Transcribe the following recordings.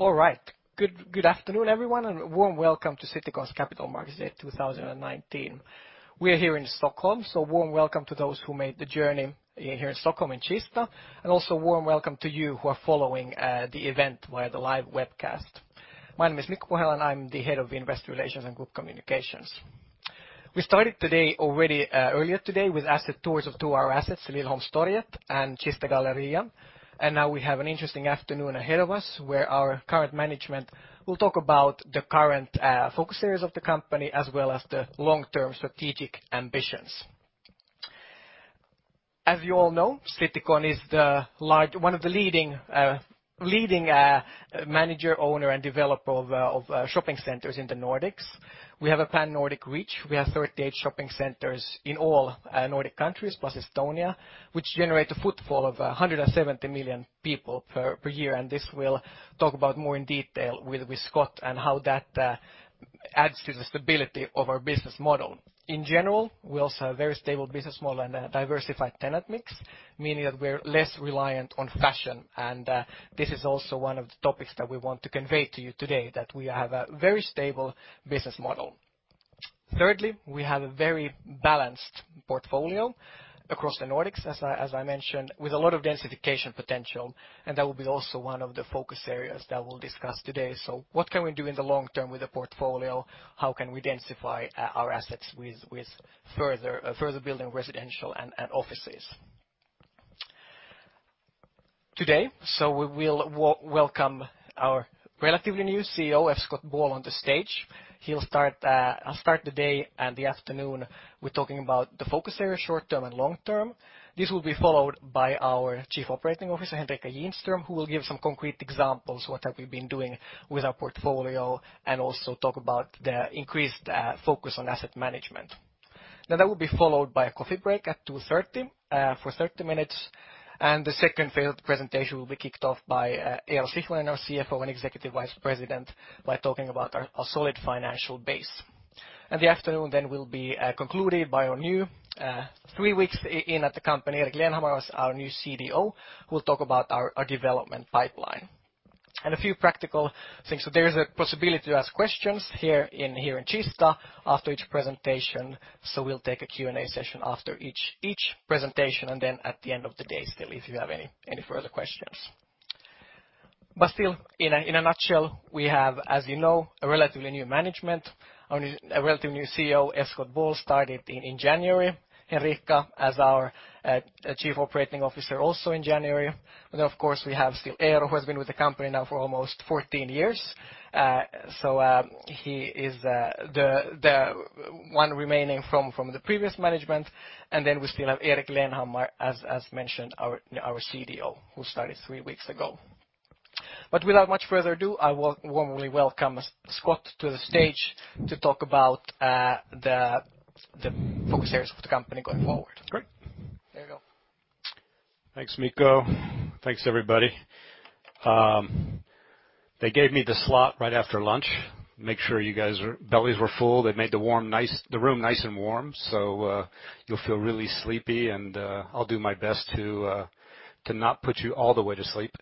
All right. Good afternoon, everyone, and a warm welcome to Citycon's Capital Markets Day 2019. We are here in Stockholm, so warm welcome to those who made the journey here in Stockholm, in Kista. Also warm welcome to you who are following the event via the live webcast. My name is Mikko Pohjala, and I'm the Head of Investor Relations and Group Communications. We started today already earlier today with asset tours of two of our assets, Liljeholmstorget and Kista Gallerian. Now we have an interesting afternoon ahead of us where our current management will talk about the current focus areas of the company, as well as the long-term strategic ambitions. As you all know, Citycon is one of the leading manager, owner, and developer of shopping centers in the Nordics. We have a pan-Nordic reach. We have 38 shopping centers in all Nordic countries, plus Estonia, which generate a footfall of 170 million people per year, and this we'll talk about more in detail with Scott and how that adds to the stability of our business model. In general, we also have a very stable business model and a diversified tenant mix, meaning that we're less reliant on fashion. This is also one of the topics that we want to convey to you today, that we have a very stable business model. Thirdly, we have a very balanced portfolio across the Nordics, as I mentioned, with a lot of densification potential, and that will be also one of the focus areas that we'll discuss today. What can we do in the long term with the portfolio? How can we densify our assets with further building residential and offices? Today, we will welcome our relatively new CEO, F. Scott Ball, on the stage. He'll start the day and the afternoon with talking about the focus area, short term and long term. This will be followed by our Chief Operating Officer, Henrica Ginström, who will give some concrete examples, what have we been doing with our portfolio, and also talk about the increased focus on asset management. That will be followed by a coffee break at 2:30 P.M. for 30 minutes, and the second presentation will be kicked off by Eero Sihvonen, our CFO and Executive Vice President, by talking about our solid financial base. The afternoon then will be concluded by our new, three weeks in at the company, Erik Lennhammar, our new CDO, who will talk about our development pipeline. A few practical things. There is a possibility to ask questions here in Kista after each presentation, so we'll take a Q&A session after each presentation and then at the end of the day still, if you have any further questions. Still, in a nutshell, we have, as you know, a relatively new management. Our relatively new CEO, F. Scott Ball, started in January. Henrica as our Chief Operating Officer also in January. Of course, we have still Eero, who has been with the company now for almost 14 years. Then we still have Erik Lennhammar, as mentioned, our CDO, who started three weeks ago. Without much further ado, I warmly welcome Scott to the stage to talk about the focus areas of the company going forward. Great. There you go. Thanks, Mikko. Thanks, everybody. They gave me the slot right after lunch, make sure you guys' bellies were full. They made the room nice and warm, you'll feel really sleepy and I'll do my best to not put you all the way to sleep.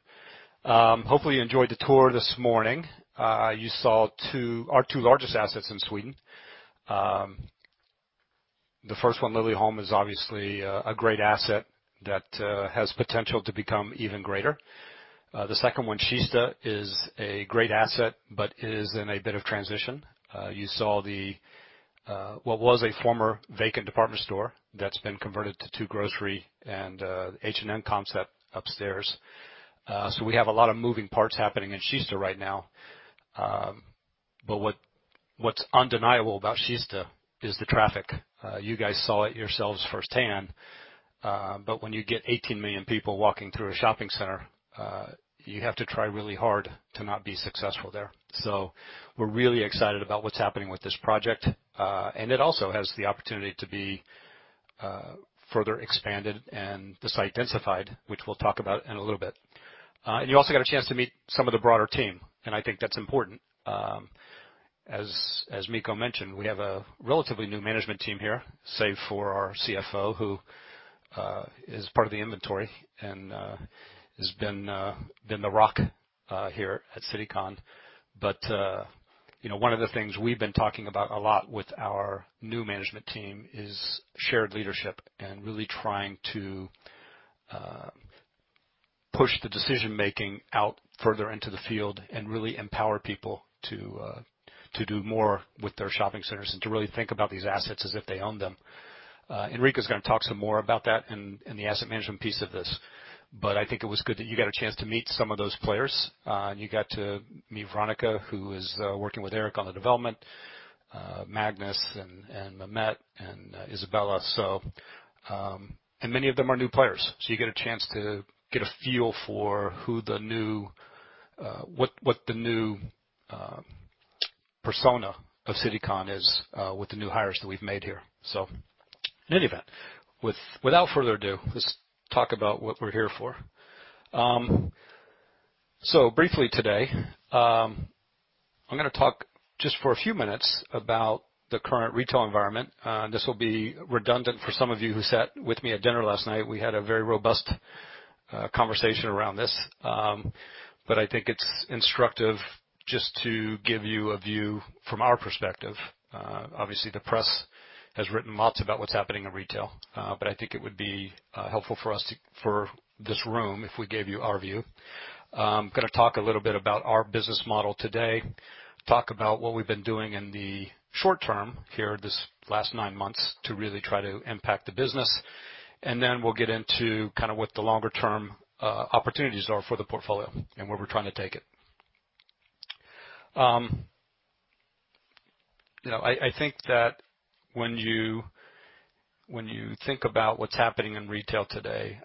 Hopefully, you enjoyed the tour this morning. You saw our two largest assets in Sweden. The first one, Liljeholmen, is obviously a great asset that has potential to become even greater. The second one, Kista, is a great asset, it is in a bit of transition. You saw what was a former vacant department store that's been converted to two grocery and H&M concept upstairs. We have a lot of moving parts happening in Kista right now. What's undeniable about Kista is the traffic. You guys saw it yourselves firsthand. When you get 18 million people walking through a shopping center, you have to try really hard to not be successful there. We're really excited about what's happening with this project. It also has the opportunity to be further expanded and the site densified, which we'll talk about in a little bit. You also got a chance to meet some of the broader team, and I think that's important. As Mikko mentioned, we have a relatively new management team here, save for our CFO, who is part of the inventory and has been the rock here at Citycon. One of the things we've been talking about a lot with our new management team is shared leadership and really trying to push the decision-making out further into the field and really empower people to do more with their shopping centers and to really think about these assets as if they own them. Henrica's going to talk some more about that in the asset management piece of this. I think it was good that you got a chance to meet some of those players. You got to meet Veronica, who is working with Erik on the development, Magnus and Mehmet and Isabella. Many of them are new players, so you get a chance to get a feel for what the new persona of Citycon is with the new hires that we've made here. In any event, without further ado, let's talk about what we're here for. Briefly today, I'm going to talk just for a few minutes about the current retail environment. This will be redundant for some of you who sat with me at dinner last night. We had a very robust conversation around this, but I think it's instructive just to give you a view from our perspective. Obviously, the press has written lots about what's happening in retail. I think it would be helpful for us, for this room, if we gave you our view. I'm going to talk a little bit about our business model today, talk about what we've been doing in the short term here, this last nine months, to really try to impact the business. We'll get into what the longer-term opportunities are for the portfolio and where we're trying to take it. I think that when you think about what's happening in retail today,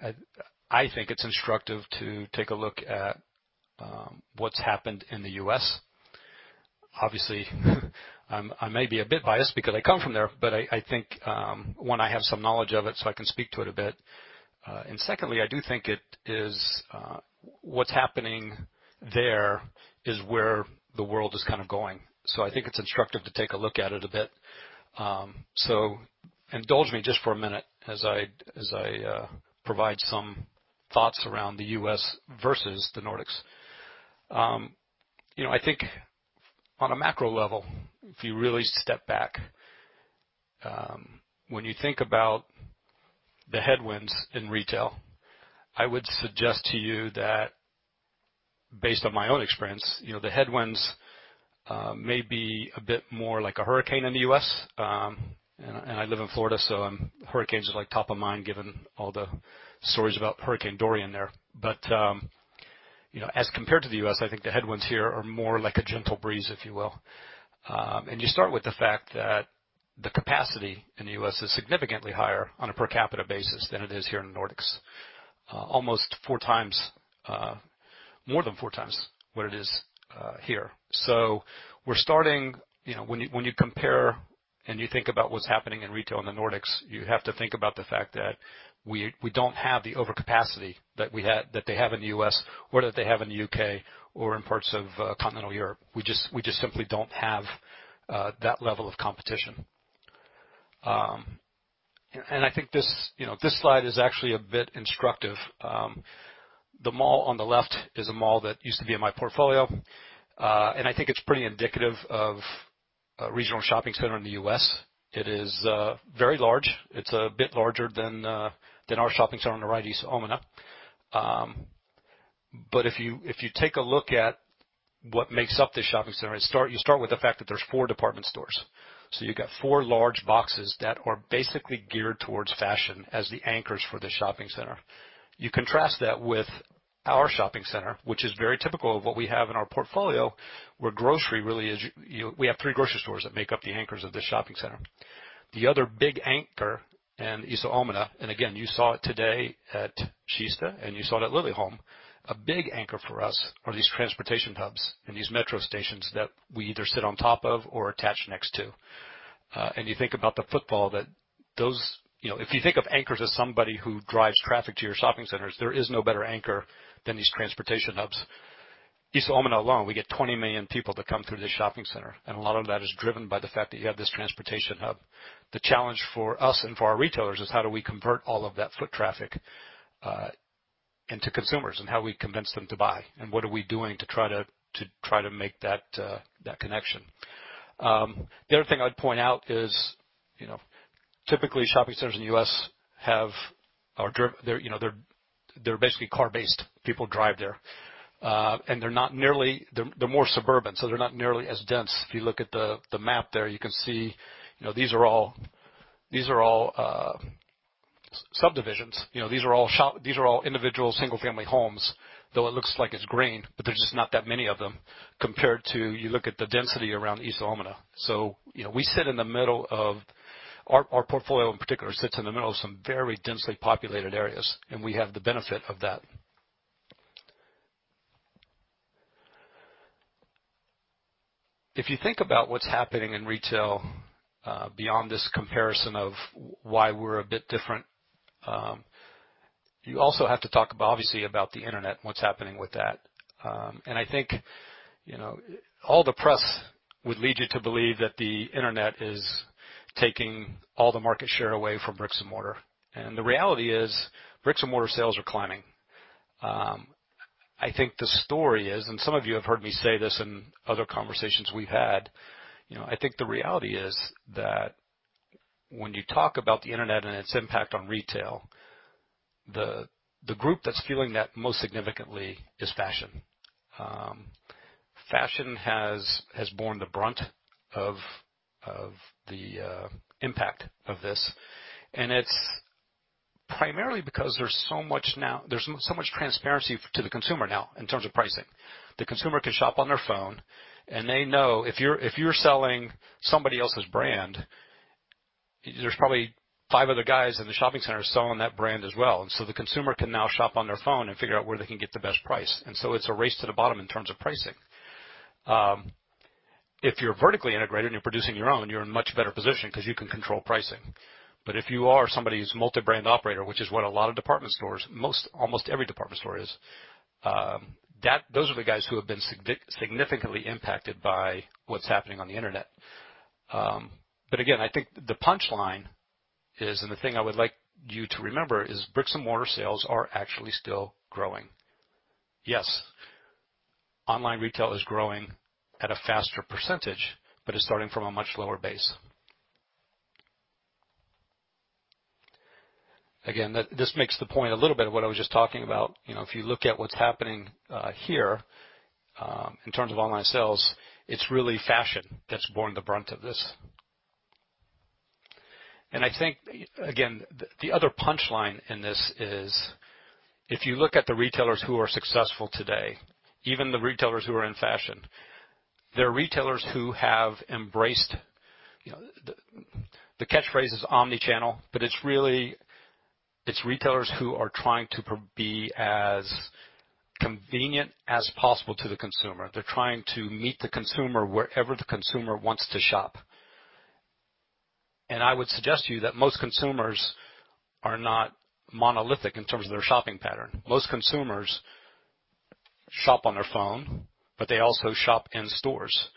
I think it's instructive to take a look at what's happened in the U.S. Obviously, I may be a bit biased because I come from there, but I think, one, I have some knowledge of it, so I can speak to it a bit. Secondly, I do think what's happening there is where the world is going. I think it's instructive to take a look at it a bit. Indulge me just for a minute as I provide some thoughts around the U.S. versus the Nordics. I think on a macro level, if you really step back, when you think about the headwinds in retail, I would suggest to you that based on my own experience, the headwinds may be a bit more like a hurricane in the U.S. I live in Florida, so hurricanes are top of mind given all the stories about Hurricane Dorian there. As compared to the U.S., I think the headwinds here are more like a gentle breeze, if you will. You start with the fact that the capacity in the U.S. is significantly higher on a per capita basis than it is here in the Nordics. Almost four times, more than four times what it is here. We're starting, when you compare and you think about what's happening in retail in the Nordics, you have to think about the fact that we don't have the overcapacity that they have in the U.S. or that they have in the U.K. or in parts of continental Europe. We just simply don't have that level of competition. I think this slide is actually a bit instructive. The mall on the left is a mall that used to be in my portfolio. I think it's pretty indicative of a regional shopping center in the U.S. It is very large. It's a bit larger than our shopping center on the right, Iso Omena. If you take a look at what makes up this shopping center, you start with the fact that there's four department stores. You've got four large boxes that are basically geared towards fashion as the anchors for the shopping center. You contrast that with our shopping center, which is very typical of what we have in our portfolio, where grocery really is. We have three grocery stores that make up the anchors of this shopping center. The other big anchor in Iso Omena, and again, you saw it today at Kista, and you saw it at Liljeholmen. A big anchor for us are these transportation hubs and these metro stations that we either sit on top of or attach next to. You think about the football that those. If you think of anchors as somebody who drives traffic to your shopping centers, there is no better anchor than these transportation hubs. Iso Omena alone, we get 20 million people that come through this shopping center. A lot of that is driven by the fact that you have this transportation hub. The challenge for us and for our retailers is how do we convert all of that foot traffic into consumers, and how we convince them to buy, and what are we doing to try to make that connection. The other thing I'd point out is, typically, shopping centers in the U.S. are basically car-based. People drive there. They're more suburban, so they're not nearly as dense. If you look at the map there, you can see these are all subdivisions. These are all individual single-family homes, though it looks like it's green, but there's just not that many of them compared to, you look at the density around Iso Omena. Our portfolio in particular sits in the middle of some very densely populated areas, and we have the benefit of that. If you think about what's happening in retail, beyond this comparison of why we're a bit different, you also have to talk, obviously, about the Internet and what's happening with that. I think all the press would lead you to believe that the Internet is taking all the market share away from bricks and mortar. The reality is, bricks and mortar sales are climbing. I think the story is, and some of you have heard me say this in other conversations we've had. I think the reality is that when you talk about the Internet and its impact on retail, the group that's feeling that most significantly is fashion. Fashion has borne the brunt of the impact of this. It's primarily because there's so much transparency to the consumer now in terms of pricing. The consumer can shop on their phone. They know if you're selling somebody else's brand, there's probably five other guys in the shopping center selling that brand as well. The consumer can now shop on their phone and figure out where they can get the best price. It's a race to the bottom in terms of pricing. If you're vertically integrated and you're producing your own, you're in a much better position because you can control pricing. If you are somebody who's a multi-brand operator, which is what a lot of department stores, almost every department store is, those are the guys who have been significantly impacted by what's happening on the internet. Again, I think the punchline is, and the thing I would like you to remember is, bricks and mortar sales are actually still growing. Yes, online retail is growing at a faster percentage, but it's starting from a much lower base. Again, this makes the point a little bit of what I was just talking about. If you look at what's happening here, in terms of online sales, it's really fashion that's borne the brunt of this. I think, again, the other punchline in this is, if you look at the retailers who are successful today, even the retailers who are in fashion, they're retailers who have embraced the catchphrase is omni-channel, but it's retailers who are trying to be as convenient as possible to the consumer. They're trying to meet the consumer wherever the consumer wants to shop. I would suggest to you that most consumers are not monolithic in terms of their shopping pattern. Most consumers shop on their phone, but they also shop in stores.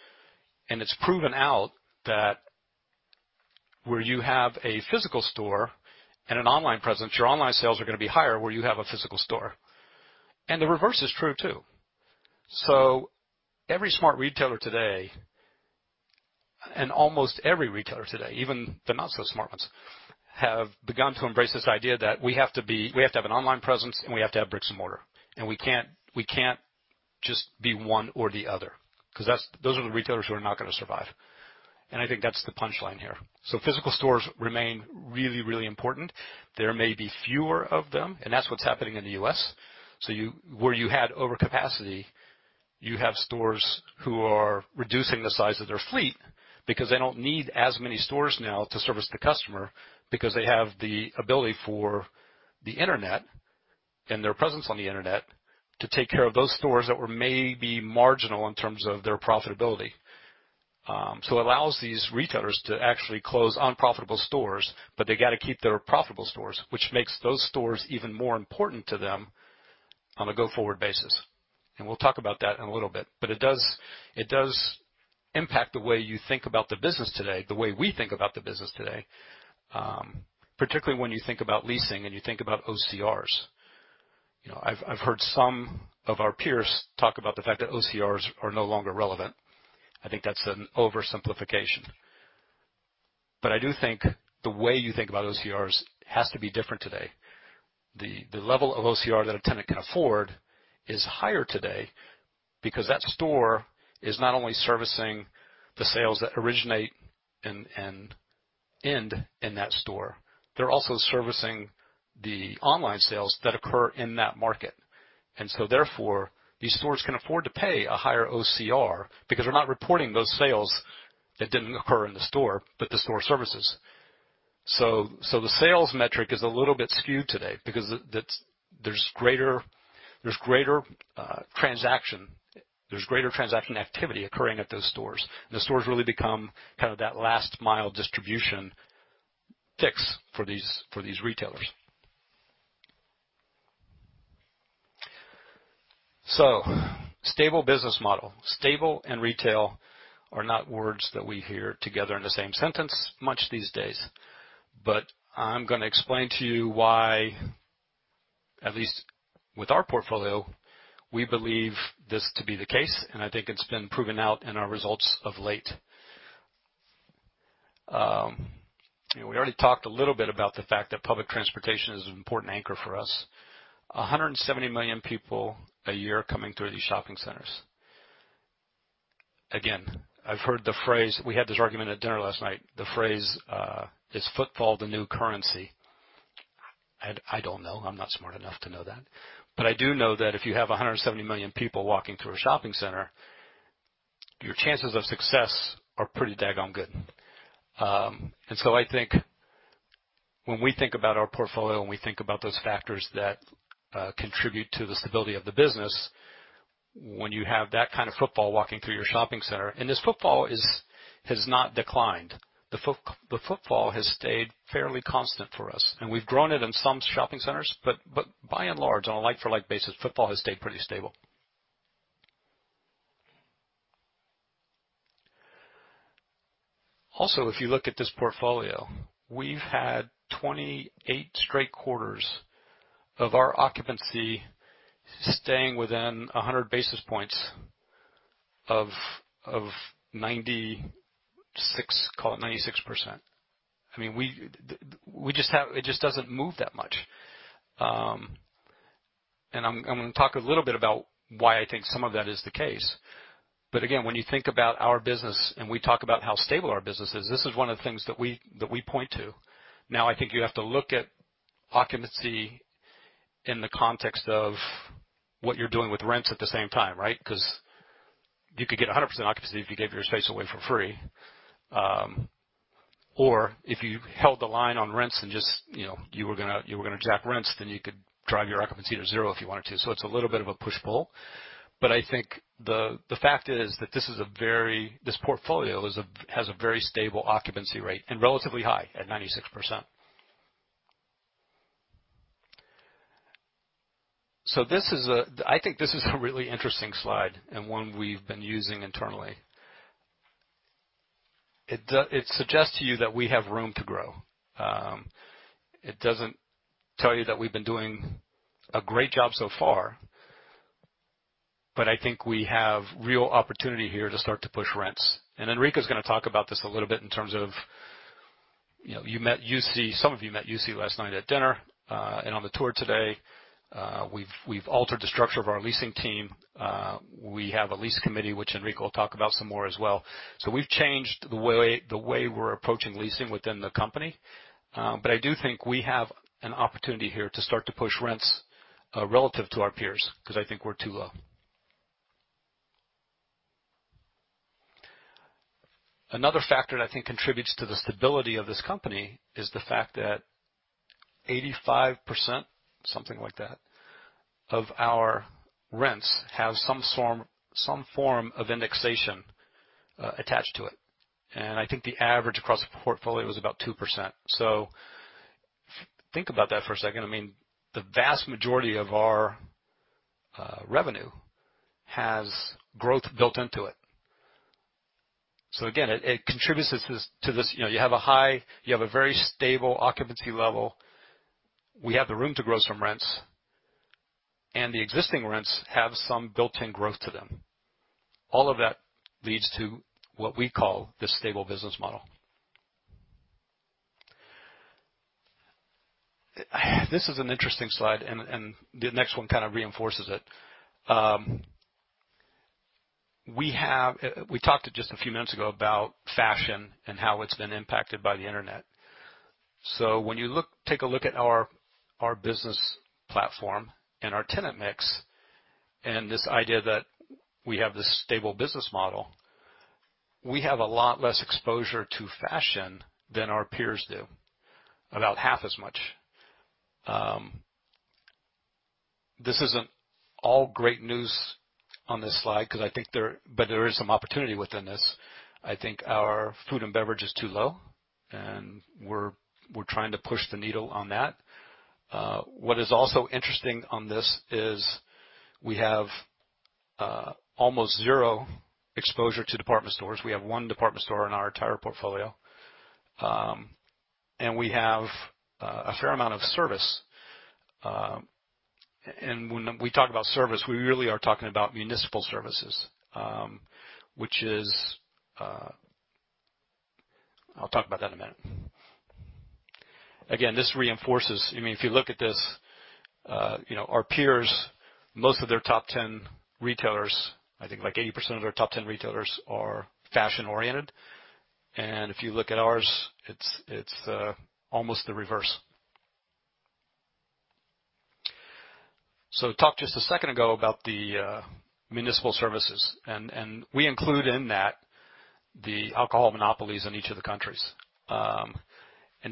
It's proven out that where you have a physical store and an online presence, your online sales are going to be higher where you have a physical store. The reverse is true, too. Every smart retailer today, and almost every retailer today, even the not-so-smart ones, have begun to embrace this idea that we have to have an online presence, and we have to have bricks and mortar. We can't just be one or the other. Because those are the retailers who are not going to survive. I think that's the punchline here. Physical stores remain really, really important. There may be fewer of them, and that's what's happening in the U.S. Where you had overcapacity, you have stores who are reducing the size of their fleet because they don't need as many stores now to service the customer because they have the ability for the internet and their presence on the internet to take care of those stores that were maybe marginal in terms of their profitability. It allows these retailers to actually close unprofitable stores, but they got to keep their profitable stores, which makes those stores even more important to them on a go-forward basis. We'll talk about that in a little bit. It does impact the way you think about the business today, the way we think about the business today, particularly when you think about leasing and you think about OCRs. I've heard some of our peers talk about the fact that OCRs are no longer relevant. I think that's an oversimplification. I do think the way you think about OCRs has to be different today. The level of OCR that a tenant can afford is higher today because that store is not only servicing the sales that originate and end in that store. They're also servicing the online sales that occur in that market. Therefore, these stores can afford to pay a higher OCR because they're not reporting those sales that didn't occur in the store, but the store services. The sales metric is a little bit skewed today because there's greater transaction activity occurring at those stores. The stores really become kind of that last-mile distribution fix for these retailers. Stable business model. Stable and retail are not words that we hear together in the same sentence much these days. I'm going to explain to you why, at least with our portfolio, we believe this to be the case, and I think it's been proven out in our results of late. We already talked a little bit about the fact that public transportation is an important anchor for us. 170 million people a year coming through these shopping centers. Again, I've heard the phrase, we had this argument at dinner last night. The phrase, is footfall the new currency? I don't know. I'm not smart enough to know that. I do know that if you have 170 million people walking through a shopping center, your chances of success are pretty daggone good. I think when we think about our portfolio, and we think about those factors that contribute to the stability of the business, when you have that kind of footfall walking through your shopping center, and this footfall has not declined. The footfall has stayed fairly constant for us, and we've grown it in some shopping centers, but by and large, on a like-for-like basis, footfall has stayed pretty stable. If you look at this portfolio, we've had 28 straight quarters of our occupancy staying within 100 basis points of 96%, call it 96%. It just doesn't move that much. I'm going to talk a little bit about why I think some of that is the case. Again, when you think about our business and we talk about how stable our business is, this is one of the things that we point to. I think you have to look at occupancy in the context of what you're doing with rents at the same time, right? You could get 100% occupancy if you gave your space away for free. Or if you held the line on rents and just you were going to jack rents, you could drive your occupancy to zero if you wanted to. It's a little bit of a push-pull. I think the fact is that this portfolio has a very stable occupancy rate, and relatively high at 96%. I think this is a really interesting slide and one we've been using internally. It suggests to you that we have room to grow. It doesn't tell you that we've been doing a great job so far, but I think we have real opportunity here to start to push rents. Henrica's going to talk about this a little bit in terms of, some of you met Jussi last night at dinner, and on the tour today. We've altered the structure of our leasing team. We have a lease committee, which Henrica will talk about some more as well. We've changed the way we're approaching leasing within the company. I do think we have an opportunity here to start to push rents, relative to our peers, because I think we're too low. Another factor that I think contributes to the stability of this company is the fact that 85%, something like that, of our rents have some form of indexation attached to it. I think the average across the portfolio is about 2%. Think about that for a second. The vast majority of our revenue has growth built into it. Again, it contributes to this, you have a very stable occupancy level. We have the room to grow some rents, and the existing rents have some built-in growth to them. All of that leads to what we call the stable business model. This is an interesting slide, and the next one kind of reinforces it. We talked just a few minutes ago about fashion and how it's been impacted by the Internet. When you take a look at our business platform and our tenant mix, and this idea that we have this stable business model, we have a lot less exposure to fashion than our peers do, about half as much. This isn't all great news on this slide, but there is some opportunity within this. I think our food and beverage is too low, and we're trying to push the needle on that. What is also interesting on this is we have almost zero exposure to department stores. We have one department store in our entire portfolio. We have a fair amount of service. When we talk about service, we really are talking about municipal services. I'll talk about that in a minute. Again, this reinforces. If you look at this, our peers, most of their top 10 retailers, I think 80% of their top 10 retailers are fashion-oriented. If you look at ours, it's almost the reverse. Talked just a second ago about the municipal services, and we include in that the alcohol monopolies in each of the countries.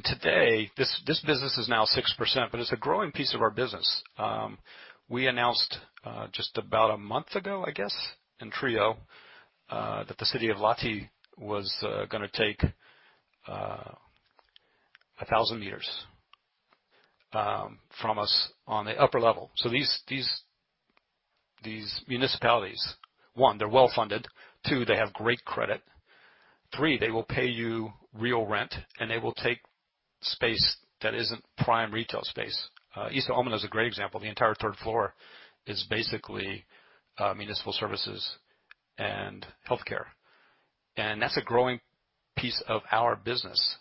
Today, this business is now 6%, but it's a growing piece of our business. We announced, just about a month ago, I guess, in Trio, that the city of Lahti was going to take 1,000 meters from us on the upper level. These municipalities, 1, they're well-funded. 2, they have great credit. 3, they will pay you real rent, and they will take space that isn't prime retail space. Iso Omena is a great example. The entire third floor is basically municipal services and healthcare. That's a growing piece of our business.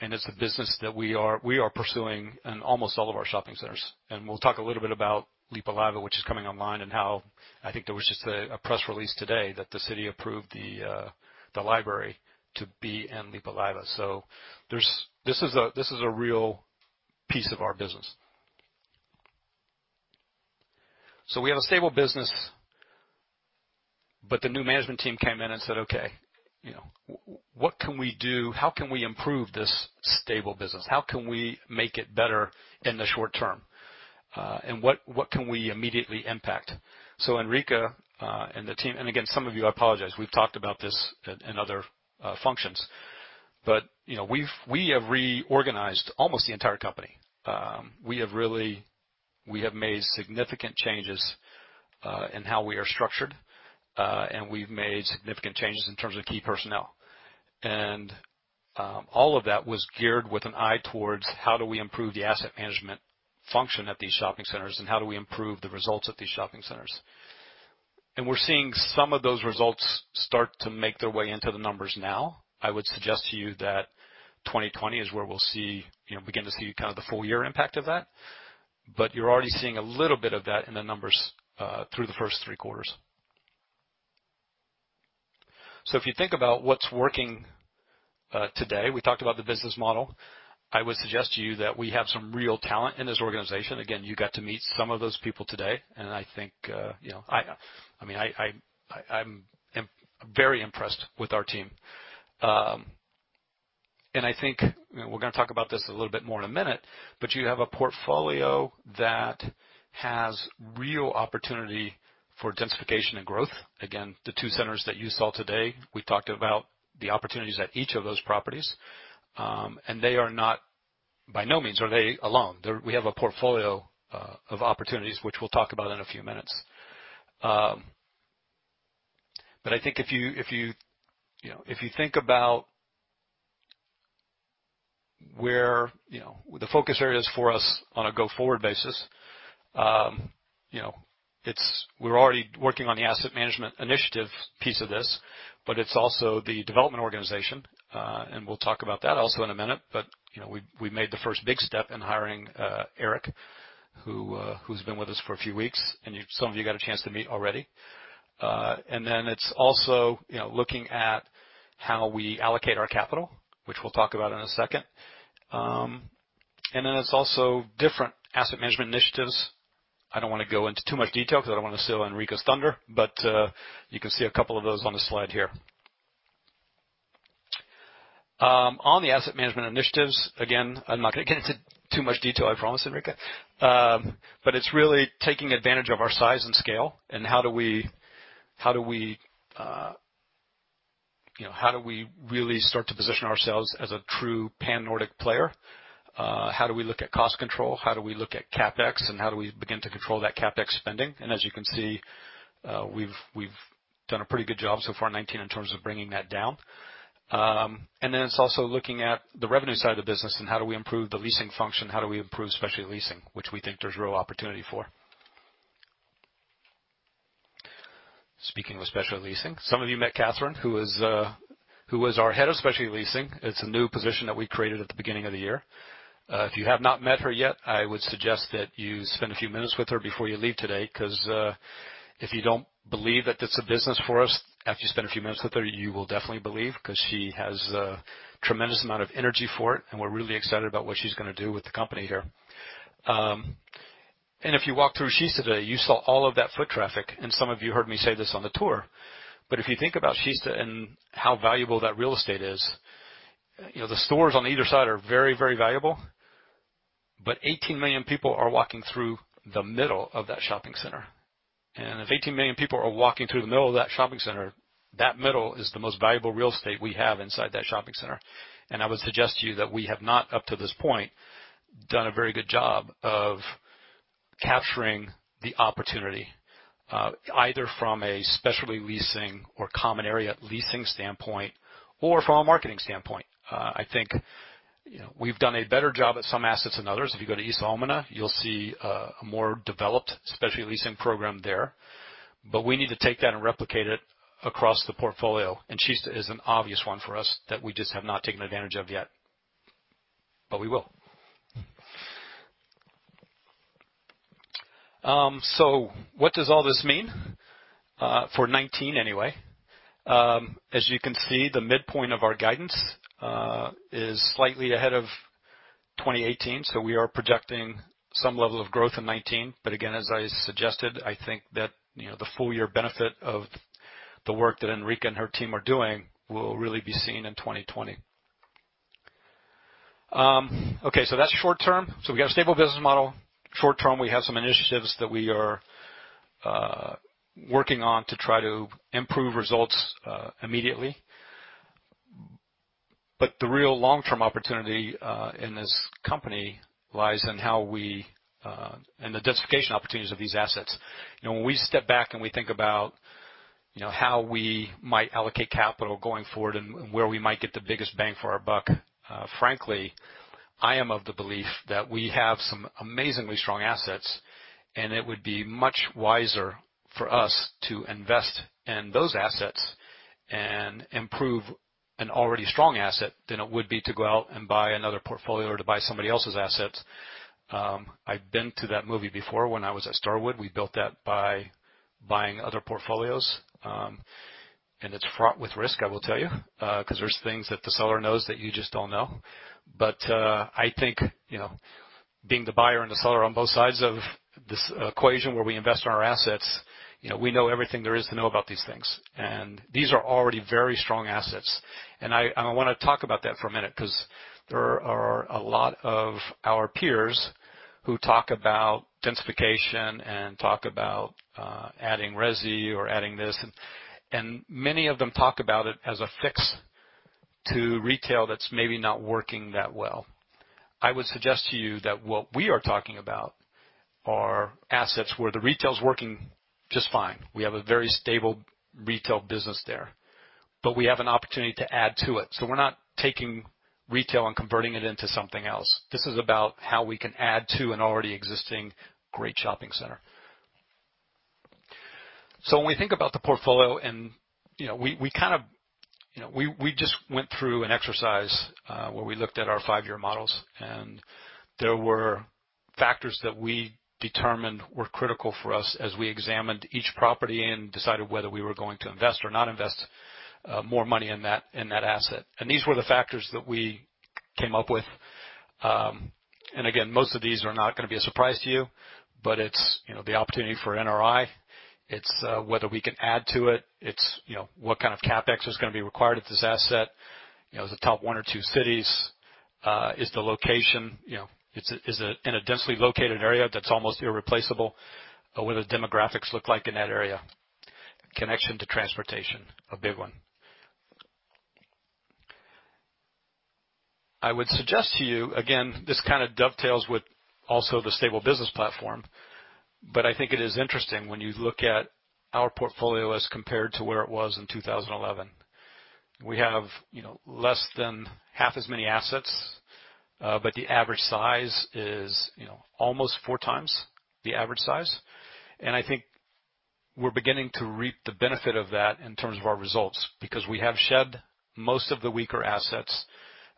It's a business that we are pursuing in almost all of our shopping centers. We'll talk a little bit about Leppävaara, which is coming online, and how I think there was just a press release today that the city approved the library to be in Leppävaara. This is a real piece of our business. We have a stable business, the new management team came in and said, "Okay. What can we do? How can we improve this stable business? How can we make it better in the short term? What can we immediately impact?" Henrica, and the team, and again, some of you, I apologize, we've talked about this in other functions, but we have reorganized almost the entire company. We have made significant changes in how we are structured, and we've made significant changes in terms of key personnel. All of that was geared with an eye towards how do we improve the asset management function at these shopping centers, and how do we improve the results at these shopping centers. We're seeing some of those results start to make their way into the numbers now. I would suggest to you that 2020 is where we'll begin to see kind of the full-year impact of that. You're already seeing a little bit of that in the numbers through the first three quarters. If you think about what's working today, we talked about the business model. I would suggest to you that we have some real talent in this organization. Again, you got to meet some of those people today, and I am very impressed with our team. I think we're going to talk about this a little bit more in a minute, you have a portfolio that has real opportunity for densification and growth. Again, the two centers that you saw today, we talked about the opportunities at each of those properties. By no means are they alone. We have a portfolio of opportunities, which we'll talk about in a few minutes. I think if you think about where the focus area is for us on a go-forward basis, we're already working on the asset management initiative piece of this, but it's also the development organization, and we'll talk about that also in a minute. We made the first big step in hiring Erik, who's been with us for a few weeks, and some of you got a chance to meet already. Then it's also looking at how we allocate our capital, which we'll talk about in a second. Then it's also different asset management initiatives. I don't want to go into too much detail because I don't want to steal Henrica's thunder, but you can see a couple of those on the slide here. On the asset management initiatives, again, I'm not going to get into too much detail, I promise, Henrica. It's really taking advantage of our size and scale and how do we really start to position ourselves as a true pan-Nordic player? How do we look at cost control? How do we look at CapEx, and how do we begin to control that CapEx spending? As you can see, we've done a pretty good job so far in 2019 in terms of bringing that down. Then it's also looking at the revenue side of the business and how do we improve the leasing function? How do we improve specialty leasing, which we think there's real opportunity for. Speaking of specialty leasing, some of you met Kathrine, who is our head of specialty leasing. It's a new position that we created at the beginning of the year. If you have not met her yet, I would suggest that you spend a few minutes with her before you leave today, because if you don't believe that it's a business for us, after you spend a few minutes with her, you will definitely believe because she has a tremendous amount of energy for it, and we're really excited about what she's going to do with the company here. If you walk through Kista, you saw all of that foot traffic, and some of you heard me say this on the tour. If you think about Kista and how valuable that real estate is, the stores on either side are very, very valuable. 18 million people are walking through the middle of that shopping center. If 18 million people are walking through the middle of that shopping center, that middle is the most valuable real estate we have inside that shopping center. I would suggest to you that we have not, up to this point, done a very good job of capturing the opportunity, either from a specialty leasing or common area leasing standpoint or from a marketing standpoint. I think we've done a better job at some assets than others. If you go to Iso Omena, you'll see a more developed specialty leasing program there. We need to take that and replicate it across the portfolio, and Kista is an obvious one for us that we just have not taken advantage of yet. We will. What does all this mean for 2019, anyway? As you can see, the midpoint of our guidance is slightly ahead of 2018. We are projecting some level of growth in 2019. Again, as I suggested, I think that the full-year benefit of the work that Henrica and her team are doing will really be seen in 2020. Okay, that's short-term. We got a stable business model. Short-term, we have some initiatives that we are working on to try to improve results immediately. The real long-term opportunity in this company lies in the densification opportunities of these assets. When we step back and we think about how we might allocate capital going forward and where we might get the biggest bang for our buck, frankly, I am of the belief that we have some amazingly strong assets, and it would be much wiser for us to invest in those assets and improve an already strong asset than it would be to go out and buy another portfolio or to buy somebody else's assets. I've been to that movie before when I was at Starwood. We built that by buying other portfolios. It's fraught with risk, I will tell you, because there's things that the seller knows that you just don't know. I think, being the buyer and the seller on both sides of this equation where we invest in our assets, we know everything there is to know about these things. These are already very strong assets. I want to talk about that for a minute because there are a lot of our peers who talk about densification and talk about adding resi or adding this, and many of them talk about it as a fix to retail that's maybe not working that well. I would suggest to you that what we are talking about are assets where the retail's working just fine. We have a very stable retail business there. We have an opportunity to add to it. We're not taking retail and converting it into something else. This is about how we can add to an already existing great shopping center. When we think about the portfolio, we just went through an exercise where we looked at our five-year models, there were factors that we determined were critical for us as we examined each property and decided whether we were going to invest or not invest more money in that asset. These were the factors that we came up with. Again, most of these are not going to be a surprise to you, but it's the opportunity for NRI. It's whether we can add to it. It's what kind of CapEx is going to be required at this asset. Is it top one or two cities? Is the location in a densely located area that's almost irreplaceable? What do the demographics look like in that area? Connection to transportation, a big one. I would suggest to you, again, this kind of dovetails with also the stable business platform, but I think it is interesting when you look at our portfolio as compared to where it was in 2011. We have less than half as many assets, but the average size is almost four times the average size. I think we're beginning to reap the benefit of that in terms of our results, because we have shed most of the weaker assets,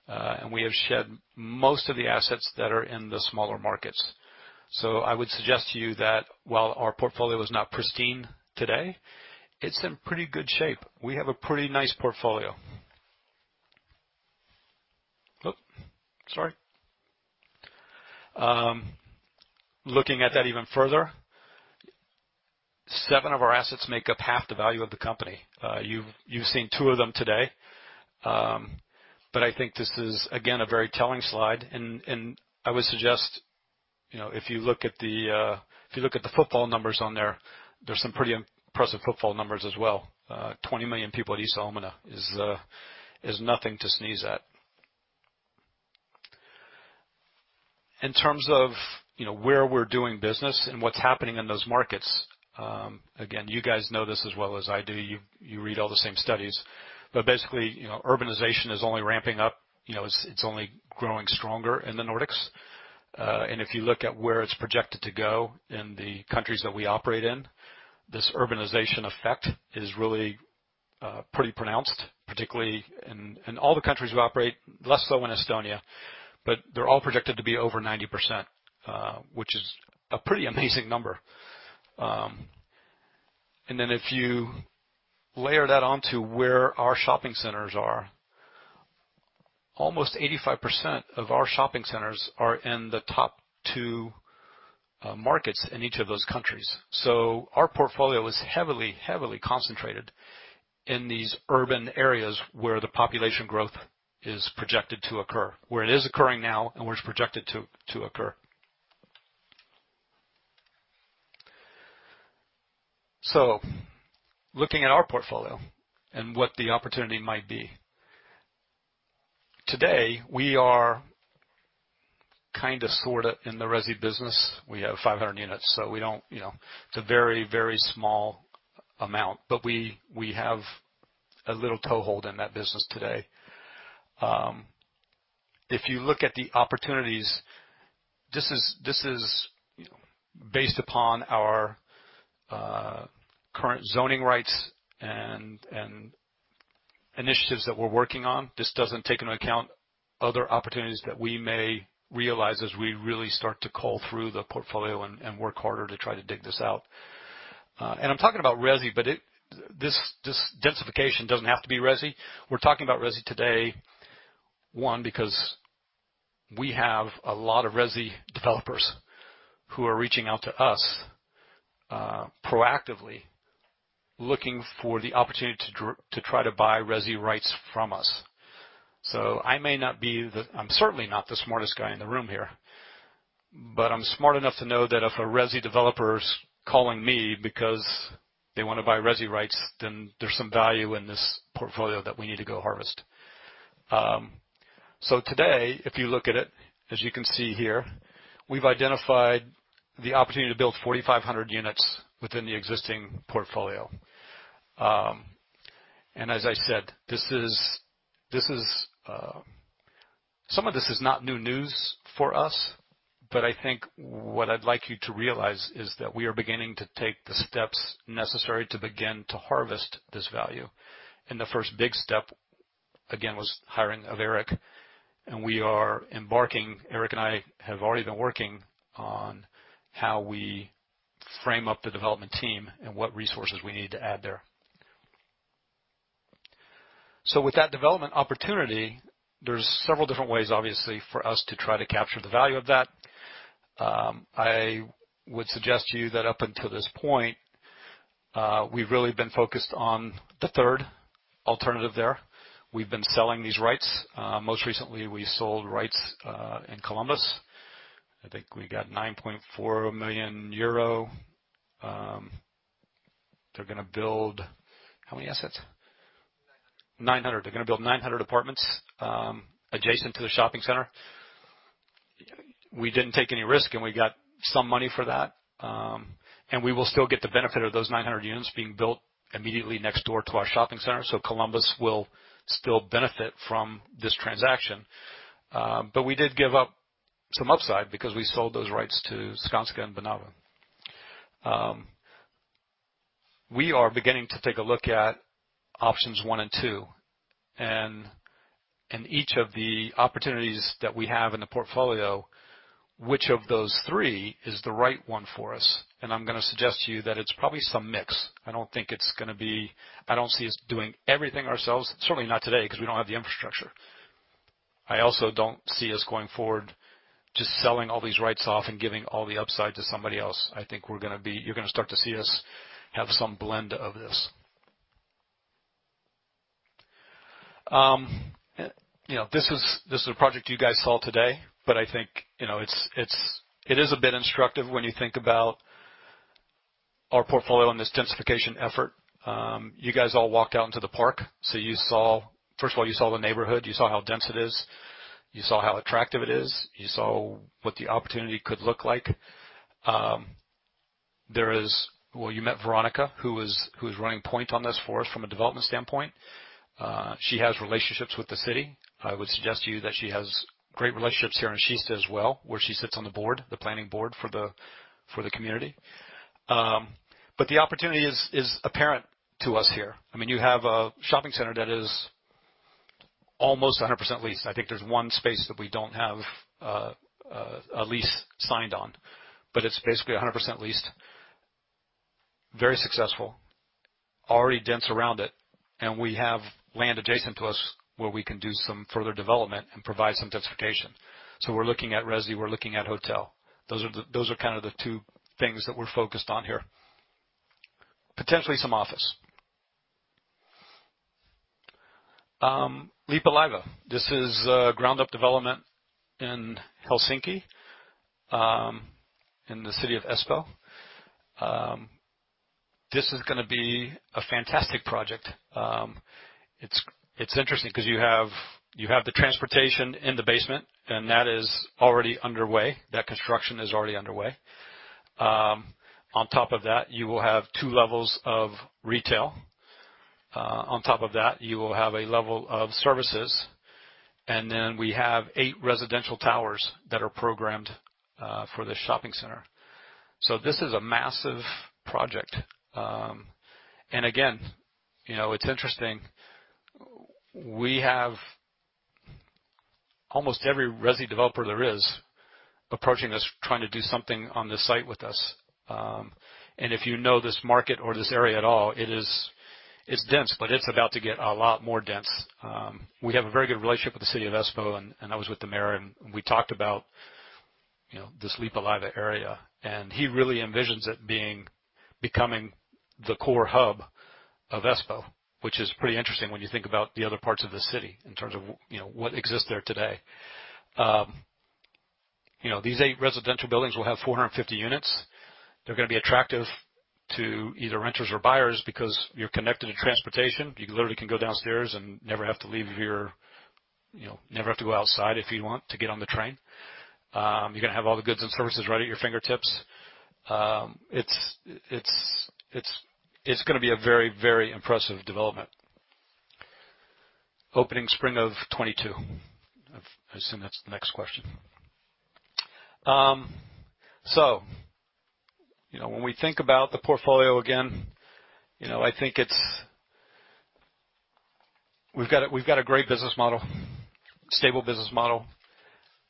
and we have shed most of the assets that are in the smaller markets. I would suggest to you that while our portfolio is not pristine today, it's in pretty good shape. We have a pretty nice portfolio. Oh, sorry. Looking at that even further, seven of our assets make up half the value of the company. You've seen two of them today. I think this is, again, a very telling slide, and I would suggest, if you look at the football numbers on there's some pretty impressive football numbers as well. 20 million people at Iso Omena is nothing to sneeze at. In terms of where we're doing business and what's happening in those markets. You guys know this as well as I do. You read all the same studies. Basically, urbanization is only ramping up. It's only growing stronger in the Nordics. If you look at where it's projected to go in the countries that we operate in, this urbanization effect is really pretty pronounced, particularly in all the countries we operate, less so in Estonia, but they're all projected to be over 90%, which is a pretty amazing number. If you layer that onto where our shopping centers are, almost 85% of our shopping centers are in the top two markets in each of those countries. Our portfolio is heavily concentrated in these urban areas where the population growth is projected to occur, where it is occurring now and where it's projected to occur. Looking at our portfolio and what the opportunity might be. Today, we are kind of, sort of in the resi business. We have 500 units, so it's a very, very small amount. We have a little toehold in that business today. If you look at the opportunities, this is based upon our current zoning rights and initiatives that we're working on. This doesn't take into account other opportunities that we may realize as we really start to cull through the portfolio and work harder to try to dig this out. I'm talking about resi, but this densification doesn't have to be resi. We're talking about resi today because we have a lot of resi developers who are reaching out to us proactively, looking for the opportunity to try to buy resi rights from us. I'm certainly not the smartest guy in the room here, but I'm smart enough to know that if a resi developer's calling me because they want to buy resi rights, then there's some value in this portfolio that we need to go harvest. Today, if you look at it, as you can see here, we've identified the opportunity to build 4,500 units within the existing portfolio. As I said, some of this is not new news for us, but I think what I'd like you to realize is that we are beginning to take the steps necessary to begin to harvest this value. The first big step, again, was hiring of Erik. Erik and I have already been working on how we frame up the development team and what resources we need to add there. With that development opportunity, there's several different ways, obviously, for us to try to capture the value of that. I would suggest to you that up until this point, we've really been focused on the third alternative there. We've been selling these rights. Most recently, we sold rights in Columbus. I think we got 9.4 million euro. They're going to build how many assets? 900. They're going to build 900 apartments adjacent to the shopping center. We didn't take any risk, and we got some money for that. We will still get the benefit of those 900 units being built immediately next door to our shopping center, so Columbus will still benefit from this transaction. We did give up some upside because we sold those rights to Skanska and Bonava. We are beginning to take a look at options 1 and 2, and each of the opportunities that we have in the portfolio, which of those 3 is the right one for us. I'm going to suggest to you that it's probably some mix. I don't see us doing everything ourselves, certainly not today, because we don't have the infrastructure. I also don't see us, going forward, just selling all these rights off and giving all the upside to somebody else. I think you're going to start to see us have some blend of this. This is a project you guys saw today, but I think it is a bit instructive when you think about our portfolio in this densification effort. You guys all walked out into the park, so first of all, you saw the neighborhood, you saw how dense it is, you saw how attractive it is, you saw what the opportunity could look like. Well, you met Veronica, who is running point on this for us from a development standpoint. She has relationships with the city. I would suggest to you that she has great relationships here in Kista as well, where she sits on the board, the planning board for the community. The opportunity is apparent to us here. You have a shopping center that is almost 100% leased. I think there's one space that we don't have a lease signed on, but it's basically 100% leased. Very successful. Already dense around it. We have land adjacent to us where we can do some further development and provide some densification. We're looking at resi, we're looking at hotel. Those are kind of the two things that we're focused on here. Potentially some office. Leppävaara. This is a ground-up development in Helsinki, in the city of Espoo. This is going to be a fantastic project. It's interesting because you have the transportation in the basement, that is already underway. That construction is already underway. On top of that, you will have two levels of retail. On top of that, you will have a level of services. Then we have eight residential towers that are programmed for the shopping center. This is a massive project. Again, it's interesting. We have almost every resi developer there is approaching us trying to do something on this site with us. If you know this market or this area at all, it's dense, but it's about to get a lot more dense. We have a very good relationship with the city of Espoo, and I was with the mayor, and we talked about this Leppävaara area, and he really envisions it becoming the core hub of Espoo, which is pretty interesting when you think about the other parts of the city in terms of what exists there today. These eight residential buildings will have 450 units. They're going to be attractive to either renters or buyers because you're connected to transportation. You literally can go downstairs and never have to go outside if you want to get on the train. You're going to have all the goods and services right at your fingertips. It's going to be a very impressive development. Opening spring of 2022. I assume that's the next question. When we think about the portfolio, again, we've got a great business model, stable business model.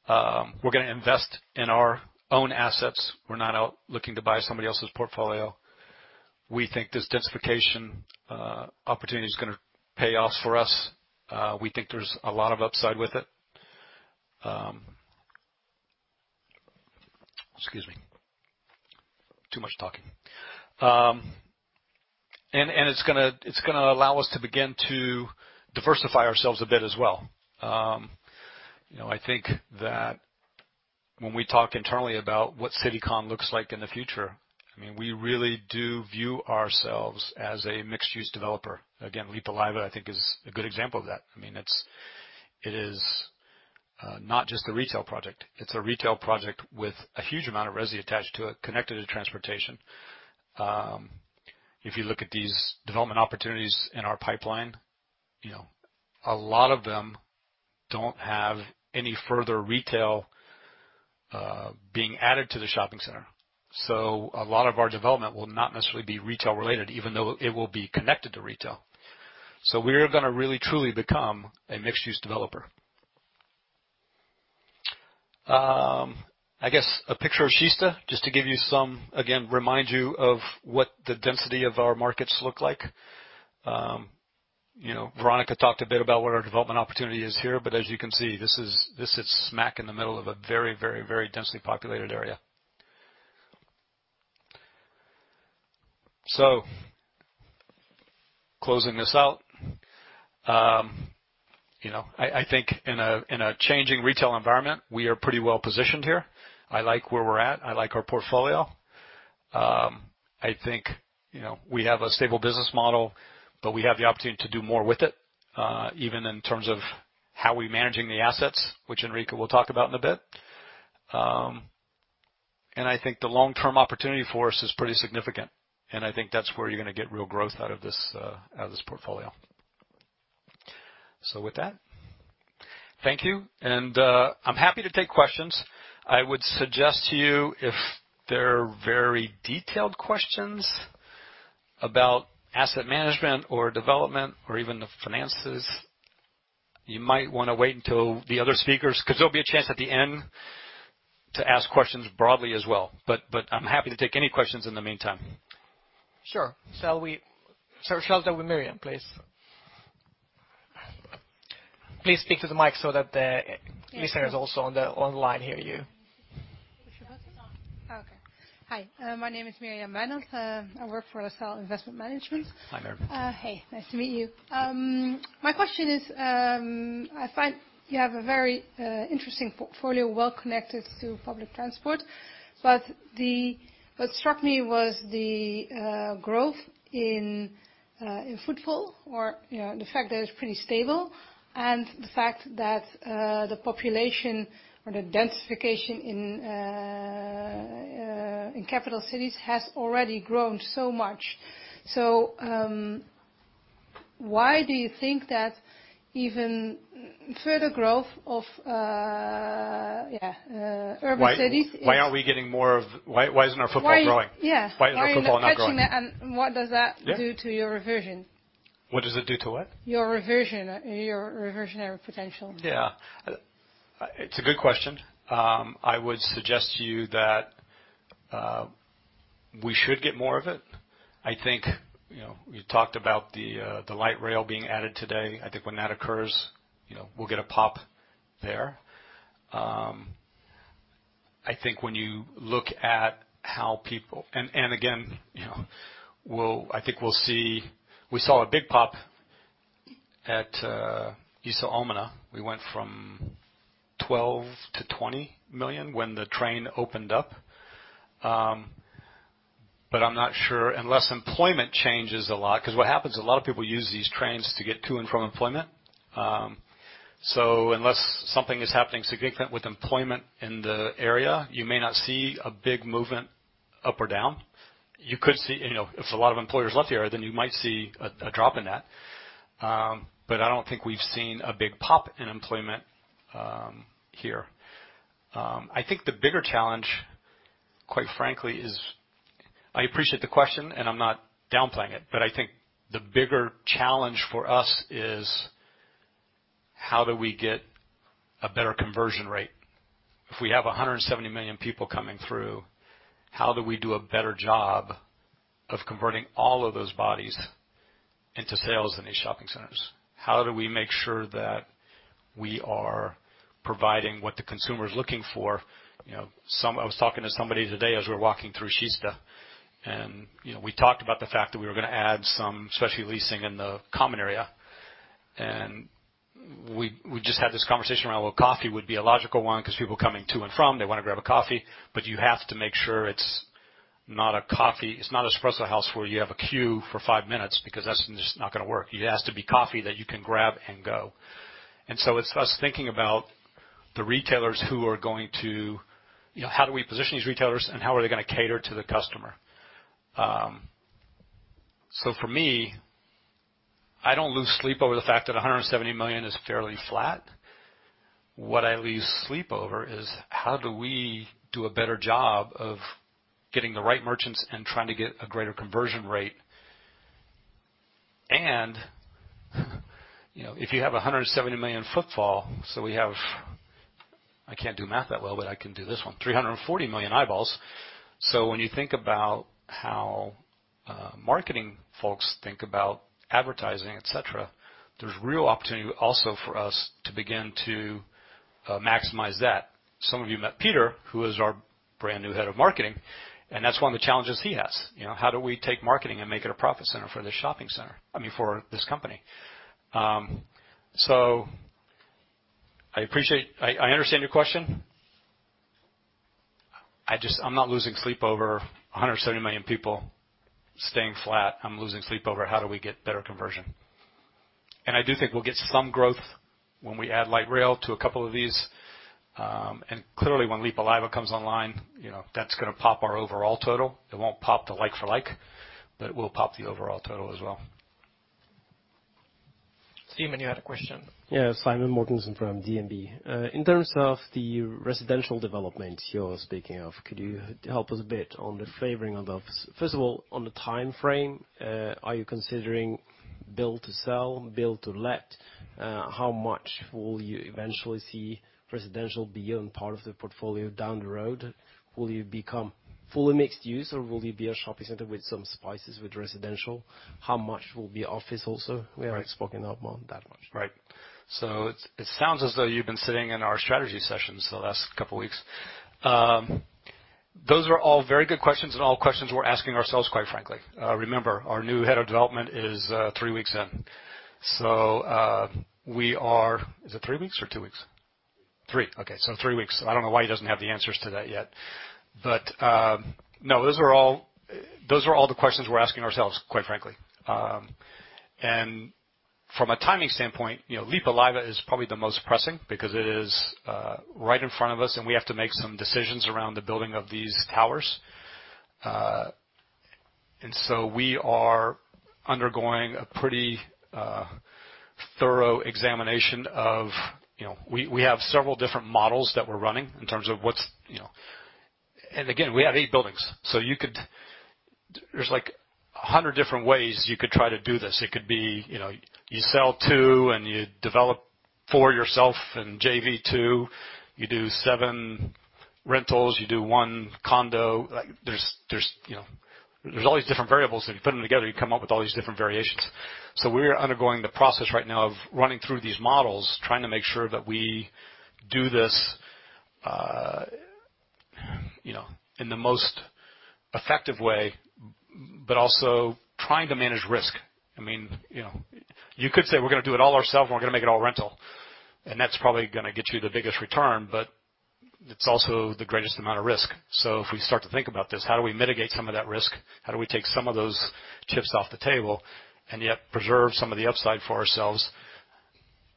We're going to invest in our own assets. We're not out looking to buy somebody else's portfolio. We think this densification opportunity is going to pay off for us. We think there's a lot of upside with it. Excuse me. Too much talking. It's going to allow us to begin to diversify ourselves a bit as well. I think that when we talk internally about what Citycon looks like in the future, we really do view ourselves as a mixed-use developer. Again, Leppävaara, I think, is a good example of that. It is not just a retail project. It's a retail project with a huge amount of resi attached to it, connected to transportation. If you look at these development opportunities in our pipeline, a lot of them don't have any further retail being added to the shopping center. A lot of our development will not necessarily be retail-related, even though it will be connected to retail. We're going to really, truly become a mixed-use developer. I guess a picture of Kista, just to, again, remind you of what the density of our markets look like. Veronica talked a bit about what our development opportunity is here, but as you can see, this is smack in the middle of a very densely populated area. Closing this out. I think in a changing retail environment, we are pretty well positioned here. I like where we're at. I like our portfolio. I think we have a stable business model, but we have the opportunity to do more with it, even in terms of how we're managing the assets, which Henrica will talk about in a bit. I think the long-term opportunity for us is pretty significant, and I think that's where you're going to get real growth out of this portfolio. With that, thank you. I'm happy to take questions. I would suggest to you if they're very detailed questions about asset management or development or even the finances, you might want to wait until the other speakers, because there'll be a chance at the end to ask questions broadly as well. I'm happy to take any questions in the meantime. Sure. Shall we start with Miriam, please? Please speak to the mic so that the listeners also on the online hear you. Push the button? Yeah. Okay. Hi, my name is [Miriam Maynad]. I work for LaSalle Investment Management. Hi, Miriam. Hey, nice to meet you. My question is, I find you have a very interesting portfolio, well-connected to public transport. What struck me was the growth in footfall or the fact that it's pretty stable and the fact that the population or the densification in capital cities has already grown so much. Why do you think that even further growth of urban cities? Why isn't our footfall growing? Yeah. Why is our footfall not growing? Why are you not catching that, and what does that do to your reversion? What does it do to what? Your reversion. Your reversionary potential. Yeah. It's a good question. I would suggest to you that we should get more of it. I think, you talked about the light rail being added today. I think when that occurs, we'll get a pop there. I think when you look at how people Again, I think we'll see, we saw a big pop at Iso Omena. We went from 12 million to 20 million when the train opened up. I'm not sure, unless employment changes a lot, because what happens, a lot of people use these trains to get to and from employment. Unless something is happening significant with employment in the area, you may not see a big movement up or down. You could see, if a lot of employers left the area, then you might see a drop in that. I don't think we've seen a big pop in employment here. I think the bigger challenge, quite frankly, is I appreciate the question, and I'm not downplaying it, but I think the bigger challenge for us is how do we get a better conversion rate. If we have 170 million people coming through, how do we do a better job of converting all of those bodies into sales in these shopping centers? How do we make sure that we are providing what the consumer is looking for? I was talking to somebody today as we were walking through Kista, and we talked about the fact that we were gonna add some specialty leasing in the common area. We just had this conversation around, well, coffee would be a logical one because people coming to and from, they want to grab a coffee, but you have to make sure it's not a coffee. It's not Espresso House where you have a queue for 5 minutes because that's just not going to work. It has to be coffee that you can grab and go. How do we position these retailers and how are they going to cater to the customer? For me, I don't lose sleep over the fact that 170 million is fairly flat. What I lose sleep over is how do we do a better job of getting the right merchants and trying to get a greater conversion rate. If you have 170 million footfall, we have I can't do math that well, but I can do this one, 340 million eyeballs. When you think about how marketing folks think about advertising, et cetera, there's real opportunity also for us to begin to maximize that. Some of you met Peter, who is our brand new head of marketing, and that's one of the challenges he has. How do we take marketing and make it a profit center for this shopping center, I mean for this company? I appreciate, I understand your question. I'm not losing sleep over 170 million people staying flat. I'm losing sleep over how do we get better conversion. I do think we'll get some growth when we add light rail to a couple of these. Clearly when Leppävaara comes online, that's gonna pop our overall total. It won't pop the like for like, but it will pop the overall total as well. Simen, you had a question. Yeah. Simen Mortensen from DNB. In terms of the residential development you're speaking of, could you help us a bit. First of all, on the time frame, are you considering build to sell, build to let? How much will you eventually see residential be on part of the portfolio down the road? Will you become fully mixed use or will you be a shopping center with some spices with residential? How much will be office also? Right. We haven't spoken about that much. Right. It sounds as though you've been sitting in our strategy sessions the last couple of weeks. Those are all very good questions and all questions we're asking ourselves quite frankly. Remember, our new head of development is three weeks in. Is it three weeks or two weeks? Three. Okay. Three weeks. I don't know why he doesn't have the answers to that yet. No, those are all the questions we're asking ourselves, quite frankly. From a timing standpoint, Leppävaara is probably the most pressing because it is right in front of us, and we have to make some decisions around the building of these towers. We are undergoing a pretty thorough examination of. We have several different models that we're running in terms of what's. Again, we have eight buildings. There's 100 different ways you could try to do this. It could be you sell 2 and you develop 4 yourself and JV 2, you do 7 rentals, you do 1 condo. There's all these different variables, and you put them together, you come up with all these different variations. We're undergoing the process right now of running through these models, trying to make sure that we do this in the most effective way, but also trying to manage risk. You could say, "We're going to do it all ourselves and we're going to make it all rental." That's probably going to get you the biggest return, but it's also the greatest amount of risk. If we start to think about this, how do we mitigate some of that risk? How do we take some of those chips off the table and yet preserve some of the upside for ourselves,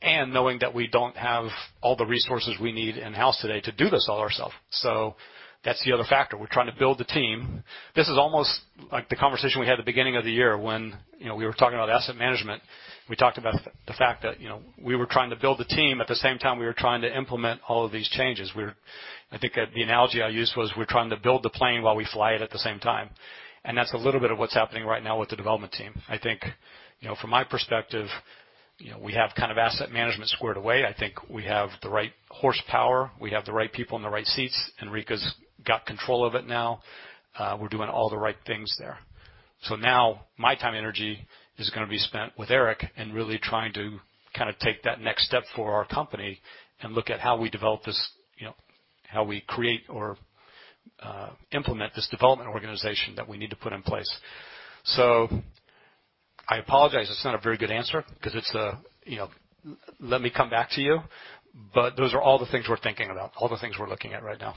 and knowing that we don't have all the resources we need in-house today to do this all ourselves. That's the other factor. We're trying to build the team. This is almost like the conversation we had at the beginning of the year when we were talking about asset management. We talked about the fact that we were trying to build the team at the same time we were trying to implement all of these changes. I think the analogy I used was we're trying to build the plane while we fly it at the same time. That's a little bit of what's happening right now with the development team. I think from my perspective, we have asset management squared away. I think we have the right horsepower. We have the right people in the right seats. Henrica's got control of it now. We're doing all the right things there. Now my time energy is going to be spent with Erik and really trying to take that next step for our company and look at how we develop this, how we create or implement this development organization that we need to put in place. I apologize, it's not a very good answer because it's let me come back to you. Those are all the things we're thinking about, all the things we're looking at right now.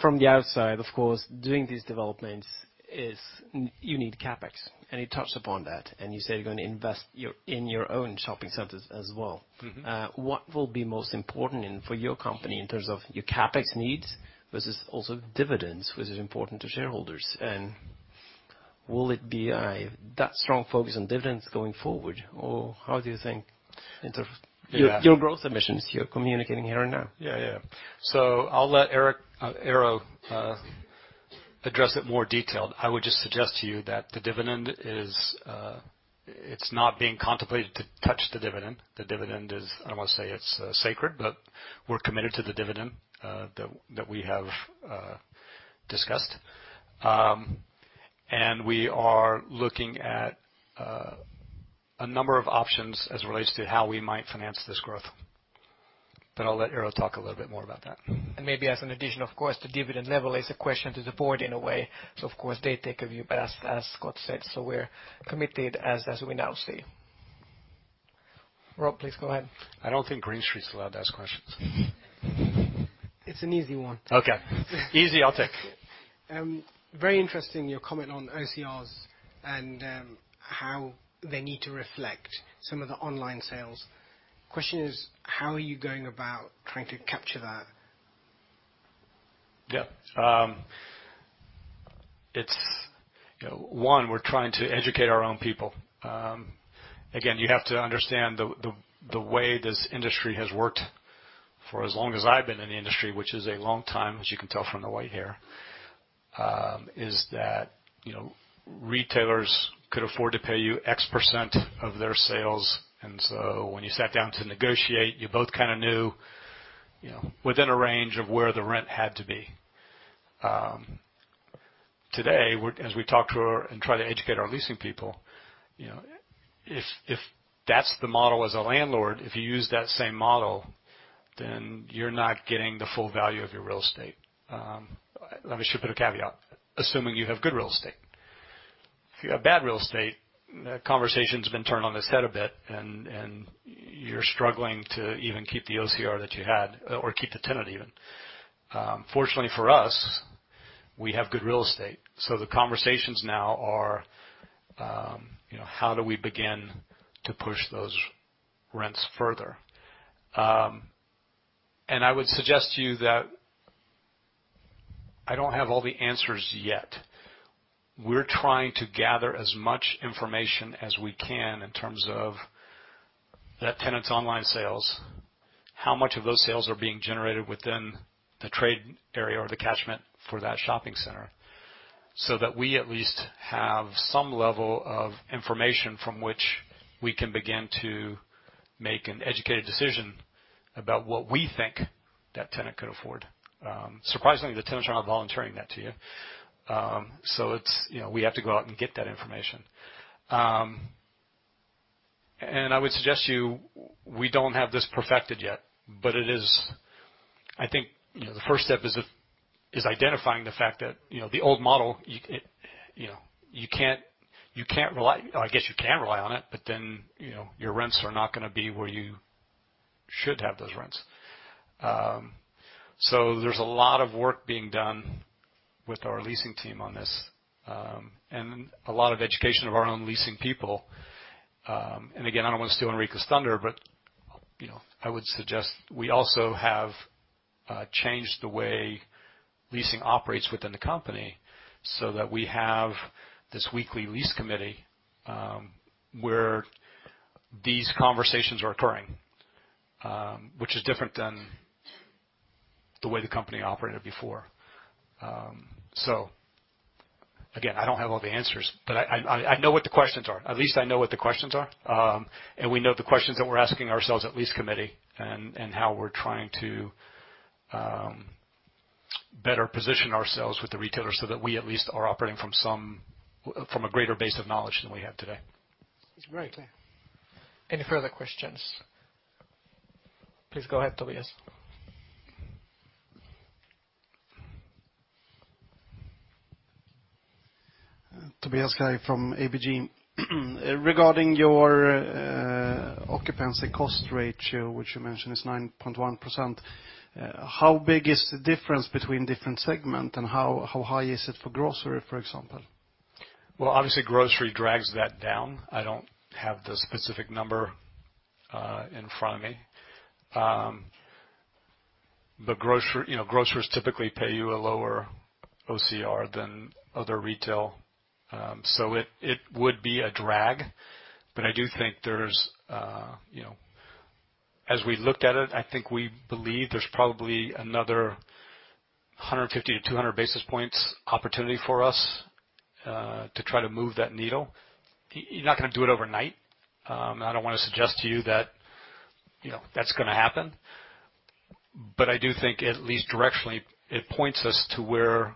From the outside, of course, doing these developments is you need CapEx. You touched upon that, and you said you're going to invest in your own shopping centers as well. What will be most important for your company in terms of your CapEx needs versus also dividends, which is important to shareholders? Will it be that strong focus on dividends going forward, or how do you think in terms? Yeah your growth emissions you're communicating here and now? Yeah. I'll let Eero address it more detailed. I would just suggest to you that the dividend is, it's not being contemplated to touch the dividend. The dividend is, I don't want to say it's sacred, but we're committed to the dividend that we have discussed. We are looking at a number of options as it relates to how we might finance this growth. I'll let Eero talk a little bit more about that. Maybe as an addition, of course, the dividend level is a question to the board in a way. Of course, they take a view, but as Scott said, we're committed as we now see. Rob, please go ahead. I don't think Green Street's allowed to ask questions. It's an easy one. Okay. Easy, I'll take. Very interesting, your comment on OCRs and how they need to reflect some of the online sales. Question is, how are you going about trying to capture that? Yeah. One, we're trying to educate our own people. Again, you have to understand the way this industry has worked for as long as I've been in the industry, which is a long time, as you can tell from the white hair, is that retailers could afford to pay you X% of their sales. When you sat down to negotiate, you both kind of knew within a range of where the rent had to be. Today, as we talk to and try to educate our leasing people, if that's the model as a landlord, if you use that same model, then you're not getting the full value of your real estate. Let me put a caveat. Assuming you have good real estate. If you have bad real estate, the conversation's been turned on its head a bit, and you're struggling to even keep the OCR that you had or keep the tenant even. Fortunately for us, we have good real estate. The conversations now are, how do we begin to push those rents further? I would suggest to you that I don't have all the answers yet. We're trying to gather as much information as we can in terms of that tenant's online sales, how much of those sales are being generated within the trade area or the catchment for that shopping center, so that we at least have some level of information from which we can begin to make an educated decision about what we think that tenant could afford. Surprisingly, the tenants are not volunteering that to you. We have to go out and get that information. I would suggest to you, we don't have this perfected yet. I think the first step is identifying the fact that the old model, I guess you can rely on it, but then your rents are not going to be where you should have those rents. There's a lot of work being done with our leasing team on this, and a lot of education of our own leasing people. Again, I don't want to steal Henrica's thunder, but I would suggest we also have changed the way leasing operates within the company so that we have this weekly lease committee, where these conversations are occurring, which is different than the way the company operated before. Again, I don't have all the answers, but I know what the questions are. At least I know what the questions are. We know the questions that we're asking ourselves at lease committee and how we're trying to better position ourselves with the retailers so that we at least are operating from a greater base of knowledge than we have today. That's great. Any further questions? Please go ahead, Tobias. Tobias [Kail] from ABG. Regarding your occupancy cost ratio, which you mentioned is 9.1%, how big is the difference between different segments and how high is it for grocery, for example? Obviously, grocery drags that down. I don't have the specific number in front of me. Grocers typically pay you a lower OCR than other retail. It would be a drag, but I do think as we looked at it, I think we believe there's probably another 150 basis points-200 basis points opportunity for us, to try to move that needle. You're not going to do it overnight. I don't want to suggest to you that's going to happen. I do think at least directionally, it points us to where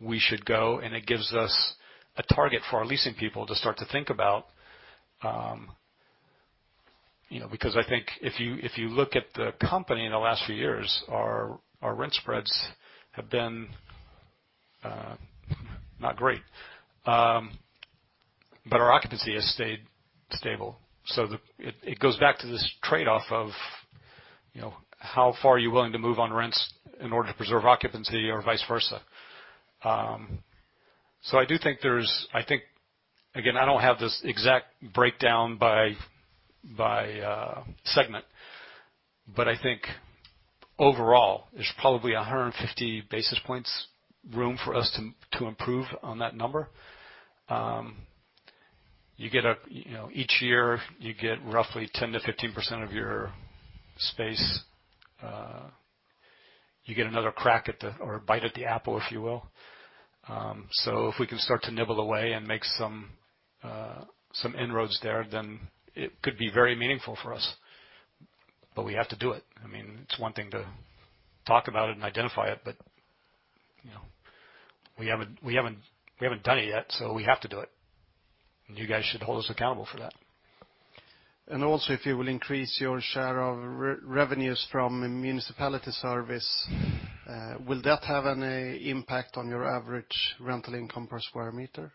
we should go, and it gives us a target for our leasing people to start to think about. I think if you look at the company in the last few years, our rent spreads have been not great. Our occupancy has stayed stable. It goes back to this trade-off of how far are you willing to move on rents in order to preserve occupancy or vice versa. I don't have the exact breakdown by segment, but I think overall, there's probably 150 basis points room for us to improve on that number. Each year, you get roughly 10%-15% of your space. You get another crack at or bite at the apple, if you will. If we can start to nibble away and make some inroads there, then it could be very meaningful for us. We have to do it. It's one thing to talk about it and identify it, but we haven't done it yet, so we have to do it. You guys should hold us accountable for that. Also, if you will increase your share of revenues from municipality service, will that have any impact on your average rental income per square meter?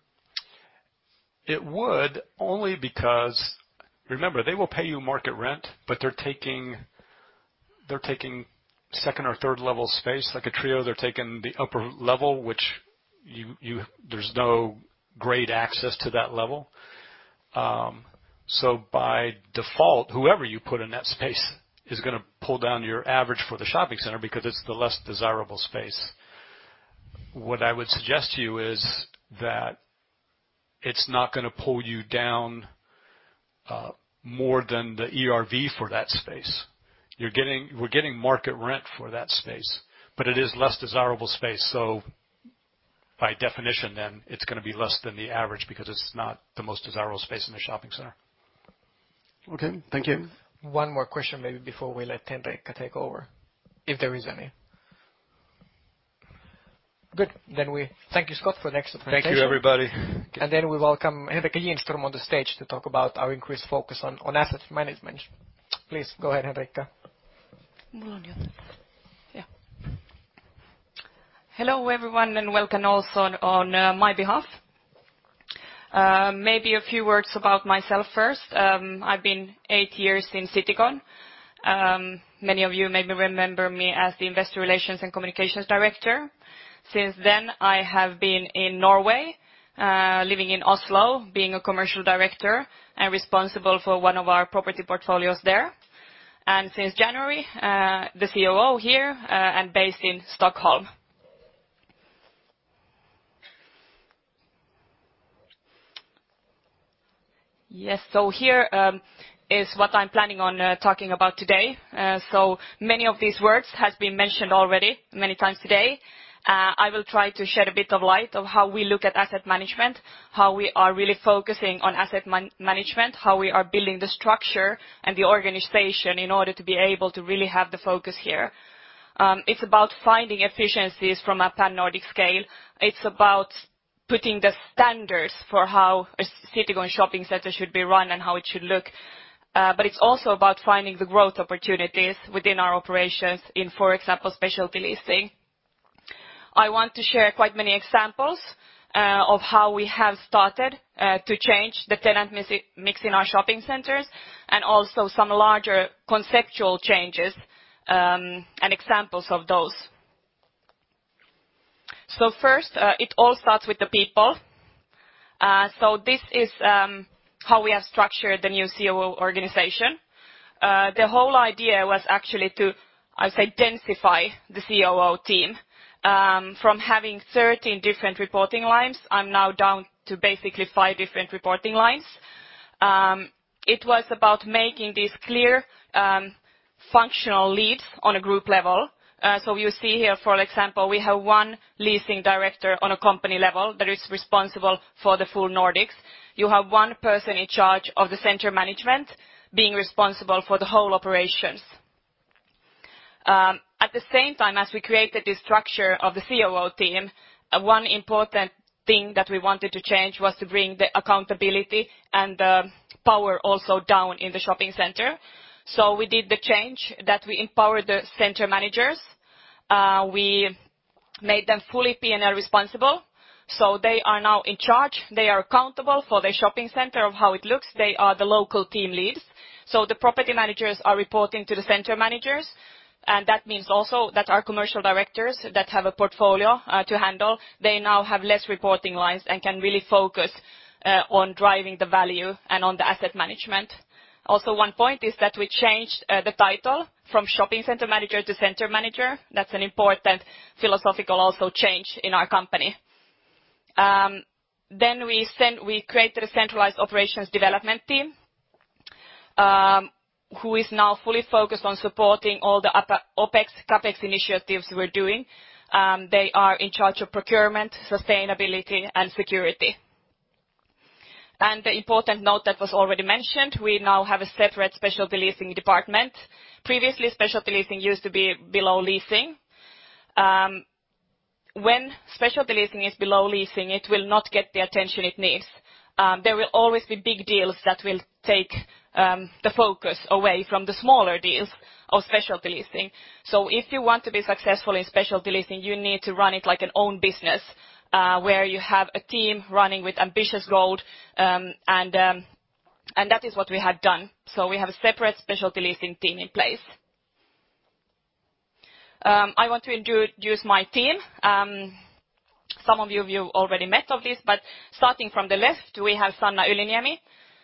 It would only because, remember, they will pay you market rent, but they're taking 2 or 3-level space. Like a trio, they're taking the upper level, which there's no great access to that level. By default, whoever you put in that space is going to pull down your average for the shopping center because it's the less desirable space. What I would suggest to you is that it's not going to pull you down more than the ERV for that space. We're getting market rent for that space, but it is less desirable space. By definition then, it's going to be less than the average because it's not the most desirable space in the shopping center. Okay. Thank you. One more question maybe before we let Henrica take over, if there is any. Good. We thank you, Scott, for the excellent presentation. Thank you, everybody. We welcome Henrica Ginström on the stage to talk about our increased focus on asset management. Please go ahead, Henrica. Hello, everyone, and welcome also on my behalf. Maybe a few words about myself first. I've been eight years in Citycon. Many of you maybe remember me as the investor relations and communications director. Since then, I have been in Norway, living in Oslo, being a commercial director and responsible for one of our property portfolios there. Since January, the COO here, and based in Stockholm. Yes. Here is what I'm planning on talking about today. Many of these words have been mentioned already many times today. I will try to shed a bit of light on how we look at asset management, how we are really focusing on asset management, how we are building the structure and the organization in order to be able to really have the focus here. It's about finding efficiencies from a pan-Nordic scale. It's about putting the standards for how a Citycon shopping center should be run and how it should look. It's also about finding the growth opportunities within our operations in, for example, specialty leasing. I want to share quite many examples of how we have started to change the tenant mix in our shopping centers, and also some larger conceptual changes, and examples of those. First, it all starts with the people. This is how we have structured the new COO organization. The whole idea was actually to, I'd say, densify the COO team from having 13 different reporting lines and now down to basically five different reporting lines. It was about making these clear functional leads on a group level. You see here, for example, we have one leasing director on a company level that is responsible for the full Nordics. You have one person in charge of the center management, being responsible for the whole operations. At the same time as we created the structure of the COO team, one important thing that we wanted to change was to bring the accountability and the power also down in the shopping center. We did the change that we empowered the center managers. We made them fully P&L responsible. They are now in charge. They are accountable for their shopping center, of how it looks. They are the local team leads. The property managers are reporting to the center managers, and that means also that our commercial directors that have a portfolio to handle, they now have less reporting lines and can really focus on driving the value and on the asset management. Also, one point is that we changed the title from shopping center manager to center manager. That's an important philosophical also change in our company. We created a centralized operations development team who is now fully focused on supporting all the OpEx, CapEx initiatives we're doing. They are in charge of procurement, sustainability, and security. The important note that was already mentioned, we now have a separate specialty leasing department. Previously, specialty leasing used to be below leasing. When specialty leasing is below leasing, it will not get the attention it needs. There will always be big deals that will take the focus away from the smaller deals of specialty leasing. If you want to be successful in specialty leasing, you need to run it like an own business, where you have a team running with ambitious goal, and that is what we had done. We have a separate specialty leasing team in place. I want to introduce my team. Some of you've already met of this, but starting from the left, we have Sanna Yliniemi.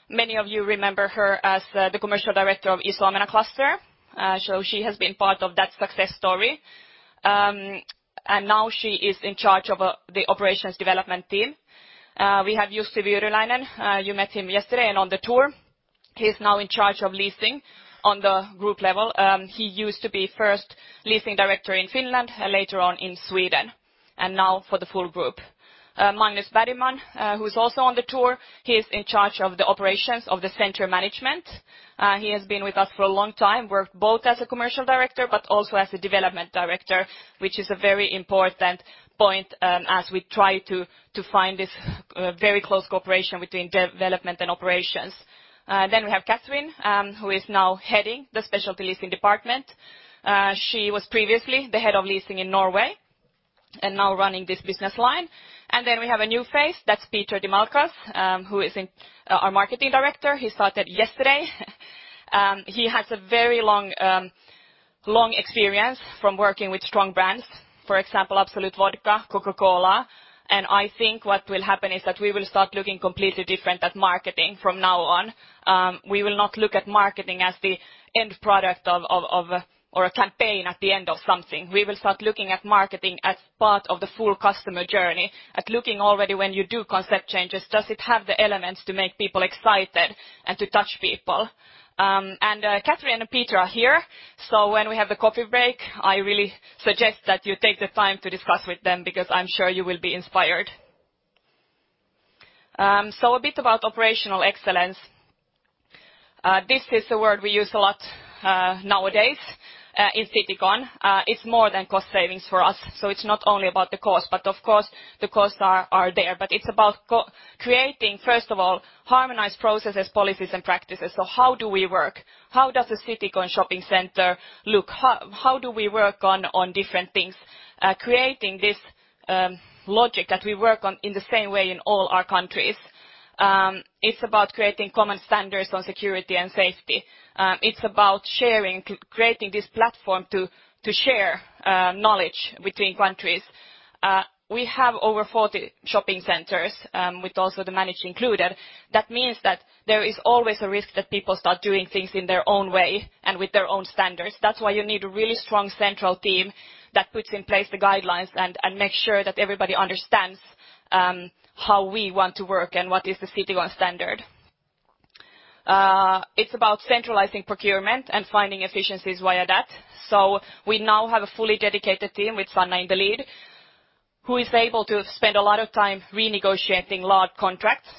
Many of you remember her as the commercial director of Iso Omena cluster. She has been part of that success story. Now she is in charge of the operations development team. We have Jussi Vyyryläinen. You met him yesterday and on the tour. He's now in charge of leasing on the group level. He used to be first leasing director in Finland, and later on in Sweden, and now for the full group. Magnus Bergman, who's also on the tour, he's in charge of the operations of the center management. He has been with us for a long time, worked both as a commercial director but also as a development director, which is a very important point as we try to find this very close cooperation between development and operations. We have Kathrine, who is now heading the specialty leasing department. She was previously the head of leasing in Norway and now running this business line. We have a new face. That's Peter Dimulkas, who is our marketing director. He started yesterday. He has a very long experience from working with strong brands. For example, Absolut Vodka, Coca-Cola. I think what will happen is that we will start looking completely different at marketing from now on. We will not look at marketing as the end product or a campaign at the end of something. We will start looking at marketing as part of the full customer journey, at looking already when you do concept changes, does it have the elements to make people excited and to touch people? Kathrine and Peter are here, so when we have the coffee break, I really suggest that you take the time to discuss with them because I'm sure you will be inspired. A bit about operational excellence. This is a word we use a lot nowadays in Citycon. It's more than cost savings for us. It's not only about the cost, but of course the costs are there. It's about creating, first of all, harmonized processes, policies, and practices. How do we work? How does the Citycon shopping center look? How do we work on different things? Creating this logic that we work on in the same way in all our countries. It's about creating common standards on security and safety. It's about creating this platform to share knowledge between countries. We have over 40 shopping centers, with also the managed included. That means that there is always a risk that people start doing things in their own way and with their own standards. That's why you need a really strong central team that puts in place the guidelines and make sure that everybody understands how we want to work and what is the Citycon standard. It's about centralizing procurement and finding efficiencies via that. We now have a fully dedicated team with Sanna in the lead, who is able to spend a lot of time renegotiating large contracts,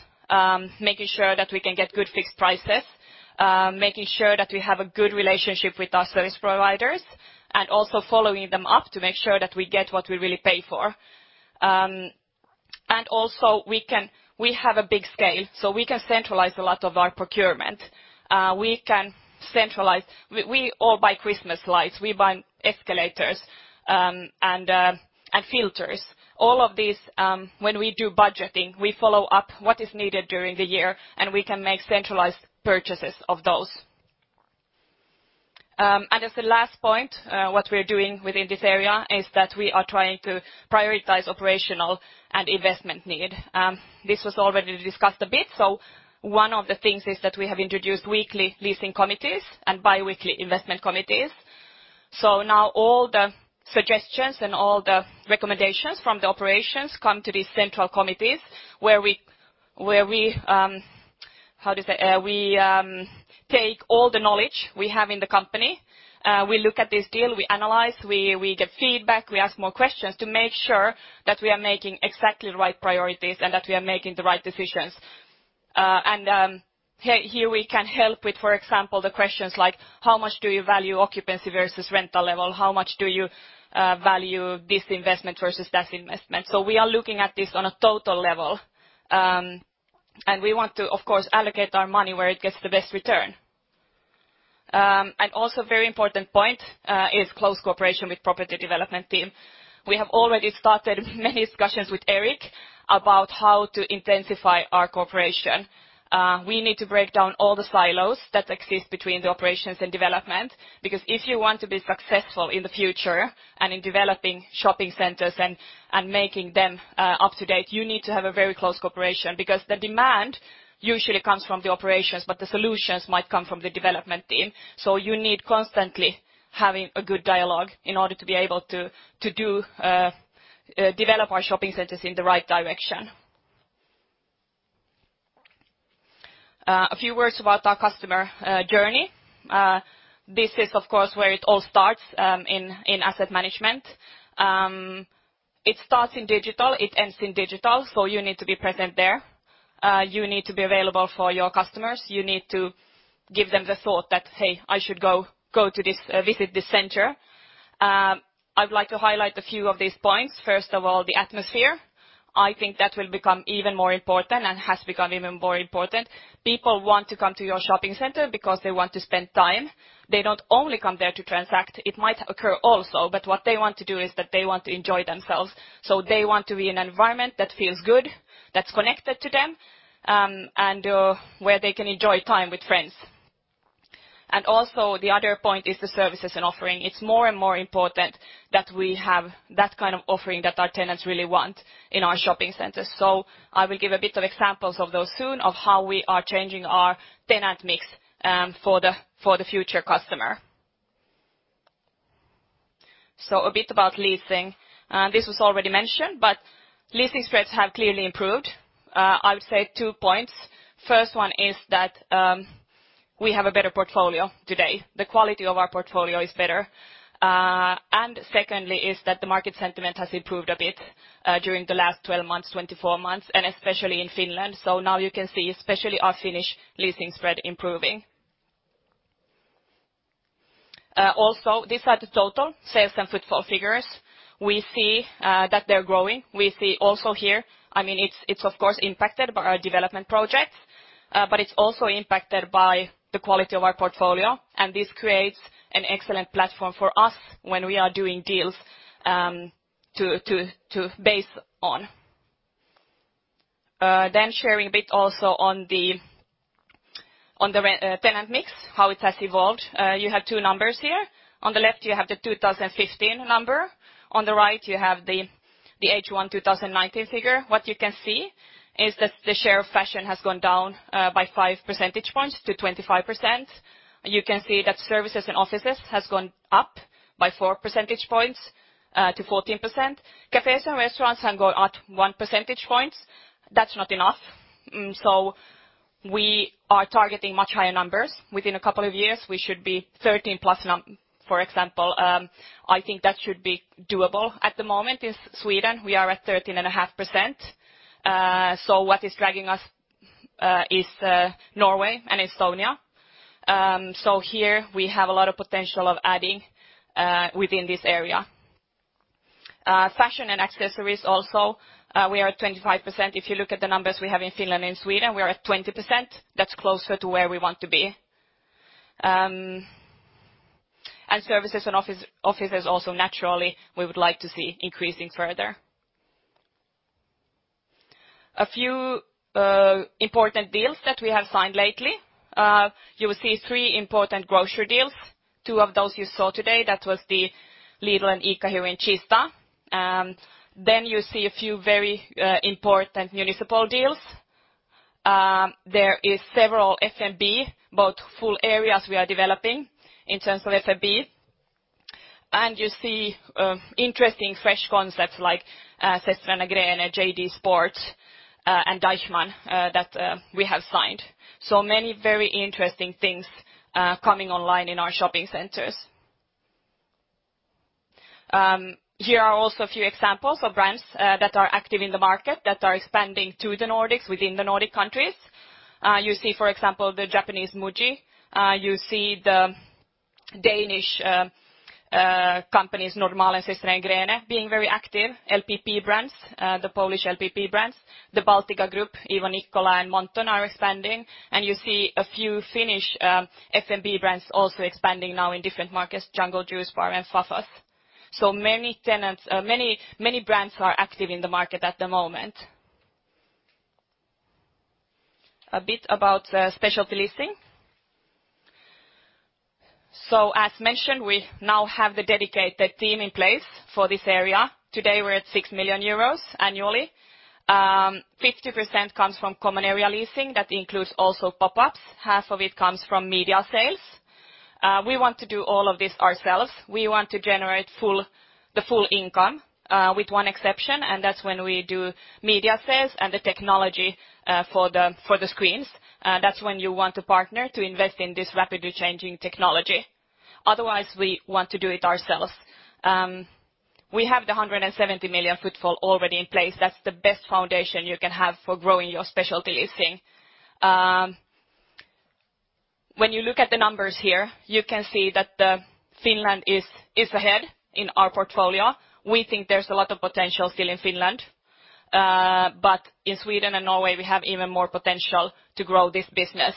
making sure that we can get good fixed prices, making sure that we have a good relationship with our service providers, and also following them up to make sure that we get what we really pay for. We have a big scale, so we can centralize a lot of our procurement. We all buy Christmas lights, we buy escalators, and filters. All of these, when we do budgeting, we follow up what is needed during the year, and we can make centralized purchases of those. As the last point, what we're doing within this area is that we are trying to prioritize operational and investment need. This was already discussed a bit. One of the things is that we have introduced weekly leasing committees and biweekly investment committees. Now all the suggestions and all the recommendations from the operations come to these central committees where we take all the knowledge we have in the company. We look at this deal, we analyze, we get feedback, we ask more questions to make sure that we are making exactly the right priorities and that we are making the right decisions. Here we can help with, for example, the questions like how much do you value occupancy versus rental level? How much do you value this investment versus that investment? We are looking at this on a total level, and we want to, of course, allocate our money where it gets the best return. Also very important point is close cooperation with property development team. We have already started many discussions with Erik about how to intensify our cooperation. We need to break down all the silos that exist between the operations and development, because if you want to be successful in the future and in developing shopping centers and making them up to date, you need to have a very close cooperation because the demand usually comes from the operations, but the solutions might come from the development team. You need constantly having a good dialogue in order to be able to develop our shopping centers in the right direction. A few words about our customer journey. This is, of course, where it all starts in asset management. It starts in digital, it ends in digital. You need to be present there. You need to be available for your customers. You need to give them the thought that, hey, I should go visit this center. I would like to highlight a few of these points. First of all, the atmosphere. I think that will become even more important and has become even more important. People want to come to your shopping center because they want to spend time. They don't only come there to transact. It might occur also, but what they want to do is that they want to enjoy themselves. They want to be in an environment that feels good, that's connected to them, and where they can enjoy time with friends. Also the other point is the services and offering. It's more and more important that we have that kind of offering that our tenants really want in our shopping centers. I will give a bit of examples of those soon of how we are changing our tenant mix for the future customer. A bit about leasing. This was already mentioned, but leasing spreads have clearly improved. I would say two points. First one is that we have a better portfolio today. The quality of our portfolio is better. Secondly is that the market sentiment has improved a bit during the last 12 months, 24 months, and especially in Finland. Now you can see especially our Finnish leasing spread improving. These are the total sales and footfall figures. We see that they're growing. We also see here, it's of course impacted by our development project, but it's also impacted by the quality of our portfolio. This creates an excellent platform for us when we are doing deals to base on. Sharing a bit also on the tenant mix, how it has evolved. You have two numbers here. On the left, you have the 2015 number. On the right, you have the H1 2019 figure. What you can see is that the share of fashion has gone down by five percentage points to 25%. You can see that services and offices has gone up by four percentage points to 14%. Cafes and restaurants have gone up one percentage points. That's not enough. We are targeting much higher numbers. Within a couple of years, we should be 13+, for example. I think that should be doable. At the moment in Sweden, we are at 13.5%. What is dragging us is Norway and Estonia. Here we have a lot of potential of adding within this area. Fashion and accessories also, we are at 25%. If you look at the numbers we have in Finland and Sweden, we are at 20%. That's closer to where we want to be. Services and offices also naturally, we would like to see increasing further. A few important deals that we have signed lately. You will see three important grocery deals. Two of those you saw today. That was the Lidl and ICA here in Kista. You see a few very important municipal deals. There is several F&B, both full areas we are developing in terms of F&B. You see interesting fresh concepts like Søstrene Grene, JD Sports, and Deichmann that we have signed. Many very interesting things coming online in our shopping centers. Here are also a few examples of brands that are active in the market that are expanding to the Nordics within the Nordic countries. You see, for example, the Japanese Muji. You see the Danish companies, Normal and Søstrene Grene, being very active. LPP brands, the Polish LPP brands, the Baltika Group, even Ivo Nikkolo and Monton are expanding. You see a few Finnish F&B brands also expanding now in different markets, Jungle Juice Bar and Fafa's. Many brands are active in the market at the moment. A bit about specialty leasing. As mentioned, we now have the dedicated team in place for this area. Today, we're at 6 million euros annually. 50% comes from common area leasing, that includes also pop-ups. Half of it comes from media sales. We want to do all of this ourselves. We want to generate the full income, with one exception. That's when we do media sales and the technology for the screens. That's when you want to partner to invest in this rapidly changing technology. Otherwise, we want to do it ourselves. We have the 170 million footfall already in place. That's the best foundation you can have for growing your specialty leasing. When you look at the numbers here, you can see that Finland is ahead in our portfolio. We think there's a lot of potential still in Finland. In Sweden and Norway, we have even more potential to grow this business.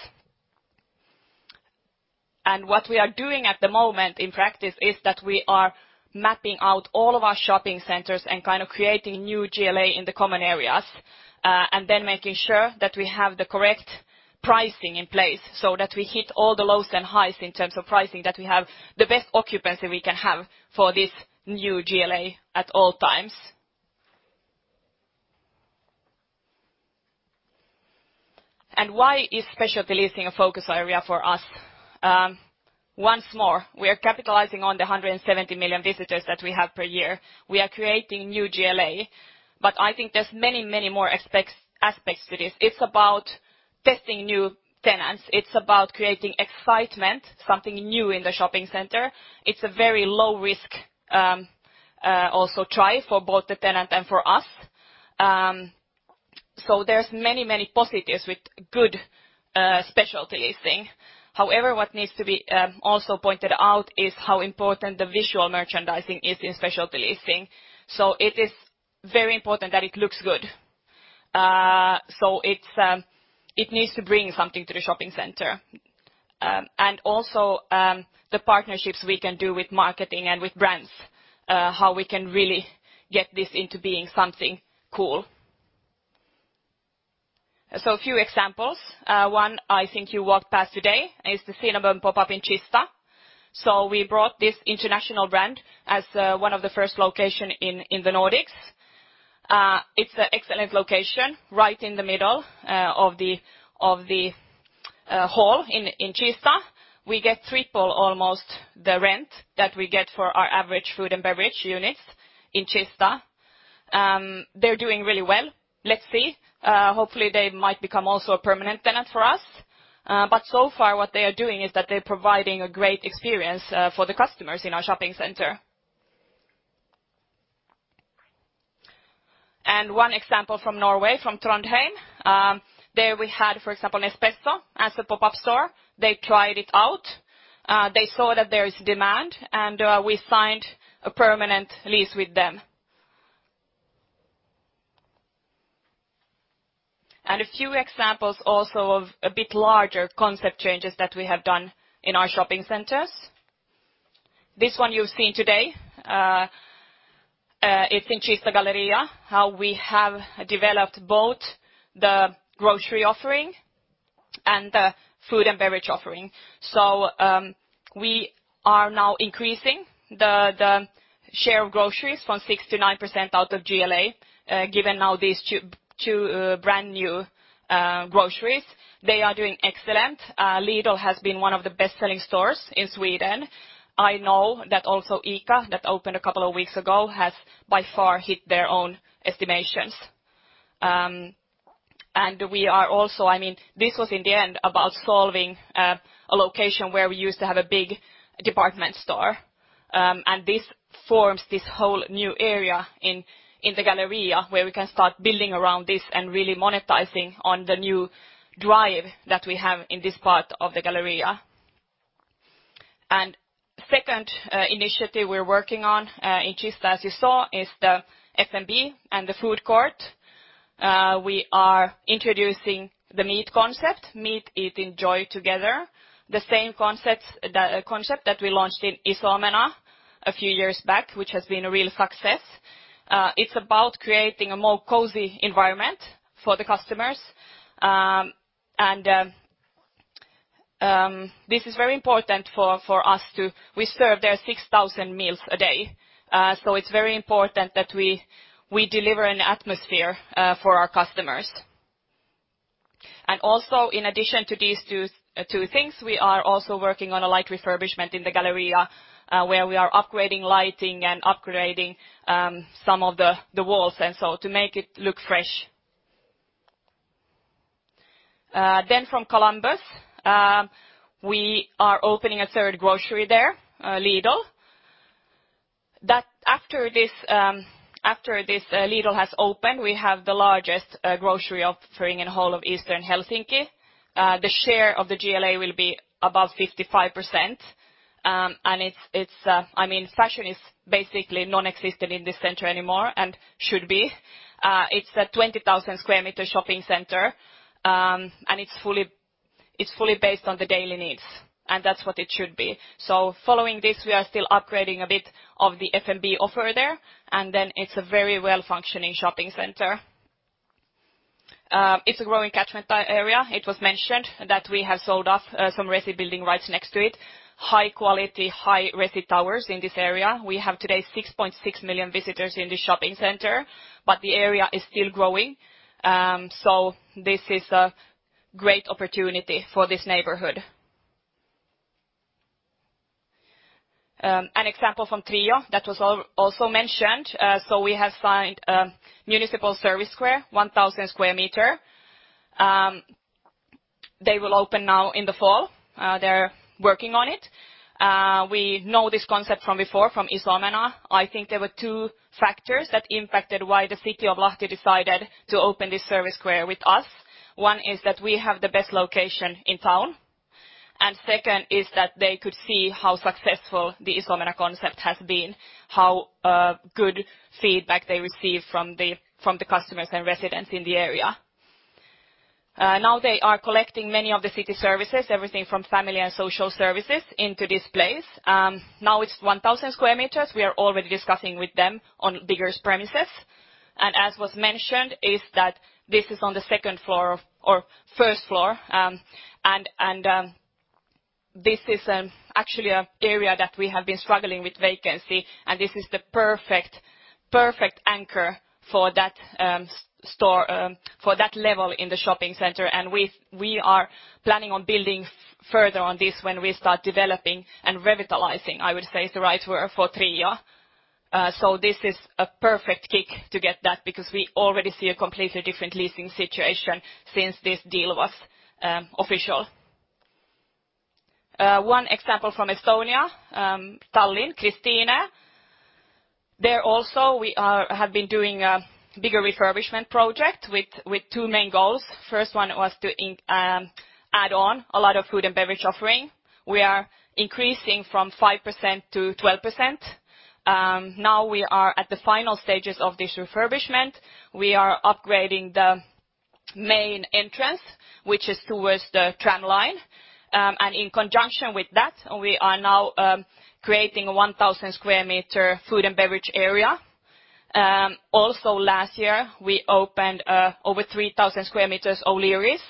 What we are doing at the moment, in practice, is that we are mapping out all of our shopping centers and creating new GLA in the common areas. Making sure that we have the correct pricing in place, so that we hit all the lows and highs in terms of pricing, that we have the best occupancy we can have for this new GLA at all times. Why is specialty leasing a focus area for us? Once more, we are capitalizing on the 170 million visitors that we have per year. We are creating new GLA. I think there's many more aspects to this. It's about testing new tenants. It's about creating excitement, something new in the shopping center. It's a very low risk also try for both the tenant and for us. There's many positives with good specialty leasing. However, what needs to be also pointed out is how important the visual merchandising is in specialty leasing. It is very important that it looks good. It needs to bring something to the shopping center. The partnerships we can do with marketing and with brands, how we can really get this into being something cool. A few examples. One I think you walked past today is the Cinnabon pop-up in Kista. We brought this international brand as one of the first location in the Nordics. It's an excellent location, right in the middle of the hall in Kista. We get triple almost the rent that we get for our average food and beverage units in Kista. They're doing really well. Let's see. Hopefully, they might become also a permanent tenant for us. What they are doing is that they're providing a great experience for the customers in our shopping center. One example from Norway, from Trondheim. There we had, for example, Nespresso as a pop-up store. They tried it out. They saw that there is demand. We signed a permanent lease with them. A few examples also of a bit larger concept changes that we have done in our shopping centers. This one you've seen today. It's in Kista Galleria, how we have developed both the grocery offering and the food and beverage offering. We are now increasing the share of groceries from 6% to 9% out of GLA, given now these two brand-new groceries. They are doing excellent. Lidl has been one of the best-selling stores in Sweden. I know that also ICA, that opened a couple of weeks ago, has by far hit their own estimations. This was in the end about solving a location where we used to have a big department store. This forms this whole new area in the Galleria where we can start building around this and really monetizing on the new drive that we have in this part of the Galleria. Second initiative we're working on in Kista, as you saw, is the F&B and the food court. We are introducing the M.E.E.T concept, Meet, Eat, Enjoy Together. The same concept that we launched in Iso Omena a few years back, which has been a real success. It's about creating a more cozy environment for the customers. This is very important. We serve there 6,000 meals a day. It's very important that we deliver an atmosphere for our customers. Also, in addition to these two things, we are also working on a light refurbishment in the Galleria where we are upgrading lighting and upgrading some of the walls, to make it look fresh. From Columbus, we are opening a third grocery there, Lidl. After this Lidl has opened, we have the largest grocery offering in the whole of Eastern Helsinki. The share of the GLA will be above 55%. Fashion is basically nonexistent in this center anymore and should be. It's a 20,000 sq m shopping center, and it's fully based on the daily needs, that's what it should be. Following this, we are still upgrading a bit of the F&B offer there, it's a very well-functioning shopping center. It's a growing catchment area. It was mentioned that we have sold off some resi building rights next to it, high quality, high resi towers in this area. We have today 6.6 million visitors in the shopping center, but the area is still growing. This is a great opportunity for this neighborhood. An example from Trio that was also mentioned. We have signed a municipal service square, 1,000 sq m. They will open now in the fall. They're working on it. We know this concept from before, from Iso Omena. I think there were two factors that impacted why the city of Lahti decided to open this service square with us. One is that we have the best location in town, and second is that they could see how successful the Iso Omena concept has been, how good feedback they received from the customers and residents in the area. Now they are collecting many of the city services, everything from family and social services, into this place. Now it's 1,000 sq m. We are already discussing with them on bigger premises. As was mentioned, is that this is on the first floor. This is actually an area that we have been struggling with vacancy, and this is the perfect anchor for that level in the shopping center, and we are planning on building further on this when we start developing and revitalizing, I would say is the right word, for Trio. This is a perfect kick to get that because we already see a completely different leasing situation since this deal was official. One example from Estonia, Tallinn, Kristiine. There also, we have been doing a bigger refurbishment project with two main goals. First one was to add on a lot of food and beverage offering. We are increasing from 5% to 12%. Now we are at the final stages of this refurbishment. We are upgrading the main entrance, which is towards the tramline. In conjunction with that, we are now creating a 1,000 sq m food and beverage area. Also last year, we opened over 3,000 sq m O'Learys,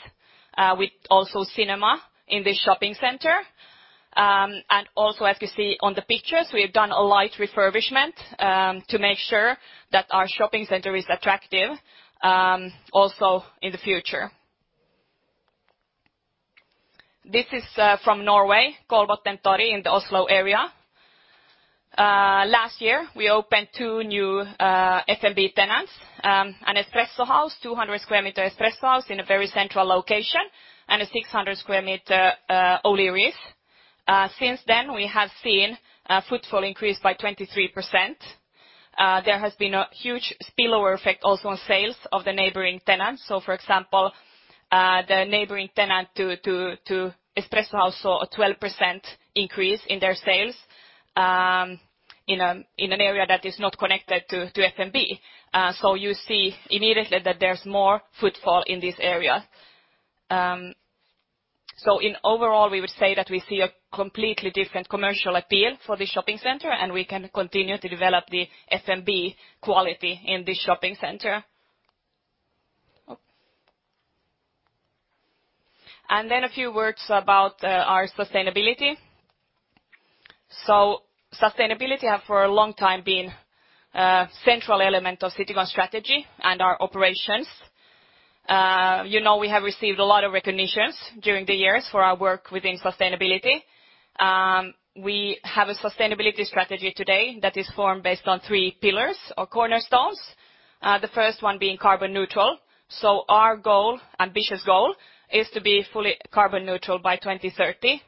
with also cinema in the shopping center. Also, as you see on the pictures, we've done a light refurbishment to make sure that our shopping center is attractive also in the future. This is from Norway, Kolbotn Torg in the Oslo area. Last year, we opened two new F&B tenants, an Espresso House, 200 sq m Espresso House in a very central location, and a 600 sq m O'Learys. Since then, we have seen footfall increase by 23%. There has been a huge spillover effect also on sales of the neighboring tenants. For example, the neighboring tenant to Espresso House saw a 12% increase in their sales in an area that is not connected to F&B. You see immediately that there's more footfall in this area. In overall, we would say that we see a completely different commercial appeal for the shopping center, and we can continue to develop the F&B quality in the shopping center. A few words about our sustainability. Sustainability have for a long time been a central element of Citycon strategy and our operations. You know we have received a lot of recognitions during the years for our work within sustainability. We have a sustainability strategy today that is formed based on three pillars or cornerstones. The first one being carbon neutral. Our ambitious goal is to be fully carbon neutral by 2030.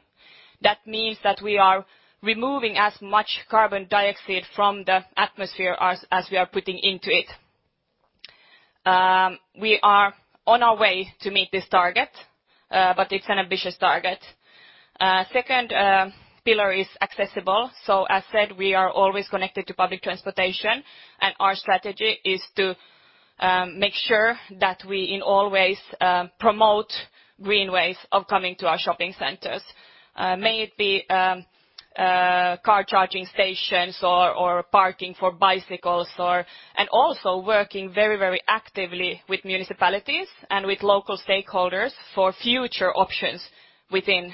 That means that we are removing as much carbon dioxide from the atmosphere as we are putting into it. We are on our way to meet this target but it's an ambitious target. Second pillar is accessible. As said, we are always connected to public transportation, and our strategy is to make sure that we in all ways promote green ways of coming to our shopping centers. May it be car charging stations or parking for bicycles, and also working very actively with municipalities and with local stakeholders for future options within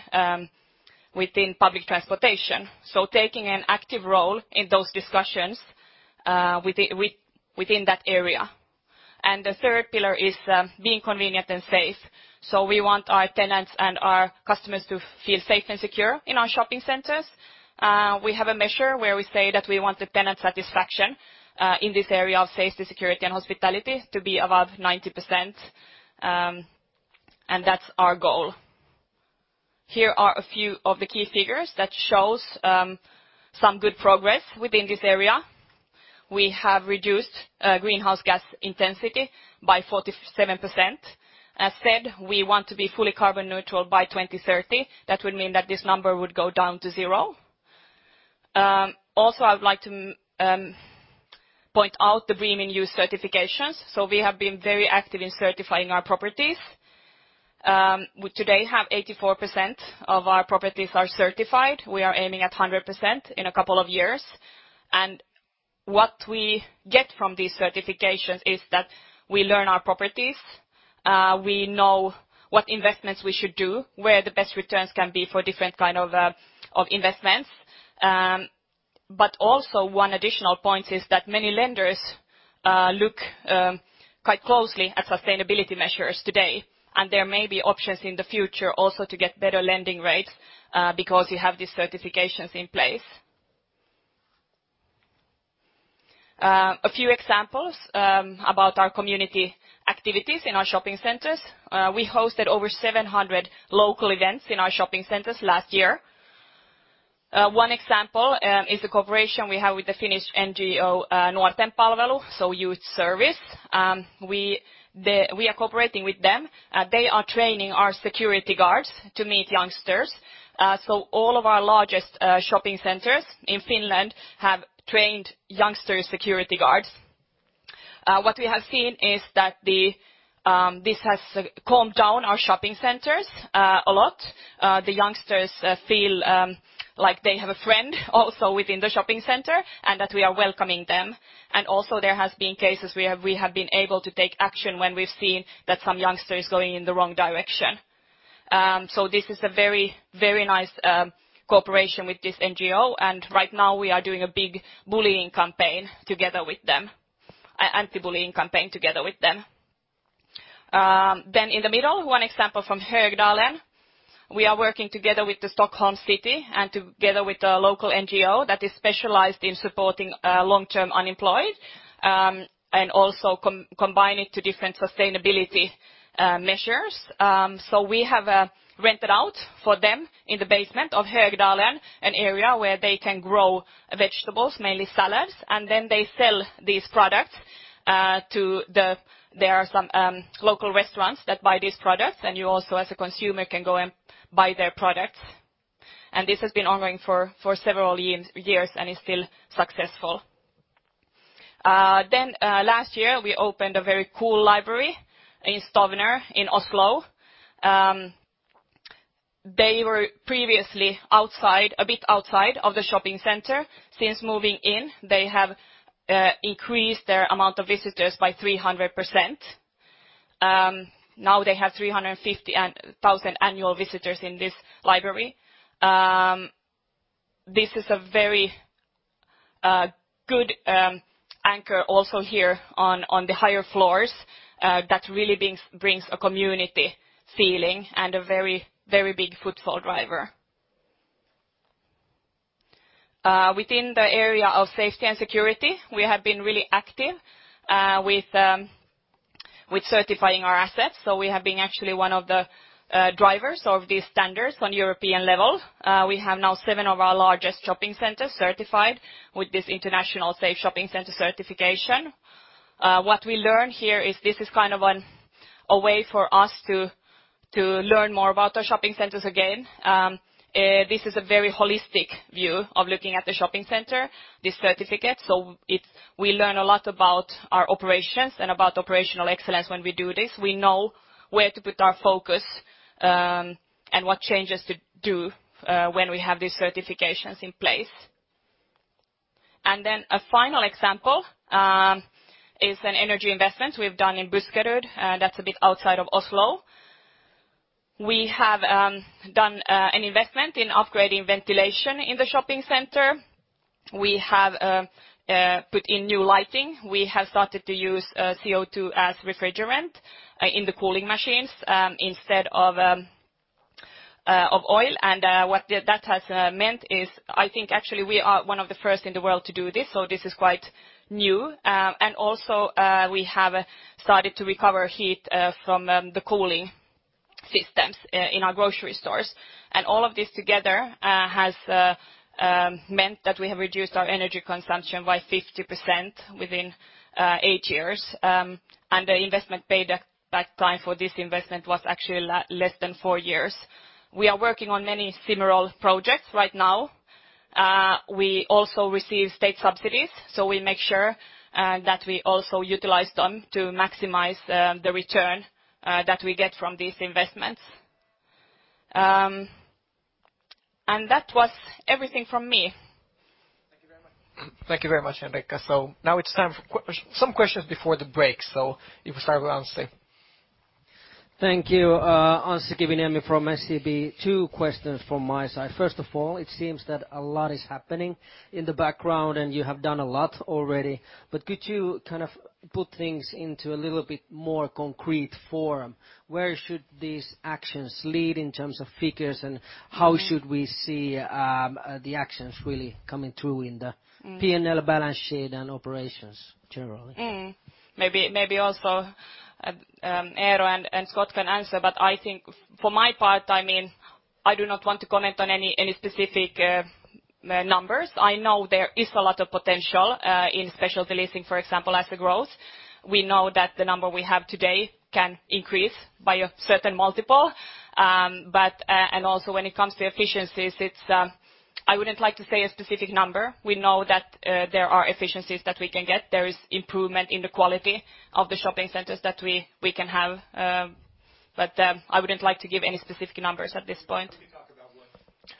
public transportation. Taking an active role in those discussions within that area. The third pillar is being convenient and safe. We want our tenants and our customers to feel safe and secure in our shopping centers. We have a measure where we say that we want the tenant satisfaction in this area of safety, security, and hospitality to be above 90%, and that's our goal. Here are a few of the key figures that shows some good progress within this area. We have reduced greenhouse gas intensity by 47%. As said, we want to be fully carbon neutral by 2030. That would mean that this number would go down to zero. I would like to point out the green in use certifications. We have been very active in certifying our properties. We today have 84% of our properties are certified. We are aiming at 100% in a couple of years. What we get from these certifications is that we learn our properties, we know what investments we should do, where the best returns can be for different kind of investments. Also one additional point is that many lenders look quite closely at sustainability measures today, and there may be options in the future also to get better lending rates because you have these certifications in place. A few examples about our community activities in our shopping centers. We hosted over 700 local events in our shopping centers last year. One example is the cooperation we have with the Finnish NGO, Nuorten Palvelu, so youth service. We are cooperating with them. They are training our security guards to meet youngsters. All of our largest shopping centers in Finland have trained youngster security guards. What we have seen is that this has calmed down our shopping centers a lot. The youngsters feel like they have a friend also within the shopping center, and that we are welcoming them. There has been cases we have been able to take action when we've seen that some youngster is going in the wrong direction. This is a very nice cooperation with this NGO, and right now we are doing a big anti-bullying campaign together with them. In the middle, one example from Högdalen. We are working together with the Stockholm City and together with the local NGO that is specialized in supporting long-term unemployed, and also combine it to different sustainability measures. We have rented out for them in the basement of Högdalen, an area where they can grow vegetables, mainly salads, and then they sell these products. There are some local restaurants that buy these products, and you also, as a consumer, can go and buy their products. This has been ongoing for several years and is still successful. Last year, we opened a very cool library in Stovner in Oslo. They were previously a bit outside of the shopping center. Since moving in, they have increased their amount of visitors by 300%. Now they have 350,000 annual visitors in this library. This is a very good anchor also here on the higher floors, that really brings a community feeling and a very big footfall driver. Within the area of safety and security, we have been really active with certifying our assets. We have been actually one of the drivers of these standards on European level. We have now seven of our largest shopping centers certified with this International Safe Shopping Center certification. What we learn here is this is kind of a way for us to learn more about our shopping centers again. This is a very holistic view of looking at the shopping center, this certificate. We learn a lot about our operations and about operational excellence when we do this. We know where to put our focus, and what changes to do when we have these certifications in place. A final example is an energy investment we've done in Buskerud. That's a bit outside of Oslo. We have done an investment in upgrading ventilation in the shopping center. We have put in new lighting. We have started to use CO2 as refrigerant in the cooling machines instead of oil. What that has meant is, I think actually we are one of the first in the world to do this, so this is quite new. Also we have started to recover heat from the cooling systems in our grocery stores. All of this together has meant that we have reduced our energy consumption by 50% within eight years. The investment payback time for this investment was actually less than four years. We are working on many similar projects right now. We also receive state subsidies, so we make sure that we also utilize them to maximize the return that we get from these investments. That was everything from me. Thank you very much. Thank you very much, Henrica. Now it's time for some questions before the break. If we start with Anssi. Thank you. Anssi Kiviniemi from SEB. two questions from my side. First of all, it seems that a lot is happening in the background, and you have done a lot already. Could you kind of put things into a little bit more concrete form? Where should these actions lead in terms of figures, and how should we see the actions really coming through in the P&L balance sheet and operations generally? Maybe also Eero and Scott can answer, but I think for my part, I do not want to comment on any specific numbers. I know there is a lot of potential in specialty leasing, for example, as a growth. We know that the number we have today can increase by a certain multiple. Also when it comes to efficiencies, I wouldn't like to say a specific number. We know that there are efficiencies that we can get. There is improvement in the quality of the shopping centers that we can have. I wouldn't like to give any specific numbers at this point. Maybe talk about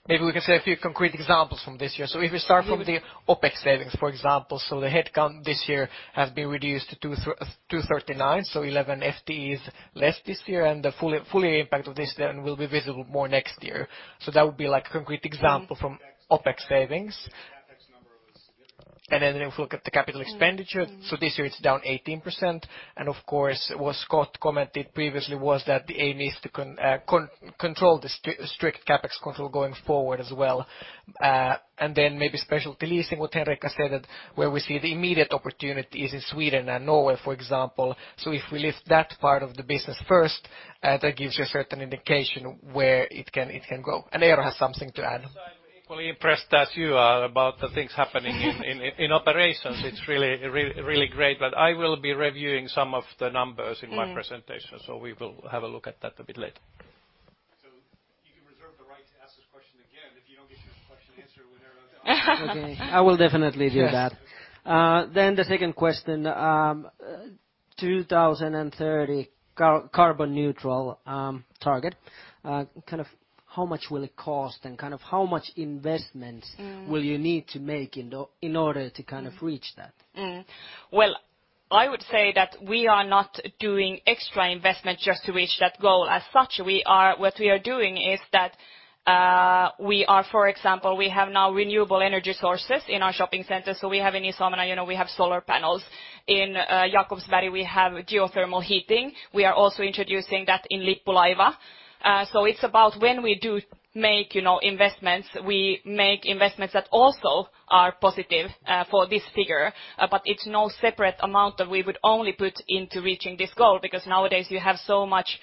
Maybe we can say a few concrete examples from this year. If we start from the OpEx savings, for example. The headcount this year has been reduced to 239, 11 FTE is less this year, and the full year impact of this then will be visible more next year. That would be like a concrete example from OpEx savings. The CapEx number was significant. If you look at the CapEx, this year it's down 18%. What Scott commented previously was that the aim is to control the strict CapEx control going forward as well. Specialty leasing, what Henrica said, where we see the immediate opportunity is in Sweden and Norway, for example. If we lift that part of the business first, that gives you a certain indication where it can go. Eero has something to add. I'm equally impressed as you are about the things happening in operations. It's really great. I will be reviewing some of the numbers in my presentation, so we will have a look at that a bit later. You can reserve the right to ask this question again if you don't get your question answered when Eero. Okay, I will definitely do that. Yes. The second question. 2030 carbon neutral, target. How much will it cost and how much investments will you need to make in order to reach that? I would say that we are not doing extra investment just to reach that goal as such. What we are doing is that, for example, we have now renewable energy sources in our shopping centers. We have in Iso Omena, we have solar panels. In Jakobsberg we have geothermal heating. We are also introducing that in Lippulaiva. It's about when we do make investments, we make investments that also are positive for this figure. It's no separate amount that we would only put into reaching this goal, because nowadays you have so much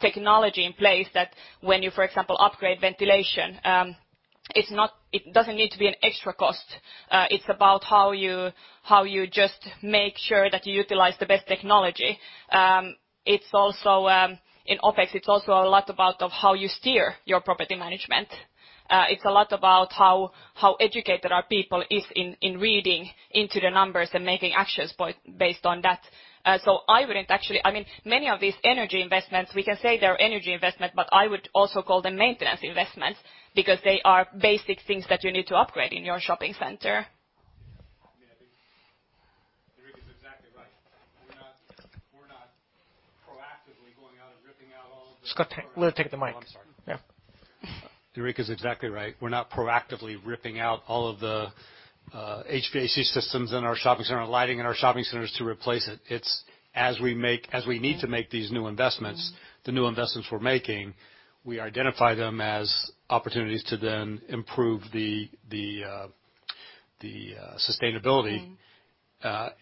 technology in place that when you, for example, upgrade ventilation, it doesn't need to be an extra cost. It's about how you just make sure that you utilize the best technology. In OpEx, it's also a lot about how you steer your property management. It's a lot about how educated our people is in reading into the numbers and making actions based on that. Many of these energy investments, we can say they're energy investment, but I would also call them maintenance investments because they are basic things that you need to upgrade in your shopping center. I mean, I think Henrica's exactly right. We're not proactively going out and ripping out all of the. Scott, take the mic. Oh, I'm sorry. Yeah. Henrica's exactly right. We're not proactively ripping out all of the HVAC systems in our shopping center, lighting in our shopping centers to replace it. It's as we need to make these new investments, the new investments we're making, we identify them as opportunities to then improve the sustainability. I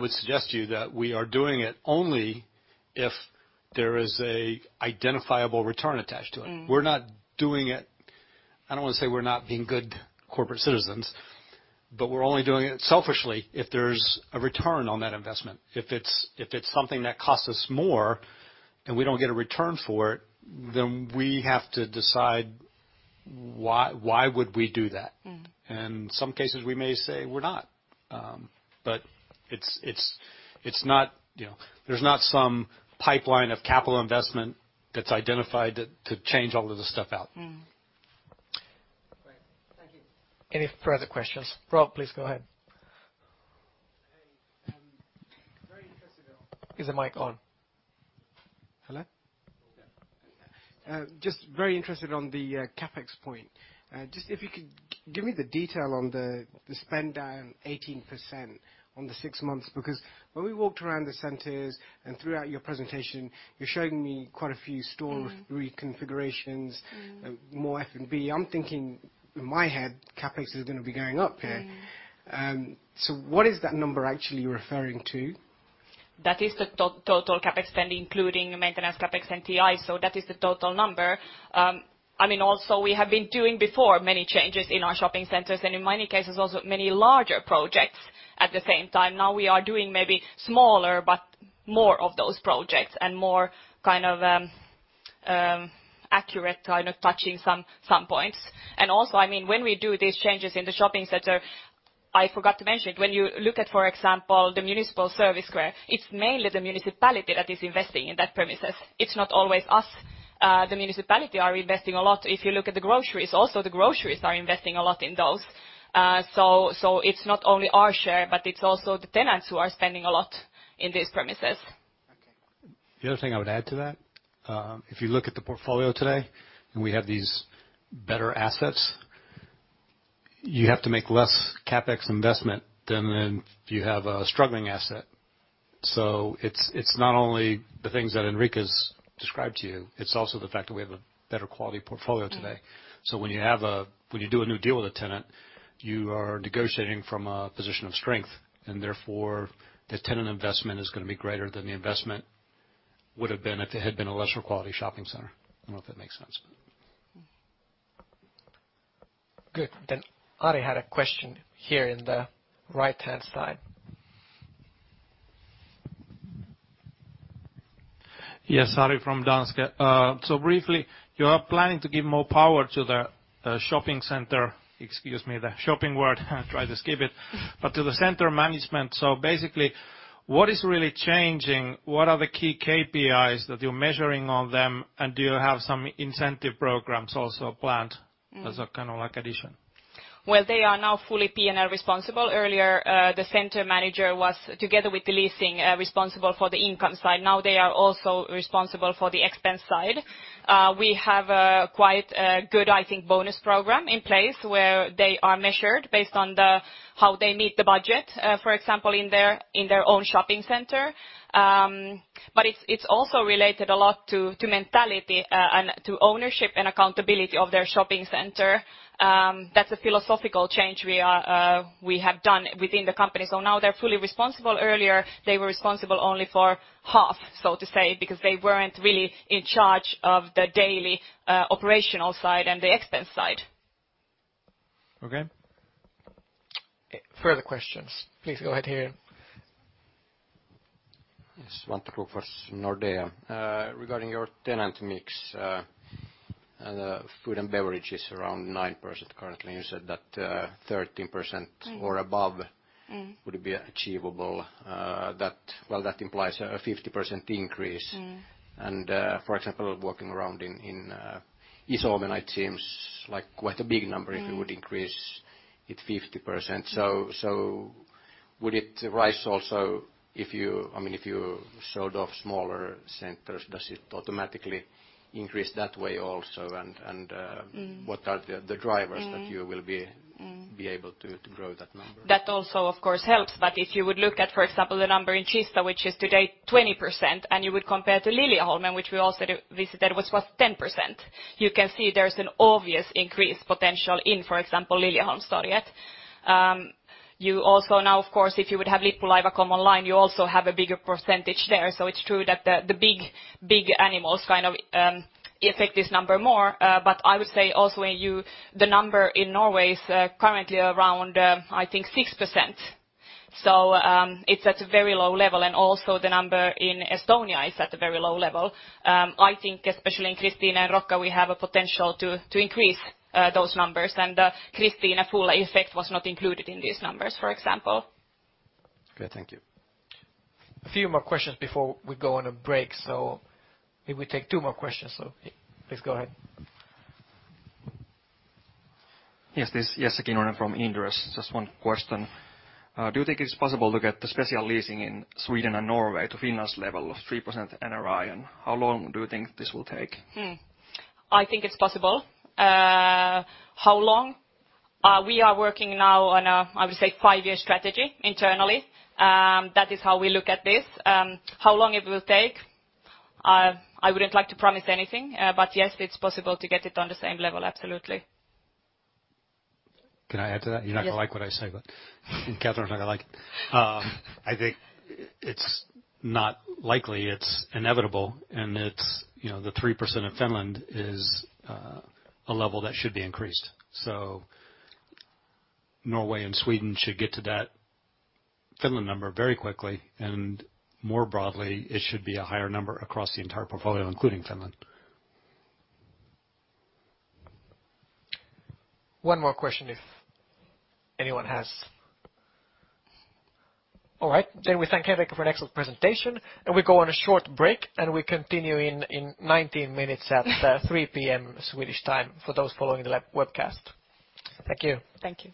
would suggest to you that we are doing it only if there is an identifiable return attached to it. We're not doing it I don't want to say we're not being good corporate citizens, but we're only doing it selfishly if there's a return on that investment. If it's something that costs us more and we don't get a return for it, then we have to decide why would we do that. Some cases we may say we're not. There's not some pipeline of capital investment that's identified to change all of this stuff out. Great. Thank you. Any further questions? Rob, please go ahead. Hey, very interested on- Is the mic on? Hello? Okay. Just very interested on the CapEx point. Just if you could give me the detail on the spend down 18% on the six months, because when we walked around the centers and throughout your presentation, you're showing me quite a few store reconfigurations. More F&B. I'm thinking in my head, CapEx is going to be going up here. What is that number actually referring to? That is the total CapEx spend, including maintenance CapEx and TI, so that is the total number. We have been doing before many changes in our shopping centers and in many cases also many larger projects at the same time. Now we are doing maybe smaller but more of those projects, and more kind of accurate, touching some points. Also, when we do these changes in the shopping center, I forgot to mention, when you look at, for example, the municipal service square, it's mainly the municipality that is investing in that premises. It's not always us. The municipality are investing a lot. If you look at the groceries also, the groceries are investing a lot in those. It's not only our share, but it's also the tenants who are spending a lot in these premises. Okay. The other thing I would add to that, if you look at the portfolio today, we have these better assets, you have to make less CapEx investment than if you have a struggling asset. It's not only the things that Henrica's described to you, it's also the fact that we have a better quality portfolio today. When you do a new deal with a tenant, you are negotiating from a position of strength, and therefore the tenant investment is going to be greater than the investment would have been if it had been a lesser quality shopping center. I don't know if that makes sense. Good. Ari had a question here in the right-hand side. Yes, Ari from Danske. Briefly, you are planning to give more power to the shopping center, excuse me, the shopping word, I tried to skip it, but to the center management. Basically, what is really changing? What are the key KPIs that you're measuring on them? Do you have some incentive programs also planned as a kind of addition? Well, they are now fully P&L responsible. Earlier, the center manager was, together with the leasing, responsible for the income side. Now they are also responsible for the expense side. We have a quite good, I think, bonus program in place where they are measured based on how they meet the budget, for example, in their own shopping center. It's also related a lot to mentality and to ownership and accountability of their shopping center. That's a philosophical change we have done within the company. Now they're fully responsible. Earlier, they were responsible only for half, so to say, because they weren't really in charge of the daily operational side and the expense side. Okay. Further questions. Please go ahead here. Yes. Nordea. Regarding your tenant mix, the food and beverage is around 9% currently, you said that 13% or above would be achievable. That implies a 50% increase. For example, working around in seems like quite a big number if you would increase it 50%. Would it rise also if you sold off smaller centers, does it automatically increase that way also? What are the drivers that you will be able to grow that number? That also, of course, helps. If you would look at, for example, the number in Kista, which is today 20%, and you would compare to Liljeholmen, which we also visited, which was 10%. You can see there's an obvious increase potential in, for example, Liljeholmstorget. You also now, of course, if you would have Lippulaiva come online, you also have a bigger percentage there. It's true that the big animals kind of affect this number more. I would say also the number in Norway is currently around, I think, 6%. It's at a very low level, and also the number in Estonia is at a very low level. I think especially in Kristiine and Rocca al Mare, we have a potential to increase those numbers. Kristiine, a full effect was not included in these numbers, for example. Okay, thank you. A few more questions before we go on a break. Maybe we take two more questions. Please go ahead. Yes. This is Jesse from Inderes. Just one question. Do you think it's possible to get the special leasing in Sweden and Norway to Finland's level of 3% NRI, and how long do you think this will take? I think it's possible. How long? We are working now on a, I would say, five-year strategy internally. That is how we look at this. How long it will take? I wouldn't like to promise anything. Yes, it's possible to get it on the same level. Absolutely. Can I add to that? Yes. You're not going to like what I say, Kathrine's not gonna like it. I think it's not likely, it's inevitable, the 3% in Finland is a level that should be increased. Norway and Sweden should get to that Finland number very quickly, and more broadly, it should be a higher number across the entire portfolio, including Finland. One more question if anyone has. All right. We thank Henrica for an excellent presentation, and we go on a short break, and we continue in 19 minutes at 3:00 P.M. Swedish time for those following the webcast. Thank you. Thank you.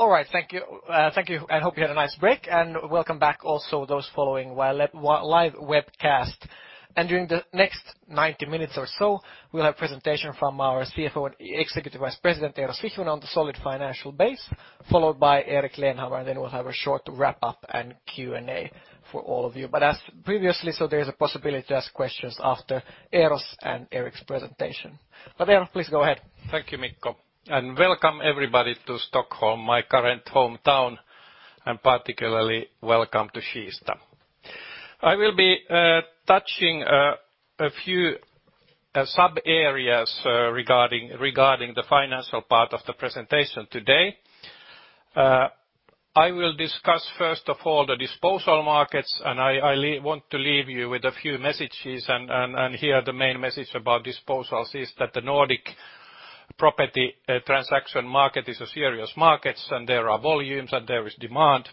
All right. Thank you. I hope you had a nice break, and welcome back also those following live webcast. During the next 90 minutes or so, we'll have presentation from our CFO and Executive Vice President, Eero Sihvonen, on the solid financial base, followed by Erik Lennhammar, then we'll have a short wrap-up and Q&A for all of you. As previously, there's a possibility to ask questions after Eero's and Erik's presentation. Eero, please go ahead. Thank you, Mikko. Welcome everybody to Stockholm, my current hometown, and particularly welcome to Kista. I will be touching a few sub-areas regarding the financial part of the presentation today. I will discuss first of all the disposal markets. I want to leave you with a few messages. Here the main message about disposals is that the Nordic property transaction market is a serious market, there are volumes, there is demand.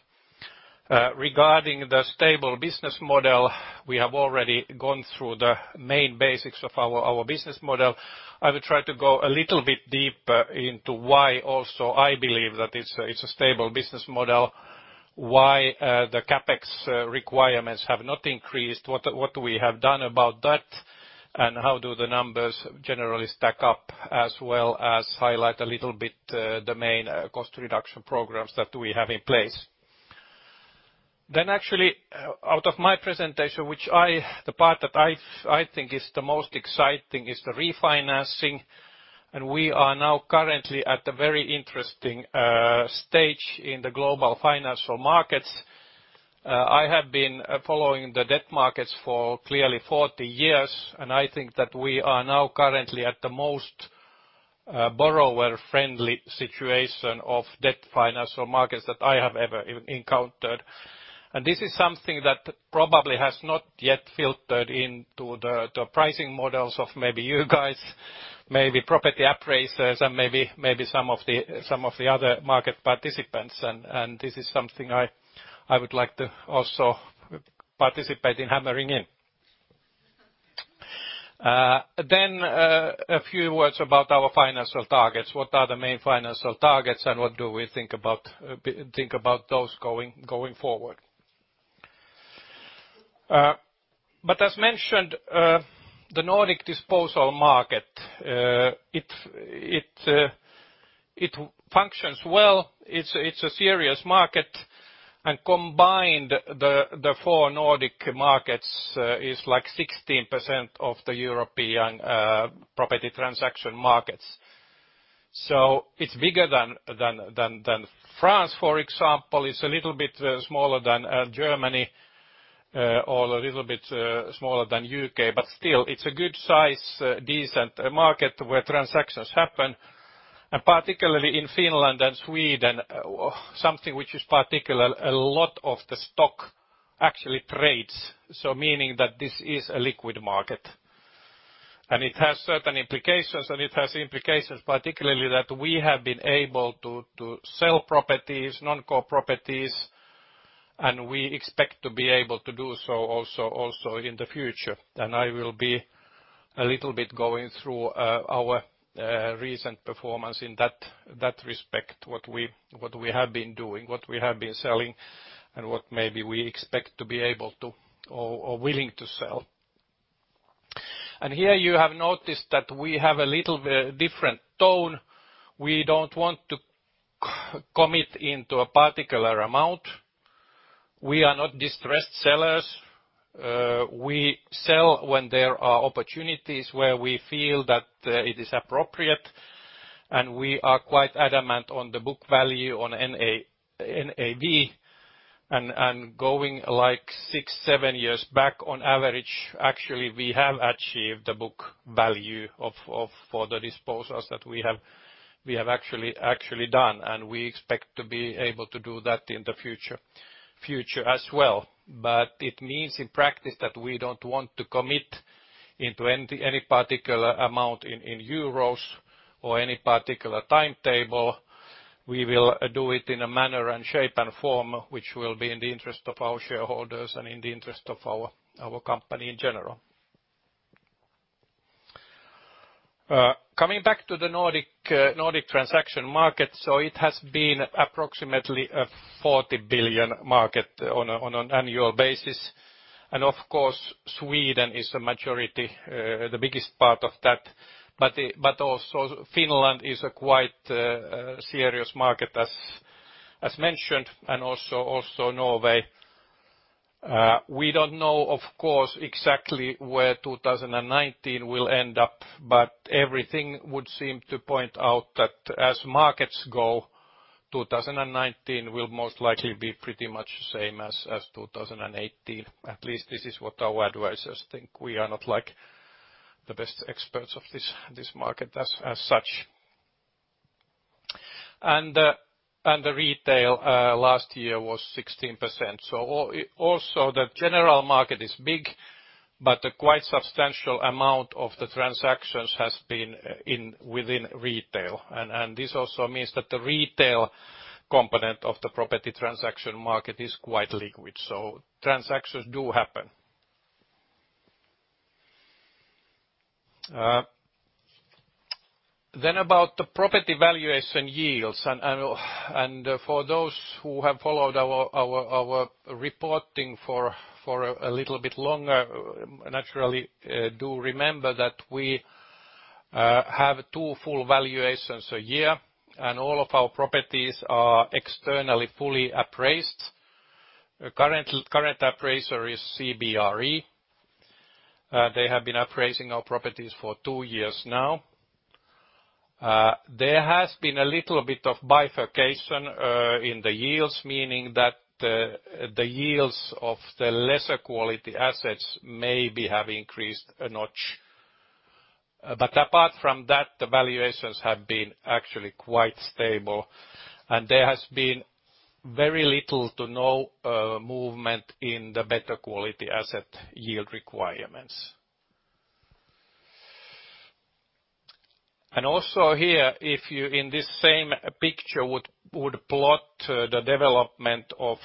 Regarding the stable business model, we have already gone through the main basics of our business model. I will try to go a little bit deeper into why also I believe that it's a stable business model, why the CapEx requirements have not increased, what we have done about that, how do the numbers generally stack up, as well as highlight a little bit the main cost reduction programs that we have in place. Actually, out of my presentation, which the part that I think is the most exciting is the refinancing, and we are now currently at a very interesting stage in the global financial markets. I have been following the debt markets for clearly 40 years, and I think that we are now currently at the most borrower-friendly situation of debt financial markets that I have ever encountered. This is something that probably has not yet filtered into the pricing models of maybe you guys, maybe property appraisers, and maybe some of the other market participants. This is something I would like to also participate in hammering in. A few words about our financial targets. What are the main financial targets and what do we think about those going forward? As mentioned, the Nordic disposal market, it functions well. It's a serious market. Combined, the four Nordic markets is like 16% of the European property transaction markets. It's bigger than France, for example. It's a little bit smaller than Germany or a little bit smaller than U.K., but still, it's a good size, decent market where transactions happen, and particularly in Finland and Sweden, something which is particular, a lot of the stock actually trades, so meaning that this is a liquid market. It has certain implications, and it has implications particularly that we have been able to sell properties, non-core properties, and we expect to be able to do so also in the future. I will be a little bit going through our recent performance in that respect, what we have been doing, what we have been selling, and what maybe we expect to be able to or willing to sell. Here you have noticed that we have a little different tone. We don't want to commit into a particular amount. We are not distressed sellers. We sell when there are opportunities where we feel that it is appropriate, and we are quite adamant on the book value on NAV. Going six, seven years back on average, actually, we have achieved the book value for the disposals that we have actually done, and we expect to be able to do that in the future as well. It means in practice that we don't want to commit into any particular amount in EUR or any particular timetable. We will do it in a manner and shape and form which will be in the interest of our shareholders and in the interest of our company in general. Coming back to the Nordic transaction market, it has been approximately a 40 billion market on an annual basis. Of course, Sweden is a majority, the biggest part of that. Also Finland is a quite serious market as mentioned, and also Norway. We don't know, of course, exactly where 2019 will end up, but everything would seem to point out that as markets go, 2019 will most likely be pretty much the same as 2018. At least this is what our advisors think. We are not the best experts of this market as such. The retail last year was 16%. Also the general market is big, but a quite substantial amount of the transactions has been within retail. This also means that the retail component of the property transaction market is quite liquid. Transactions do happen. About the property valuation yields, for those who have followed our reporting for a little bit longer, naturally do remember that we have two full valuations a year and all of our properties are externally fully appraised. Current appraiser is CBRE. They have been appraising our properties for two years now. There has been a little bit of bifurcation in the yields, meaning that the yields of the lesser quality assets maybe have increased a notch. Apart from that, the valuations have been actually quite stable, and there has been very little to no movement in the better quality asset yield requirements. Also here, if you, in this same picture, would plot the development of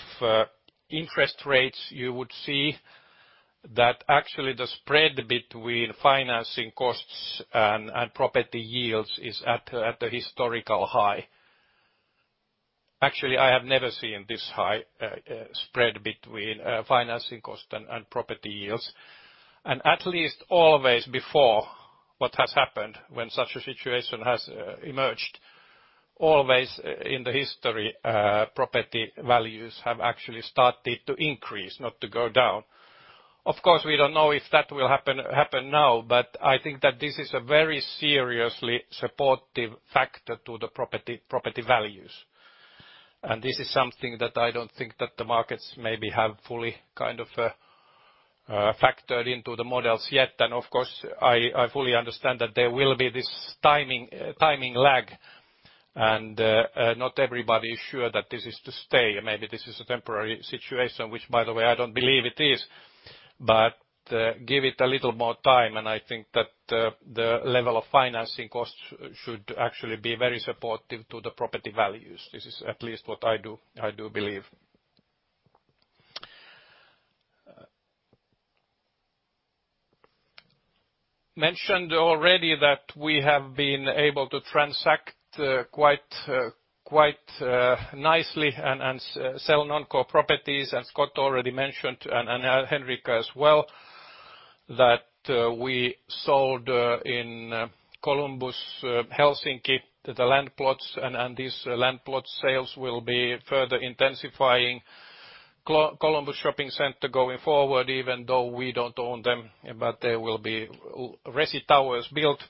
interest rates, you would see that actually the spread between financing costs and property yields is at a historical high. Actually, I have never seen this high spread between financing cost and property yields. At least always before, what has happened when such a situation has emerged, always in the history, property values have actually started to increase, not to go down. Of course, we don't know if that will happen now, but I think that this is a very seriously supportive factor to the property values. This is something that I don't think that the markets maybe have fully factored into the models yet. Of course, I fully understand that there will be this timing lag, and not everybody is sure that this is to stay. Maybe this is a temporary situation, which, by the way, I don't believe it is, but give it a little more time, and I think that the level of financing costs should actually be very supportive to the property values. I mentioned already that we have been able to transact quite nicely and sell non-core properties. Scott already mentioned, and Henrica as well, that we sold in Columbus, Helsinki, the land plots. These land plot sales will be further intensifying Columbus Shopping Center going forward, even though we don't own them. There will be resi towers built.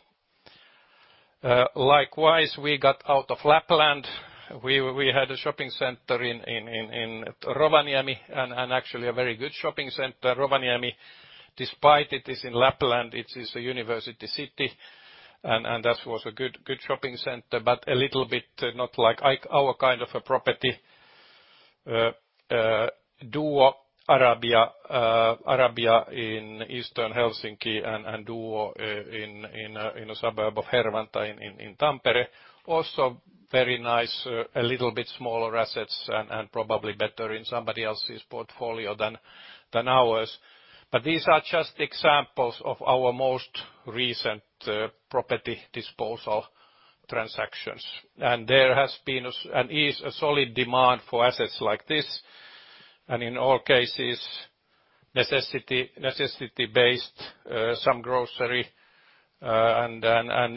Likewise, we got out of Lapland. We had a shopping center in Rovaniemi, actually a very good shopping center. Rovaniemi, despite it is in Lapland, it is a university city, and that was a good shopping center, but a little bit not like our kind of a property. Duo, Arabia in Eastern Helsinki and Duo in a suburb of Hervanta in Tampere. They were also very nice, a little bit smaller assets, and probably better in somebody else's portfolio than ours. These are just examples of our most recent property disposal transactions. There has been, and is a solid demand for assets like this, and in all cases, necessity-based, some grocery, and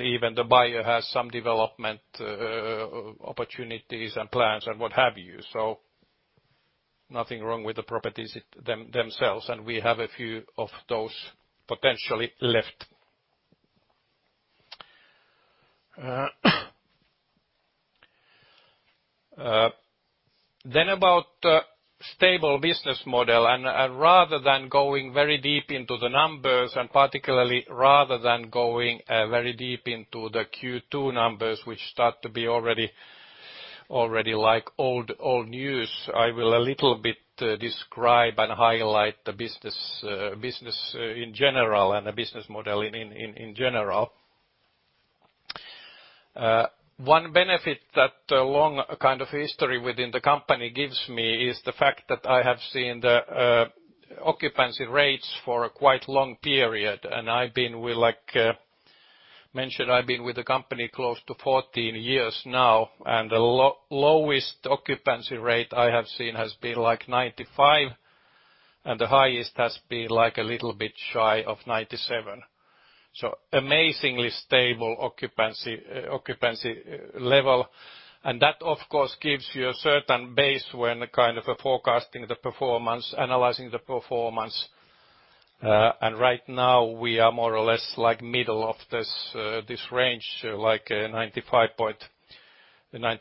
even the buyer has some development opportunities and plans and what have you. Nothing wrong with the properties themselves, and we have a few of those potentially left. About stable business model, rather than going very deep into the numbers, and particularly rather than going very deep into the Q2 numbers, which start to be already like old news, I will a little bit describe and highlight the business in general and the business model in general. One benefit that a long history within the company gives me is the fact that I have seen the occupancy rates for a quite long period, and I've been with the company close to 14 years now, and the lowest occupancy rate I have seen has been like 95%, and the highest has been a little bit shy of 97%. Amazingly stable occupancy level. That, of course, gives you a certain base when forecasting the performance, analyzing the performance. Right now we are more or less middle of this range, like 95.6%.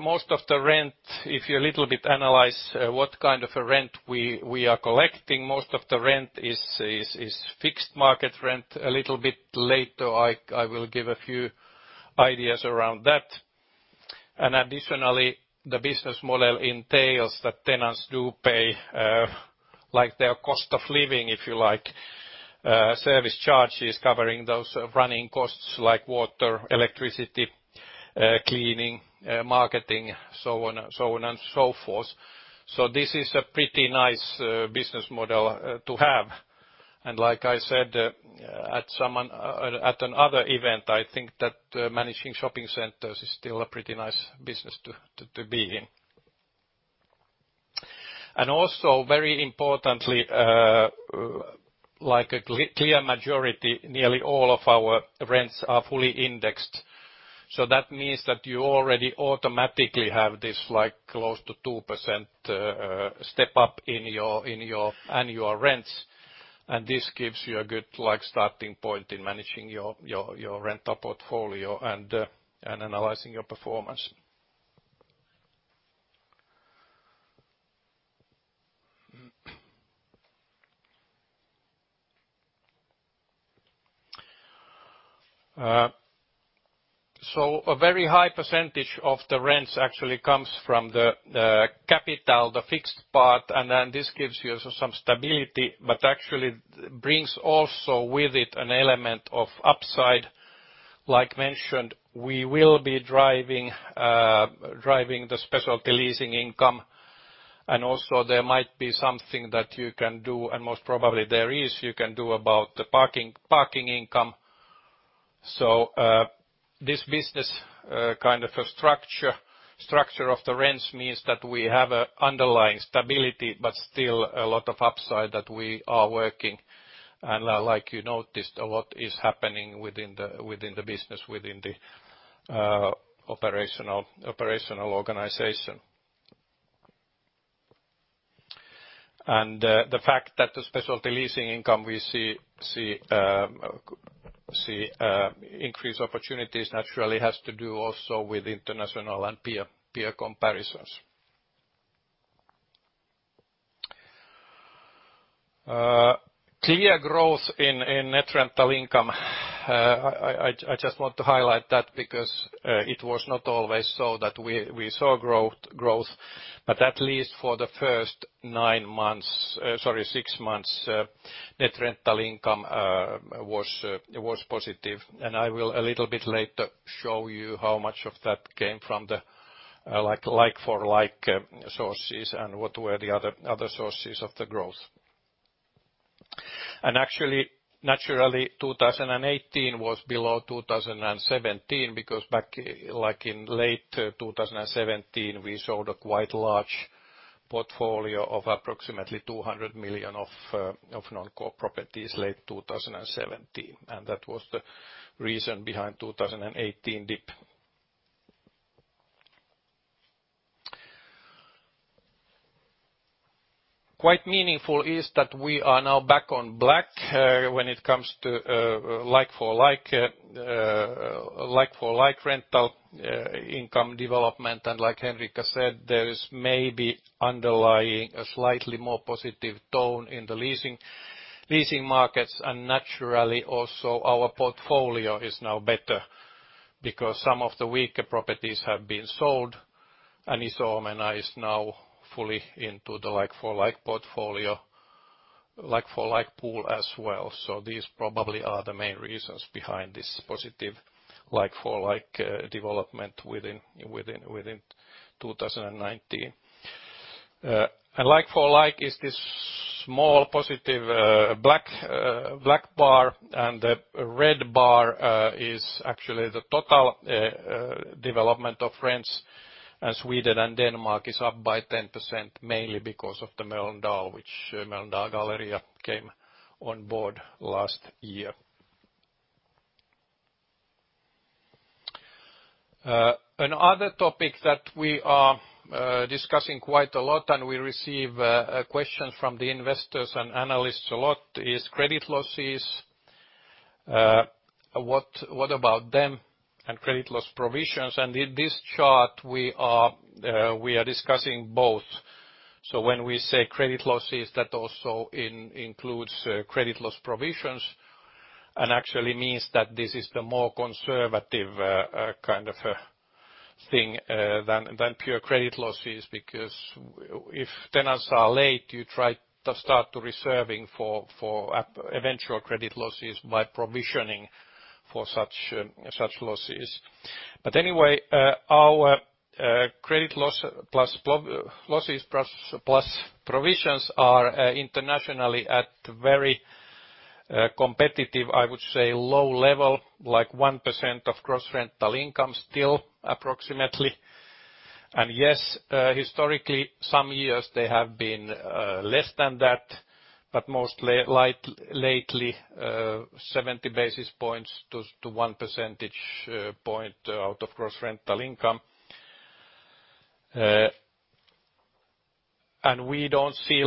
Most of the rent, if you a little bit analyze what kind of a rent we are collecting, most of the rent is fixed market rent. A little bit later, I will give a few ideas around that. Additionally, the business model entails that tenants do pay their cost of living, if you like, service charges covering those running costs like water, electricity, cleaning, marketing, so on and so forth. This is a pretty nice business model to have. Like I said at another event, I think that managing shopping centers is still a pretty nice business to be in. Also, very importantly, a clear majority, nearly all of our rents are fully indexed. That means that you already automatically have this close to 2% step up in your annual rents. This gives you a good starting point in managing your rental portfolio and analyzing your performance. A very high percentage of the rents actually comes from the capital, the fixed part. Then this gives you also some stability, but actually brings also with it an element of upside. Like mentioned, we will be driving the specialty leasing income, and also there might be something that you can do, and most probably there is, you can do about the parking income. This business kind of a structure of the rents means that we have underlying stability, but still a lot of upside that we are working. Like you noticed, a lot is happening within the business, within the operational organization. The fact that the specialty leasing income we see increased opportunities naturally has to do also with international and peer comparisons. Clear growth in net rental income. I just want to highlight that because it was not always so that we saw growth. At least for the first six months, net rental income was positive. I will a little bit later show you how much of that came from the like-for-like sources and what were the other sources of the growth. Actually, naturally, 2018 was below 2017 because back in late 2017, we sold a quite large portfolio of approximately 200 million of non-core properties late 2017. That was the reason behind 2018 dip. Quite meaningful is that we are now back on black when it comes to like-for-like rental income development. Like Henrica said, there is maybe underlying a slightly more positive tone in the leasing markets. Naturally, also our portfolio is now better because some of the weaker properties have been sold. Iso Omena is now fully into the like-for-like portfolio, like-for-like pool as well. These probably are the main reasons behind this positive like-for-like development within 2019. Like-for-like is this small positive black bar, and the red bar is actually the total development of rents in Sweden and Denmark is up by 10%, mainly because of the Mölndal, which Mölndal Galleria came on board last year. Another topic that we are discussing quite a lot, and we receive questions from the investors and analysts a lot is credit losses. What about them and credit loss provisions? In this chart, we are discussing both. When we say credit losses, that also includes credit loss provisions and actually means that this is the more conservative kind of a thing than pure credit losses. If tenants are late, you try to start reserving for eventual credit losses by provisioning for such losses. Anyway, our credit losses plus provisions are internationally at very competitive, I would say low level, like 1% of gross rental income still approximately. Yes, historically, some years they have been less than that, but mostly lately, 70 basis points to 1% point out of gross rental income. We don't see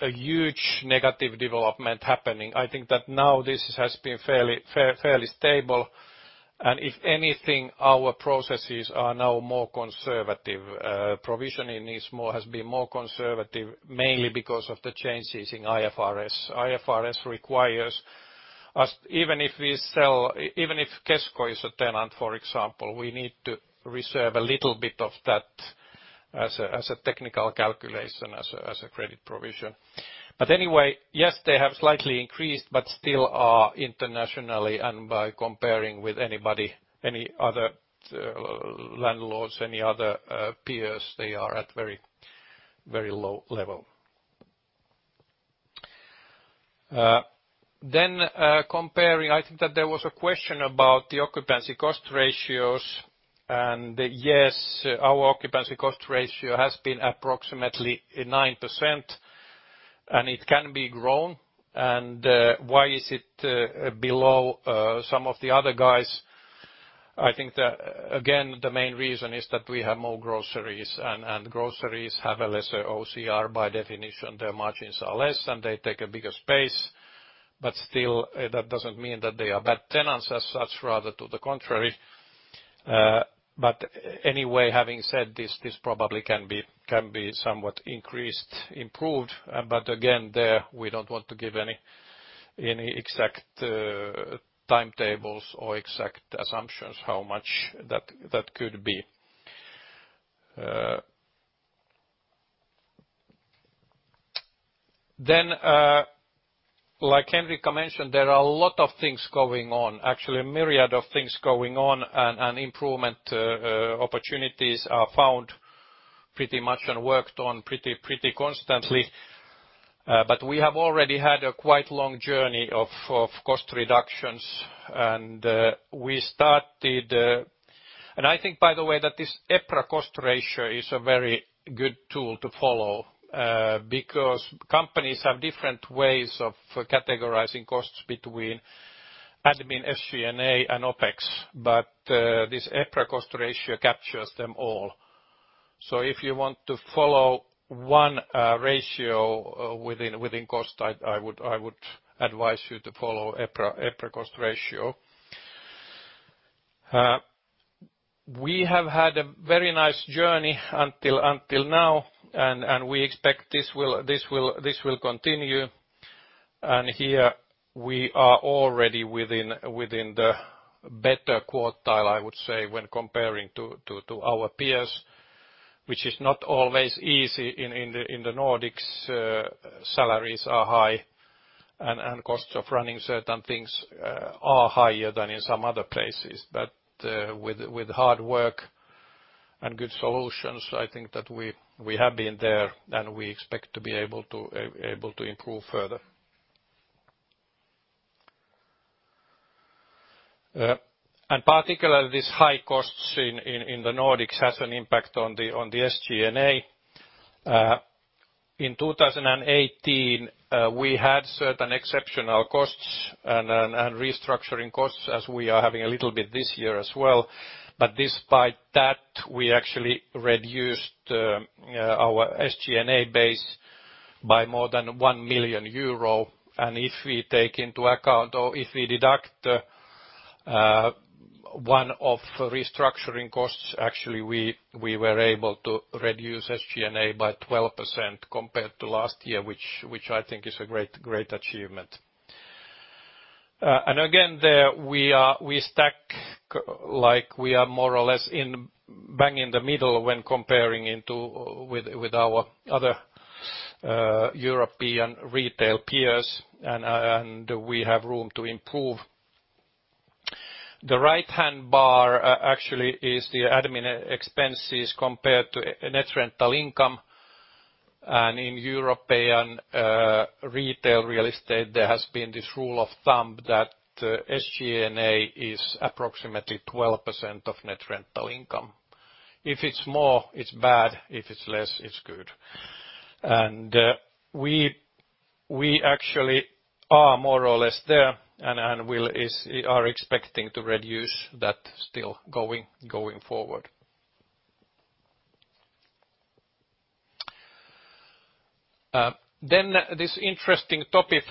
a huge negative development happening. I think that now this has been fairly stable. If anything, our processes are now more conservative. Provisioning has been more conservative, mainly because of the changes in IFRS. IFRS requires us, even if Kesko is a tenant, for example, we need to reserve a little bit of that as a technical calculation, as a credit provision. Anyway, yes, they have slightly increased, but still are internationally and by comparing with anybody, any other landlords, any other peers, they are at very low level. Comparing, I think that there was a question about the occupancy cost ratios. Yes, our occupancy cost ratio has been approximately 9% and it can be grown. Why is it below some of the other guys? I think that, again, the main reason is that we have more groceries, and groceries have a lesser OCR by definition. Their margins are less, and they take a bigger space. Still, that doesn't mean that they are bad tenants as such, rather to the contrary. Anyway, having said this probably can be somewhat improved. Again, there, we don't want to give any exact timetables or exact assumptions how much that could be. Like Henrica mentioned, there are a lot of things going on. Actually, a myriad of things going on, and improvement opportunities are found pretty much and worked on pretty constantly. We have already had a quite long journey of cost reductions. I think, by the way, that this EPRA cost ratio is a very good tool to follow, because companies have different ways of categorizing costs between admin, SG&A and OpEx, but this EPRA cost ratio captures them all. If you want to follow one ratio within cost, I would advise you to follow EPRA cost ratio. We have had a very nice journey until now, and we expect this will continue. Here we are already within the better quartile, I would say, when comparing to our peers, which is not always easy in the Nordics. Salaries are high and costs of running certain things are higher than in some other places. With hard work and good solutions, I think that we have been there, and we expect to be able to improve further. Particularly, these high costs in the Nordics has an impact on the SG&A. In 2018, we had certain exceptional costs and restructuring costs as we are having a little bit this year as well. Despite that, we actually reduced our SG&A base by more than 1 million euro. If we take into account or if we deduct one of restructuring costs, actually, we were able to reduce SG&A by 12% compared to last year, which I think is a great achievement. Again, there we stack like we are more or less bang in the middle when comparing with our other European retail peers, and we have room to improve. The right-hand bar actually is the admin expenses compared to net rental income. In European retail real estate, there has been this rule of thumb that SG&A is approximately 12% of net rental income. If it's more, it's bad, if it's less, it's good. We actually are more or less there and are expecting to reduce that still going forward. This interesting topic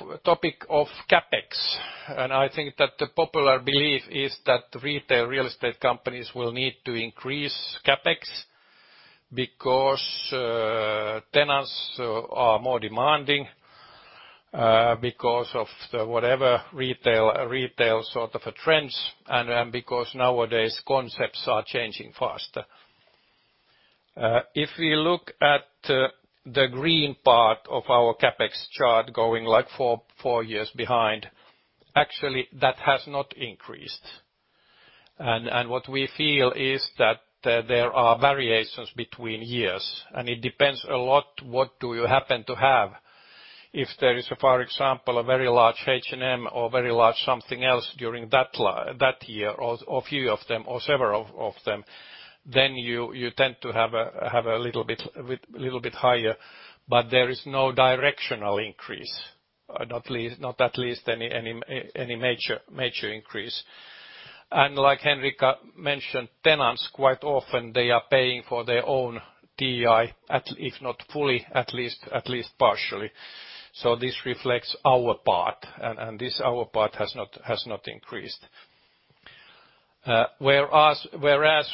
of CapEx. I think that the popular belief is that retail real estate companies will need to increase CapEx because tenants are more demanding, because of the whatever retail sort of a trends and because nowadays concepts are changing faster. If we look at the green part of our CapEx chart going four years behind, actually, that has not increased. What we feel is that there are variations between years, and it depends a lot what do you happen to have. If there is, for example, a very large H&M or very large something else during that year or a few of them or several of them, then you tend to have a little bit higher, but there is no directional increase, not at least any major increase. Like Henrica mentioned, tenants, quite often they are paying for their own TI, if not fully, at least partially. This reflects our part, and this our part has not increased. Whereas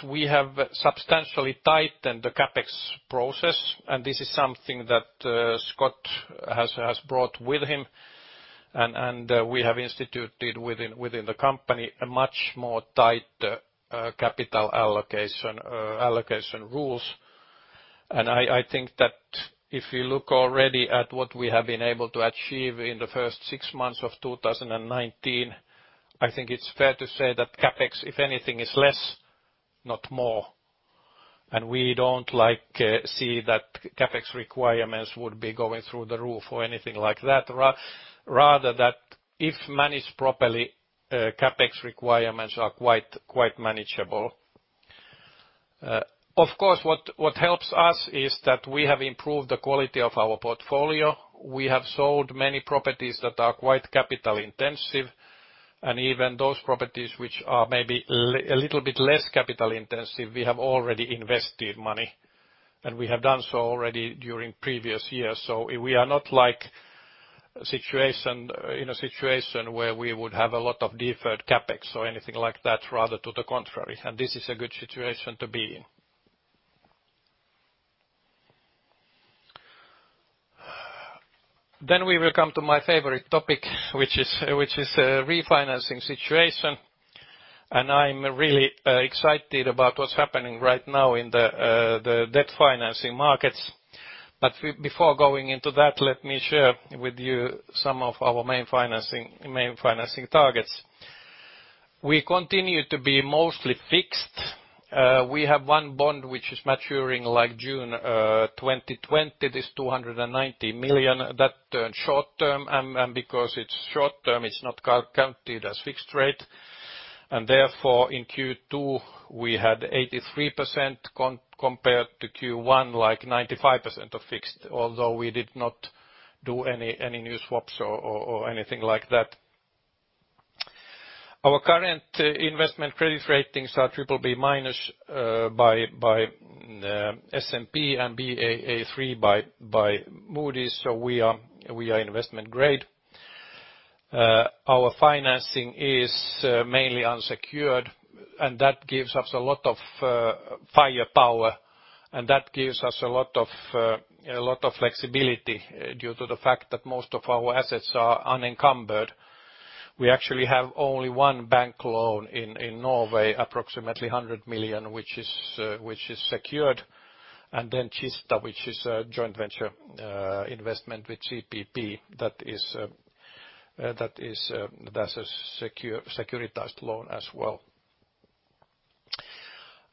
we have substantially tightened the CapEx process, and this is something that Scott has brought with him, and we have instituted within the company a much more tight capital allocation rules. I think that if you look already at what we have been able to achieve in the first six months of 2019, I think it's fair to say that CapEx, if anything, is less, not more. We don't see that CapEx requirements would be going through the roof or anything like that. Rather that if managed properly, CapEx requirements are quite manageable. Of course, what helps us is that we have improved the quality of our portfolio. We have sold many properties that are quite capital-intensive, and even those properties which are maybe a little bit less capital-intensive, we have already invested money. We have done so already during previous years. We are not in a situation where we would have a lot of deferred CapEx or anything like that, rather to the contrary. This is a good situation to be in. We will come to my favorite topic, which is refinancing situation. I'm really excited about what's happening right now in the debt financing markets. Before going into that, let me share with you some of our main financing targets. We continue to be mostly fixed. We have one bond, which is maturing June 2020. It is 290 million. That turned short-term, and because it's short-term, it's not counted as fixed rate. Therefore, in Q2, we had 83% compared to Q1, like 95% of fixed, although we did not do any new swaps or anything like that. Our current investment credit ratings are BBB- by S&P and Baa3 by Moody's. We are investment grade. Our financing is mainly unsecured, and that gives us a lot of firepower. That gives us a lot of flexibility due to the fact that most of our assets are unencumbered. We actually have only one bank loan in Norway, approximately 100 million, which is secured. Kista, which is a joint venture investment with CPP. That's a securitized loan as well.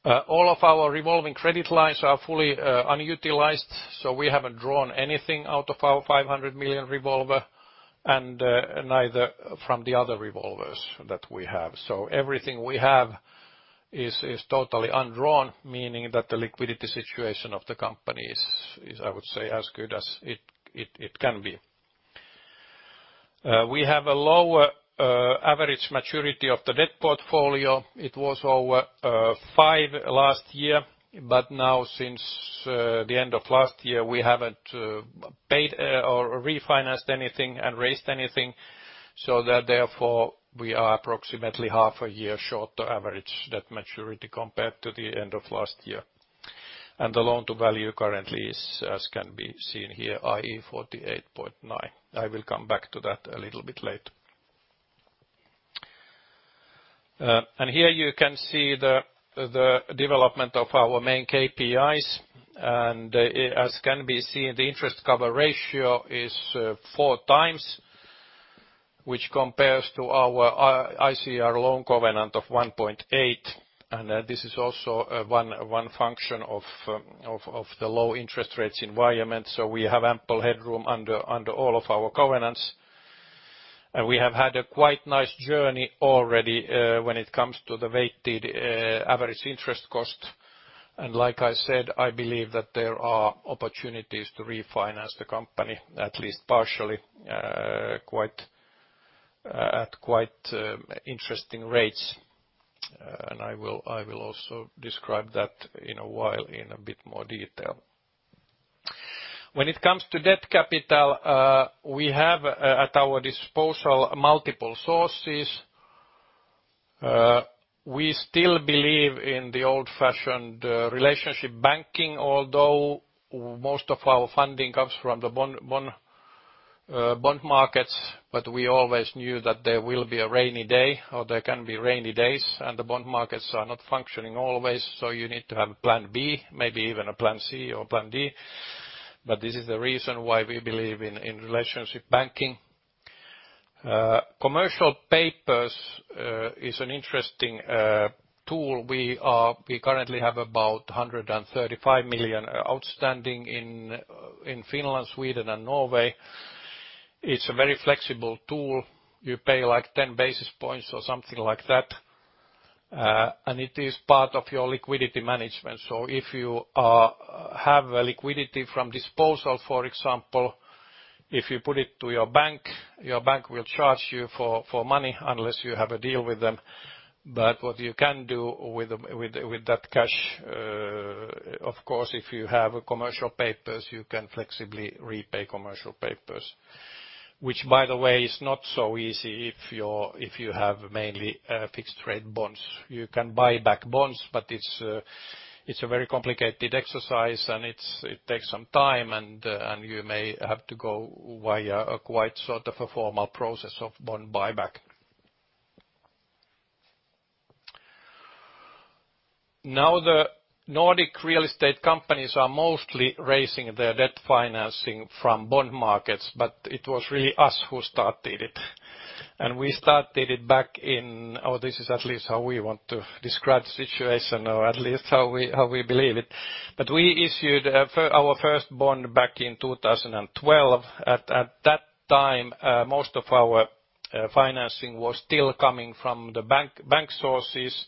All of our revolving credit lines are fully unutilized, so we haven't drawn anything out of our 500 million revolver, and neither from the other revolvers that we have. Everything we have is totally undrawn, meaning that the liquidity situation of the company is, I would say, as good as it can be. We have a lower average maturity of the debt portfolio. It was over five last year, but now since the end of last year, we haven't paid or refinanced anything and raised anything, so that therefore, we are approximately half a year short average debt maturity compared to the end of last year. The loan-to-value currently is, as can be seen here, i.e., 48.9%. I will come back to that a little bit later. Here you can see the development of our main KPIs. As can be seen, the interest cover ratio is 4 times, which compares to our ICR loan covenant of 1.8. This is also one function of the low interest rates environment. We have ample headroom under all of our covenants. We have had a quite nice journey already when it comes to the weighted average interest cost. Like I said, I believe that there are opportunities to refinance the company, at least partially, at quite interesting rates. I will also describe that in a while in a bit more detail. When it comes to debt capital, we have at our disposal multiple sources. We still believe in the old-fashioned relationship banking, although most of our funding comes from the bond markets. We always knew that there will be a rainy day, or there can be rainy days, and the bond markets are not functioning always. You need to have plan B, maybe even a plan C or plan D. This is the reason why we believe in relationship banking. Commercial papers is an interesting tool. We currently have about 135 million outstanding in Finland, Sweden, and Norway. It's a very flexible tool. You pay 10 basis points or something like that, and it is part of your liquidity management. If you have a liquidity from disposal, for example, if you put it to your bank, your bank will charge you for money unless you have a deal with them. What you can do with that cash, of course, if you have commercial papers, you can flexibly repay commercial papers. Which, by the way, is not so easy if you have mainly fixed-rate bonds. You can buy back bonds, but it's a very complicated exercise, and it takes some time, and you may have to go via a quite sort of a formal process of bond buyback. The Nordic real estate companies are mostly raising their debt financing from bond markets, but it was really us who started it. This is at least how we want to describe the situation, or at least how we believe it. We issued our first bond back in 2012. At that time, most of our financing was still coming from the bank sources.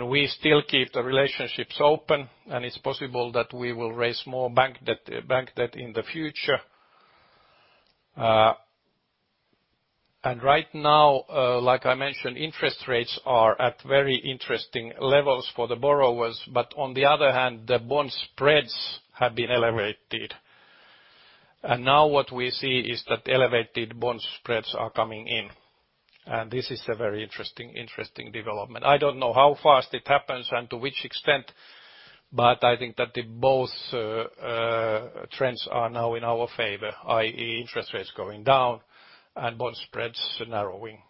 We still keep the relationships open, and it's possible that we will raise more bank debt in the future. Right now, like I mentioned, interest rates are at very interesting levels for the borrowers. On the other hand, the bond spreads have been elevated. Now what we see is that elevated bond spreads are coming in. This is a very interesting development. I don't know how fast it happens and to which extent, but I think that both trends are now in our favor, i.e., interest rates going down and bond spreads narrowing.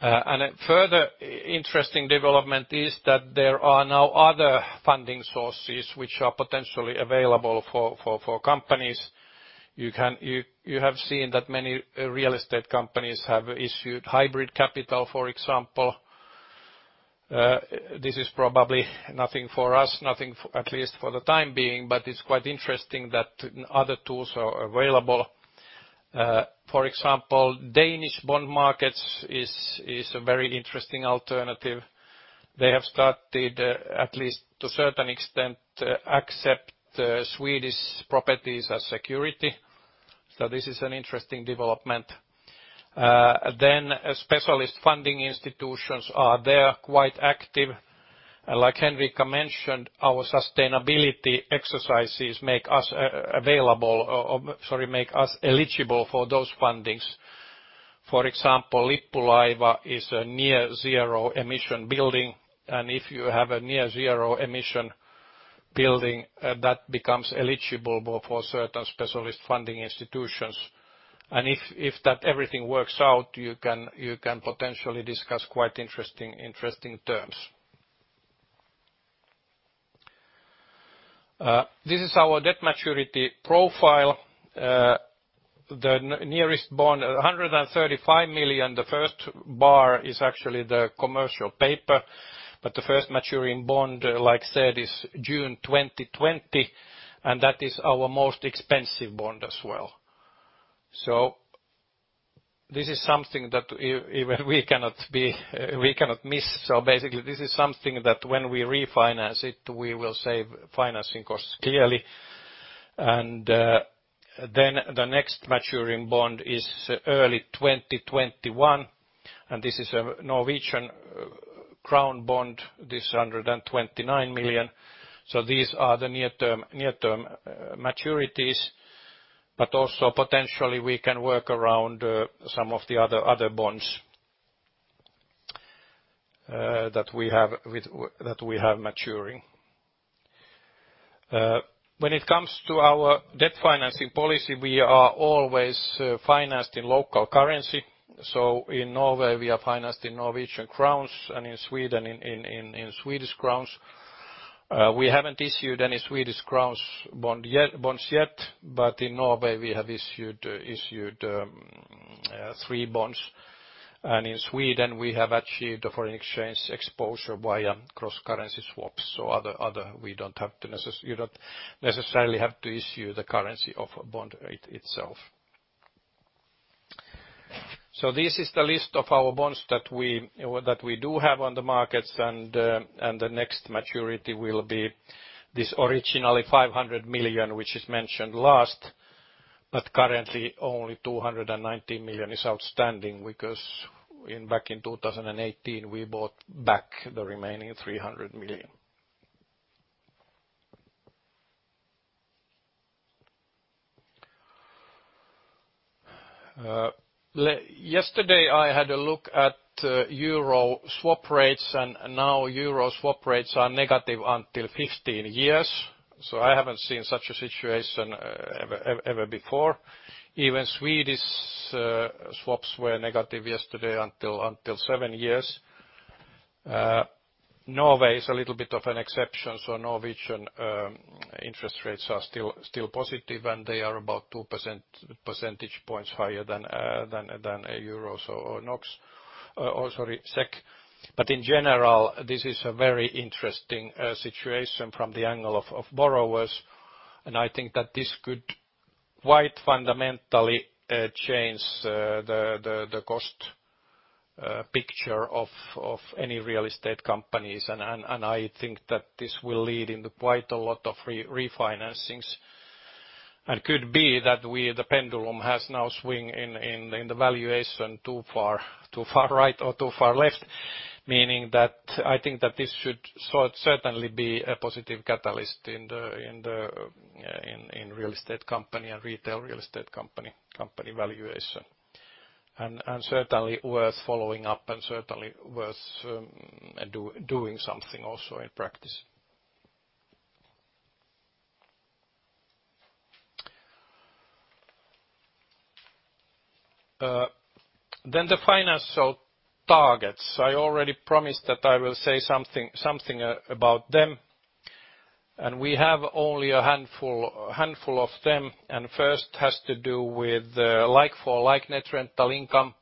A further interesting development is that there are now other funding sources which are potentially available for companies. You have seen that many real estate companies have issued hybrid capital, for example. This is probably nothing for us, nothing at least for the time being, but it's quite interesting that other tools are available. For example, Danish bond markets is a very interesting alternative. They have started, at least to a certain extent, to accept Swedish properties as security. This is an interesting development. Specialist funding institutions are there, quite active. Like Henrica mentioned, our sustainability exercises make us eligible for those fundings. For example, Lippulaiva is a near zero emission building, and if you have a near zero emission building, that becomes eligible for certain specialist funding institutions. If everything works out, you can potentially discuss quite interesting terms. This is our debt maturity profile. The nearest bond, 135 million. The first bar is actually the commercial paper, but the first maturing bond, like said, is June 2020, and that is our most expensive bond as well. This is something that even we cannot miss. Basically, this is something that when we refinance it, we will save financing costs, clearly. The next maturing bond is early 2021, and this is a NOK bond, this 129 million. These are the near-term maturities, but also potentially we can work around some of the other bonds that we have maturing. When it comes to our debt financing policy, we are always financed in local currency. In Norway, we are financed in NOK, and in Sweden, in SEK. We haven't issued any SEK bonds yet, but in Norway we have issued three bonds. In Sweden, we have achieved a foreign exchange exposure via cross-currency swaps. You don't necessarily have to issue the currency of a bond itself. This is the list of our bonds that we do have on the markets, and the next maturity will be this originally 500 million, which is mentioned last. Currently only 290 million is outstanding because back in 2018, we bought back the remaining 300 million. Yesterday I had a look at EUR swap rates, now EUR swap rates are negative until 15 years. I haven't seen such a situation ever before. Even SEK swaps were negative yesterday until seven years. Norway is a little bit of an exception. Norwegian interest rates are still positive, they are about 2 percentage points higher than a EUR or SEK. In general, this is a very interesting situation from the angle of borrowers, I think that this could quite fundamentally change the cost picture of any real estate companies. I think that this will lead into quite a lot of refinancings, and could be that the pendulum has now swing in the valuation too far right or too far left, meaning that I think that this should certainly be a positive catalyst in real estate company and retail real estate company valuation. Certainly worth following up, and certainly worth doing something also in practice. The financial targets. I already promised that I will say something about them. We have only a handful of them, and first has to do with the like-for-like net rental income.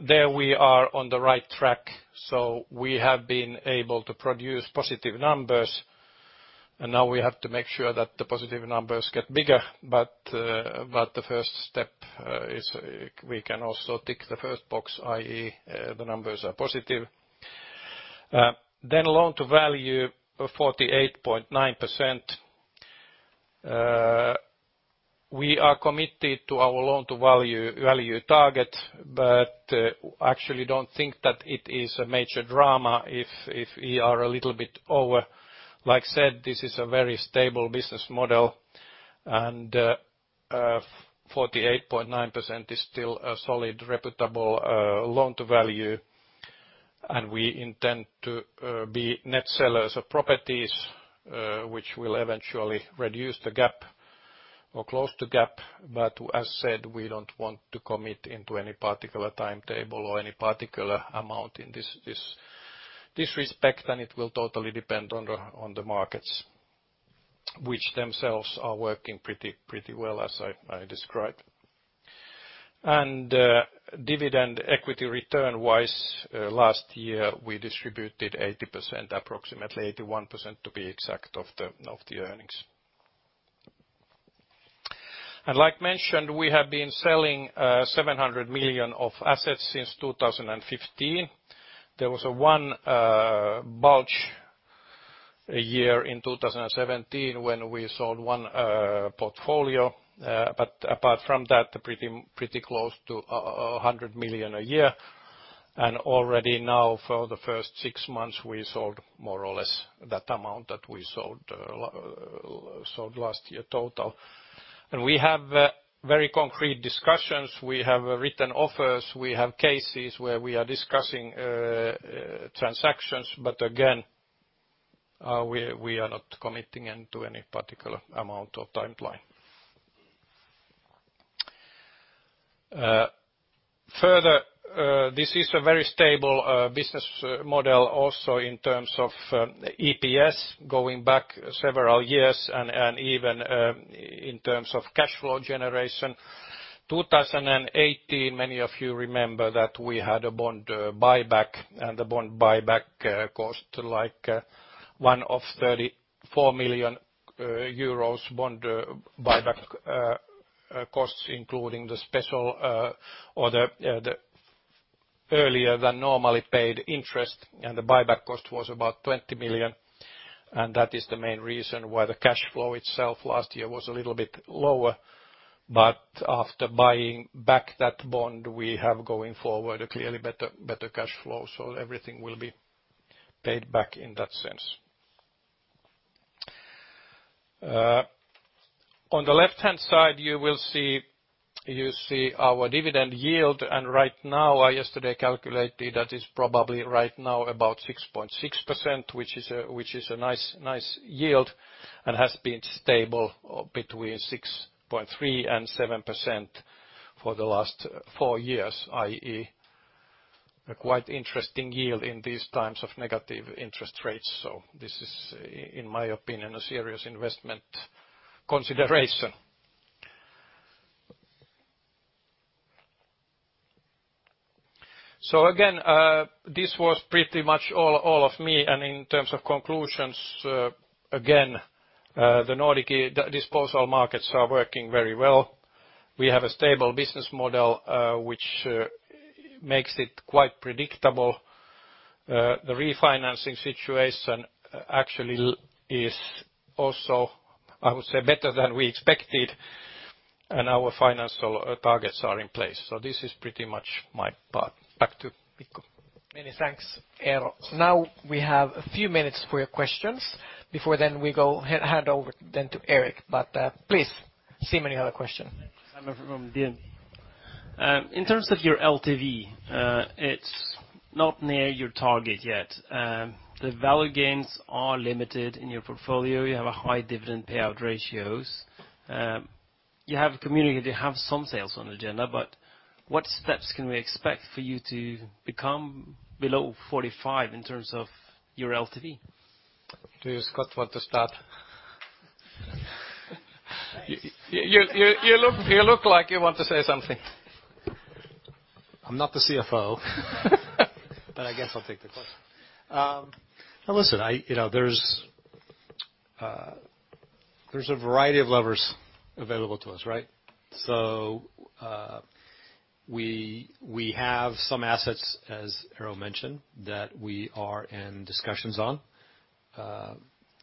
There we are on the right track. We have been able to produce positive numbers, and now we have to make sure that the positive numbers get bigger. The first step is we can also tick the first box, i.e., the numbers are positive. Loan-to-value of 48.9%. We are committed to our loan-to-value target, actually don't think that it is a major drama if we are a little bit over. Like I said, this is a very stable business model, 48.9% is still a solid, reputable loan-to-value. We intend to be net sellers of properties, which will eventually reduce the gap or close the gap. As said, we don't want to commit into any particular timetable or any particular amount in this respect, it will totally depend on the markets, which themselves are working pretty well as I described. Dividend equity return-wise, last year we distributed 80%, approximately 81% to be exact, of the earnings. Like mentioned, we have been selling 700 million of assets since 2015. There was one bulge a year in 2017 when we sold one portfolio. Apart from that, pretty close to 100 million a year. Already now for the first six months, we sold more or less that amount that we sold last year total. We have very concrete discussions. We have written offers. We have cases where we are discussing transactions, but again, we are not committing into any particular amount of timeline. This is a very stable business model also in terms of EPS going back several years and even in terms of cash flow generation. 2018, many of you remember that we had a bond buyback, and the bond buyback cost like EUR 34 million bond buyback costs, including the special or the earlier than normally paid interest, and the buyback cost was about 20 million. That is the main reason why the cash flow itself last year was a little bit lower. After buying back that bond, we have going forward a clearly better cash flow, so everything will be paid back in that sense. On the left-hand side, you will see our dividend yield, and right now, I yesterday calculated that it's probably right now about 6.6%, which is a nice yield and has been stable between 6.3% and 7% for the last four years, i.e., a quite interesting yield in these times of negative interest rates. This is, in my opinion, a serious investment consideration. Again, this was pretty much all of me. In terms of conclusions, again the Nordic disposal markets are working very well. We have a stable business model, which makes it quite predictable. The refinancing situation actually is also, I would say, better than we expected, and our financial targets are in place. This is pretty much my part. Back to Mikko. Many thanks, Eero. Now we have a few minutes for your questions before we hand over to Erik. Please, Simen have a question. Simen from DNB. In terms of your LTV, it's not near your target yet. The value gains are limited in your portfolio. You have a high dividend payout ratios. You have communicated you have some sales on agenda, but what steps can we expect for you to become below 45 in terms of your LTV? Do you, Scott, want to start? You look like you want to say something. I'm not the CFO. I guess I'll take the question. Listen, there's a variety of levers available to us, right? We have some assets, as Eero mentioned, that we are in discussions on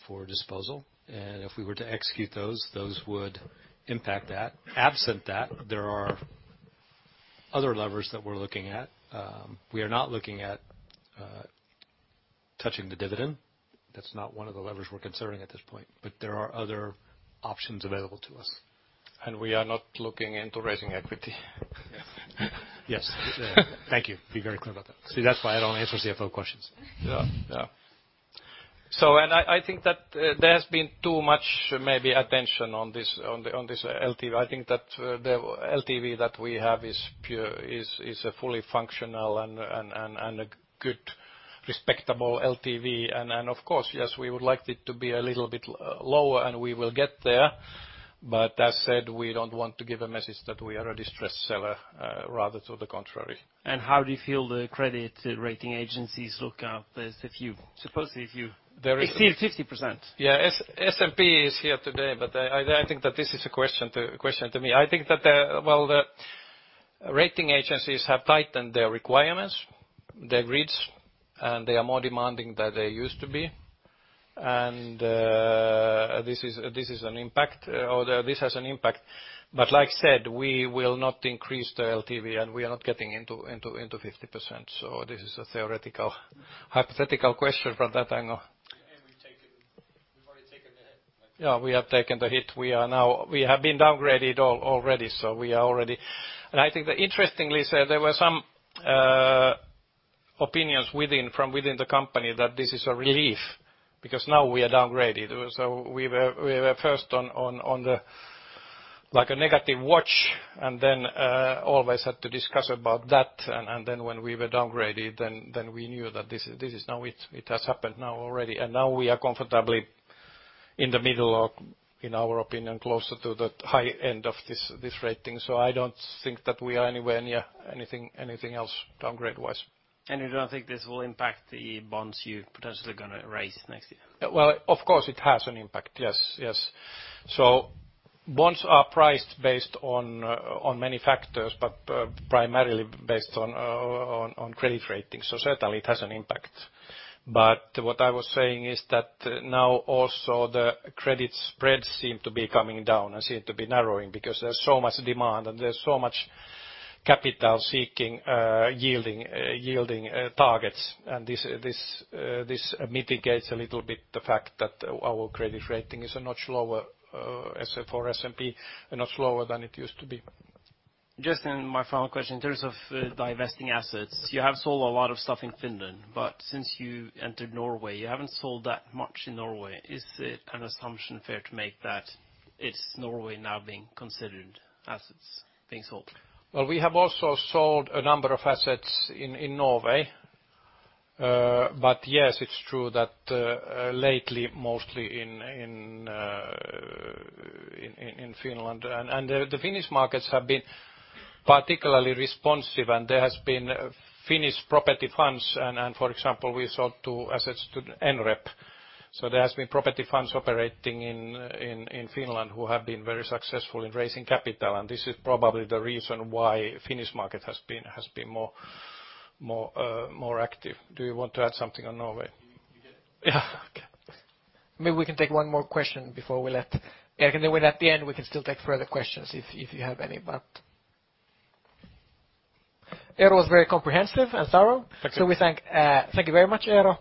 for disposal. If we were to execute those would impact that. Absent that, there are other levers that we're looking at. We are not looking at touching the dividend. That's not one of the levers we're considering at this point. There are other options available to us. We are not looking into raising equity. Yes. Thank you. Be very clear about that. That's why I don't answer CFO questions. Yeah. I think that there has been too much maybe attention on this LTV. I think that the LTV that we have is a fully functional and a good, respectable LTV. Of course, yes, we would like it to be a little bit lower, and we will get there. As said, we don't want to give a message that we are a distressed seller, rather to the contrary. How do you feel the credit rating agencies look at this supposedly if you. Very- exceed 50%? Yeah. S&P is here today. I think that this is a question to me. I think that the Rating agencies have tightened their requirements, their grids, and they are more demanding than they used to be. This has an impact, but like I said, we will not increase the LTV and we are not getting into 50%. This is a hypothetical question from that angle. We've already taken the hit. Yeah, we have taken the hit. We have been downgraded already. I think that interestingly, sir, there were some opinions from within the company that this is a relief because now we are downgraded. We were first on a negative watch and then always had to discuss about that. Then when we were downgraded, then we knew that this is now it. It has happened now already. Now we are comfortably in the middle of, in our opinion, closer to the high end of this rating. I don't think that we are anywhere near anything else downgrade-wise. You don't think this will impact the bonds you potentially going to raise next year? Well, of course it has an impact. Yes. Bonds are priced based on many factors, but primarily based on credit rating. Certainly it has an impact. What I was saying is that now also the credit spreads seem to be coming down and seem to be narrowing because there's so much demand and there's so much capital seeking yielding targets. This mitigates a little bit the fact that our credit rating is a notch lower for S&P, a notch lower than it used to be. Just in my final question, in terms of divesting assets, you have sold a lot of stuff in Finland. Since you entered Norway, you haven't sold that much in Norway. Is it an assumption fair to make that it's Norway now being considered assets being sold? Well, we have also sold a number of assets in Norway. Yes, it's true that lately, mostly in Finland. The Finnish markets have been particularly responsive and there has been Finnish property funds and for example, we sold assets to NREP. There has been property funds operating in Finland who have been very successful in raising capital, and this is probably the reason why Finnish market has been more active. Do you want to add something on Norway? You did. Yeah. Maybe we can take one more question before we let Erik. At the end, we can still take further questions if you have any, but Eero was very comprehensive and thorough. Thank you. Thank you very much, Eero.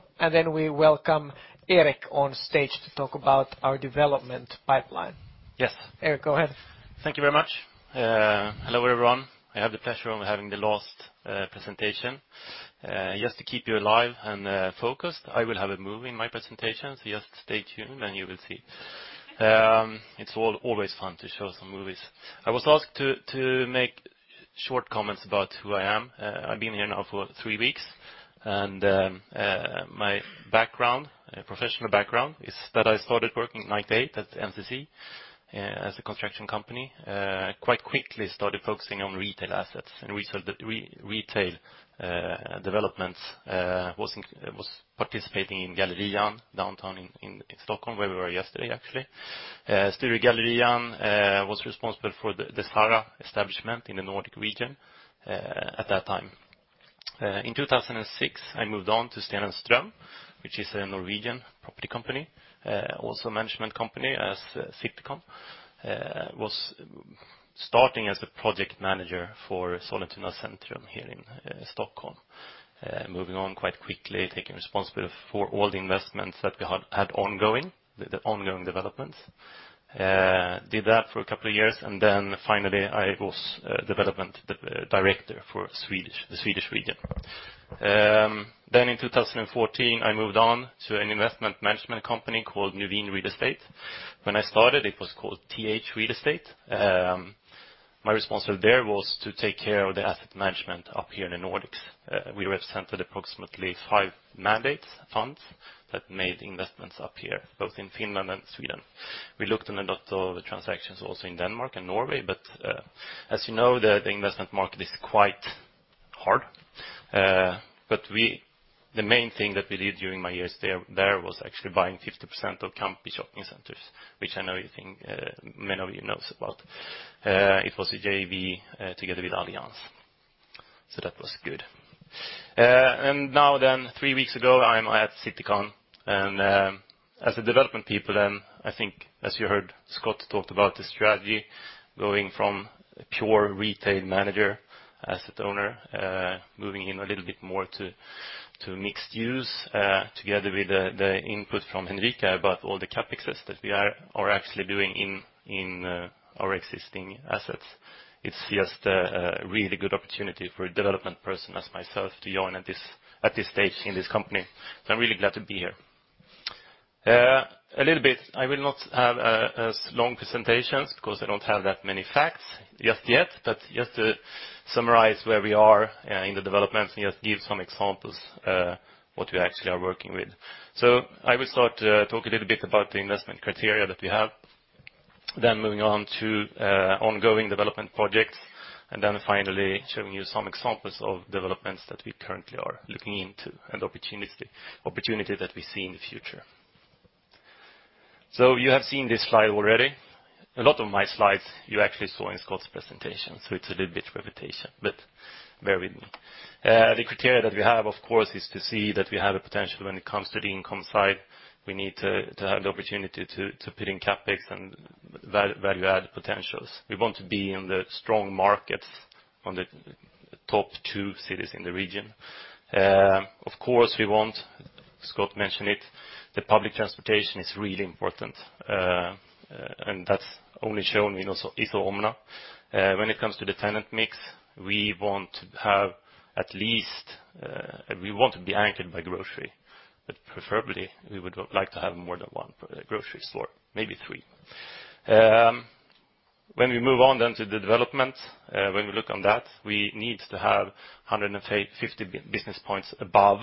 We welcome Erik on stage to talk about our development pipeline. Yes. Erik, go ahead. Thank you very much. Hello, everyone. I have the pleasure of having the last presentation. Just to keep you alive and focused, I will have a movie in my presentation, so just stay tuned and you will see. It's always fun to show some movies. I was asked to make short comments about who I am. I've been here now for three weeks, and my professional background is that I started working in 1998 at NCC as a construction company. Quite quickly started focusing on retail assets and retail developments, was participating in Gallerian downtown in Stockholm, where we were yesterday, actually. Sturegallerian was responsible for the Zara establishment in the Nordic region at that time. In 2006, I moved on to Steen & Strøm, which is a Norwegian property company, also management company as Citycon. Was starting as a project manager for Sollentuna Centrum here in Stockholm. Moving on quite quickly, taking responsibility for all the investments that we had ongoing, the ongoing developments. Did that for a couple of years, then finally I was development director for the Swedish region. In 2014, I moved on to an investment management company called Nuveen Real Estate. When I started, it was called TH Real Estate. My responsibility there was to take care of the asset management up here in the Nordics. We represented approximately five mandate funds that made investments up here, both in Finland and Sweden. We looked on a lot of the transactions also in Denmark and Norway, but, as you know, the investment market is quite hard. The main thing that we did during my years there was actually buying 50% of Kamppi Shopping Centers, which I know many of you knows about. It was a JV together with Allianz. That was good. Now, 3 weeks ago, I'm at Citycon. As a development person, and I think as you heard, Scott talked about the strategy going from pure retail manager, asset owner, moving in a little bit more to mixed use, together with the input from Henrica about all the CapExes that we are actually doing in our existing assets. It's just a really good opportunity for a development person as myself to join at this stage in this company. I'm really glad to be here. A little bit, I will not have as long presentations because I don't have that many facts just yet. Just to summarize where we are in the development and just give some examples, what we actually are working with. I will start to talk a little bit about the investment criteria that we have. Moving on to ongoing development projects, finally showing you some examples of developments that we currently are looking into and opportunities that we see in the future. You have seen this slide already. A lot of my slides you actually saw in Scott's presentation, so it's a little bit repetition. Bear with me. The criteria that we have, of course, is to see that we have a potential when it comes to the income side. We need to have the opportunity to put in CapEx and value-add potentials. We want to be in the strong markets on the top 2 cities in the region. Of course, we want, Scott mentioned it, the public transportation is really important. That's only shown in Iso Omena. When it comes to the tenant mix, we want to be anchored by grocery. Preferably, we would like to have more than one grocery store, maybe three. When we move on then to the development, when we look on that, we need to have 150 basis points above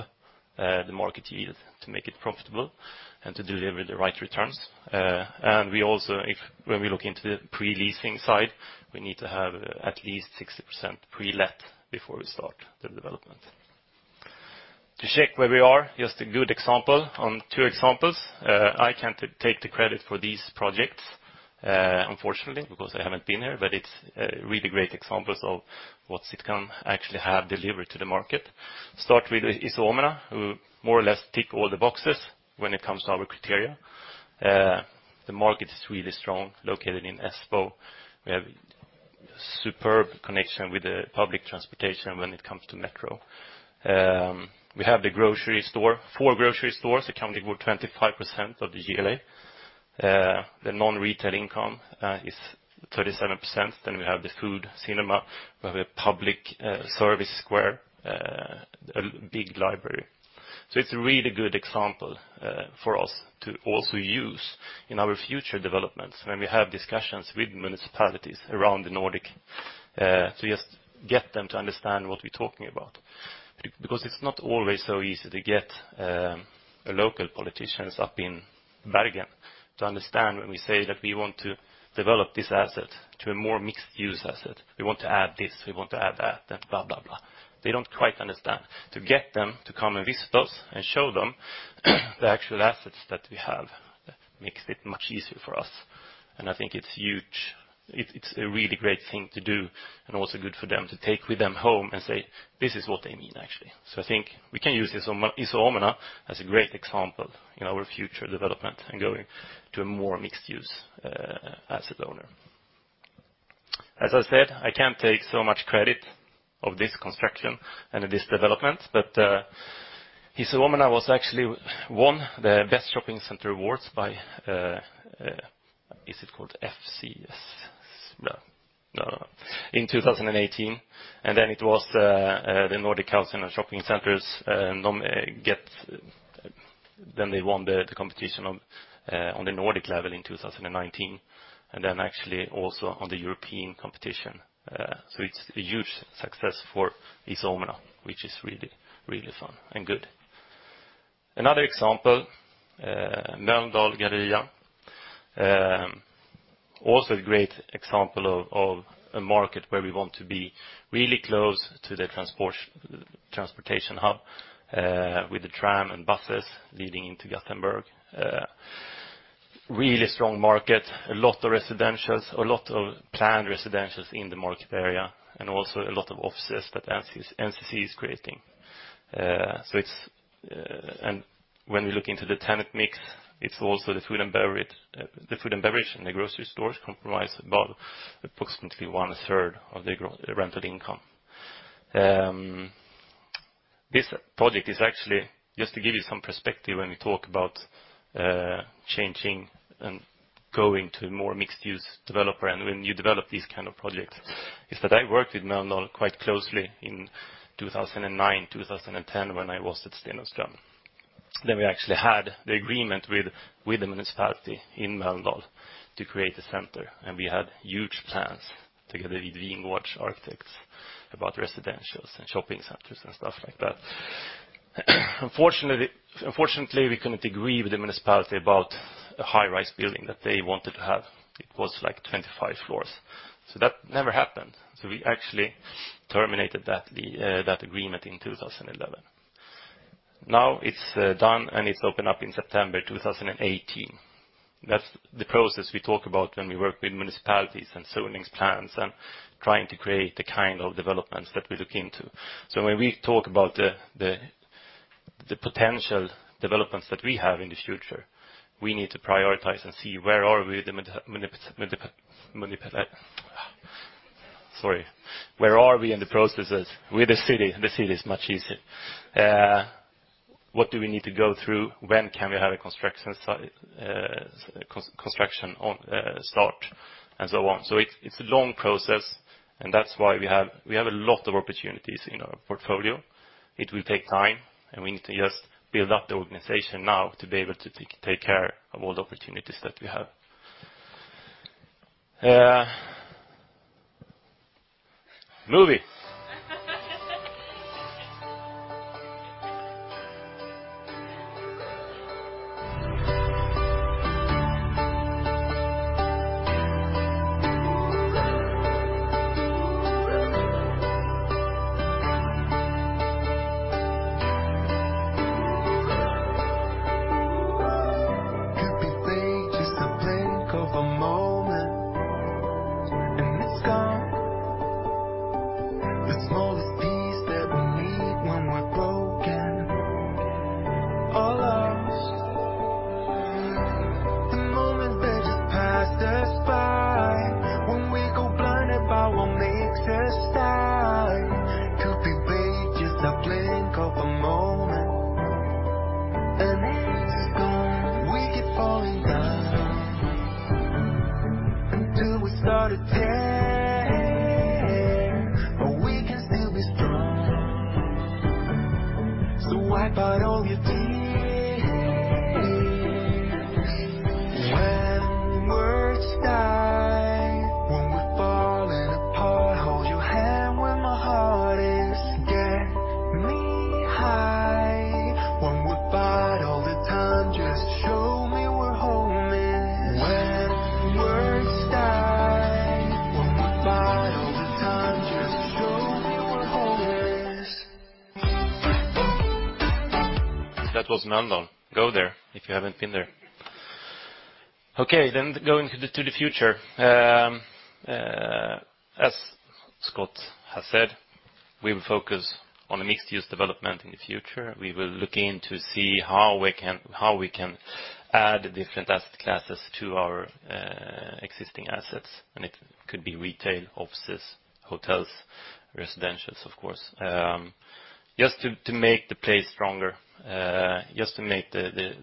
the market yield to make it profitable and to deliver the right returns. When we look into the pre-leasing side, we need to have at least 60% pre-let before we start the development. To check where we are, just a good example on two examples. I can't take the credit for these projects, unfortunately, because I haven't been there, but it's really great examples of what Citycon can actually have delivered to the market. Start with Iso Omena, who more or less tick all the boxes when it comes to our criteria. The market is really strong, located in Espoo. We have superb connection with the public transportation when it comes to metro. We have the grocery store, 4 grocery stores accounting for 25% of the GLA. The non-retail income is 37%. We have the food cinema. We have a public service square, a big library. It's a really good example for us to also use in our future developments when we have discussions with municipalities around the Nordic, to just get them to understand what we're talking about. Because it's not always so easy to get local politicians up in Bergen to understand when we say that we want to develop this asset to a more mixed-use asset. We want to add this, we want to add that, and blah, blah. They don't quite understand. To get them to come and visit us and show them the actual assets that we have, makes it much easier for us. I think it's huge. It's a really great thing to do, and also good for them to take with them home and say, "This is what they mean, actually." I think we can use Iso Omena as a great example in our future development and going to a more mixed-use asset owner. As I said, I can't take so much credit of this construction and this development, but Iso Omena was actually won the best shopping center awards by, is it called FCS? No. In 2018. Then it was the Nordic Council of Shopping Centers, then they won the competition on the Nordic level in 2019, then actually also on the European competition. It's a huge success for Iso Omena, which is really fun and good. Another example, Mölndal Galleria. A great example of a market where we want to be really close to the transportation hub, with the tram and buses leading into Gothenburg. Really strong market. A lot of planned residentials in the market area, also a lot of offices that NCC is creating. When we look into the tenant mix, it is also the food and beverage, and the grocery stores comprise about approximately one-third of the rental income. This project is actually, just to give you some perspective when we talk about changing and going to more mixed-use developer and when you develop these kind of projects, is that I worked with Mölndal quite closely in 2009, 2010 when I was at Steen & Strøm. We actually had the agreement with the municipality in Mölndal to create a center, and we had huge plans together with Wingårdhs Architects about residentials and shopping centers and stuff like that. Unfortunately, we couldn't agree with the municipality about a high-rise building that they wanted to have. It was like 25 floors. That never happened. We actually terminated that agreement in 2011. Now it's done, and it's opened up in September 2018. That's the process we talk about when we work with municipalities and zonings plans and trying to create the kind of developments that we look into. When we talk about the potential developments that we have in the future, we need to prioritize and see where are we, Sorry. Where are we in the processes with the city? The city is much easier. Okay, going to the future. As Scott has said, we will focus on a mixed-use development in the future. We will look in to see how we can add different asset classes to our existing assets. It could be retail, offices, hotels, residentials, of course. Just to make the play stronger. Just to make the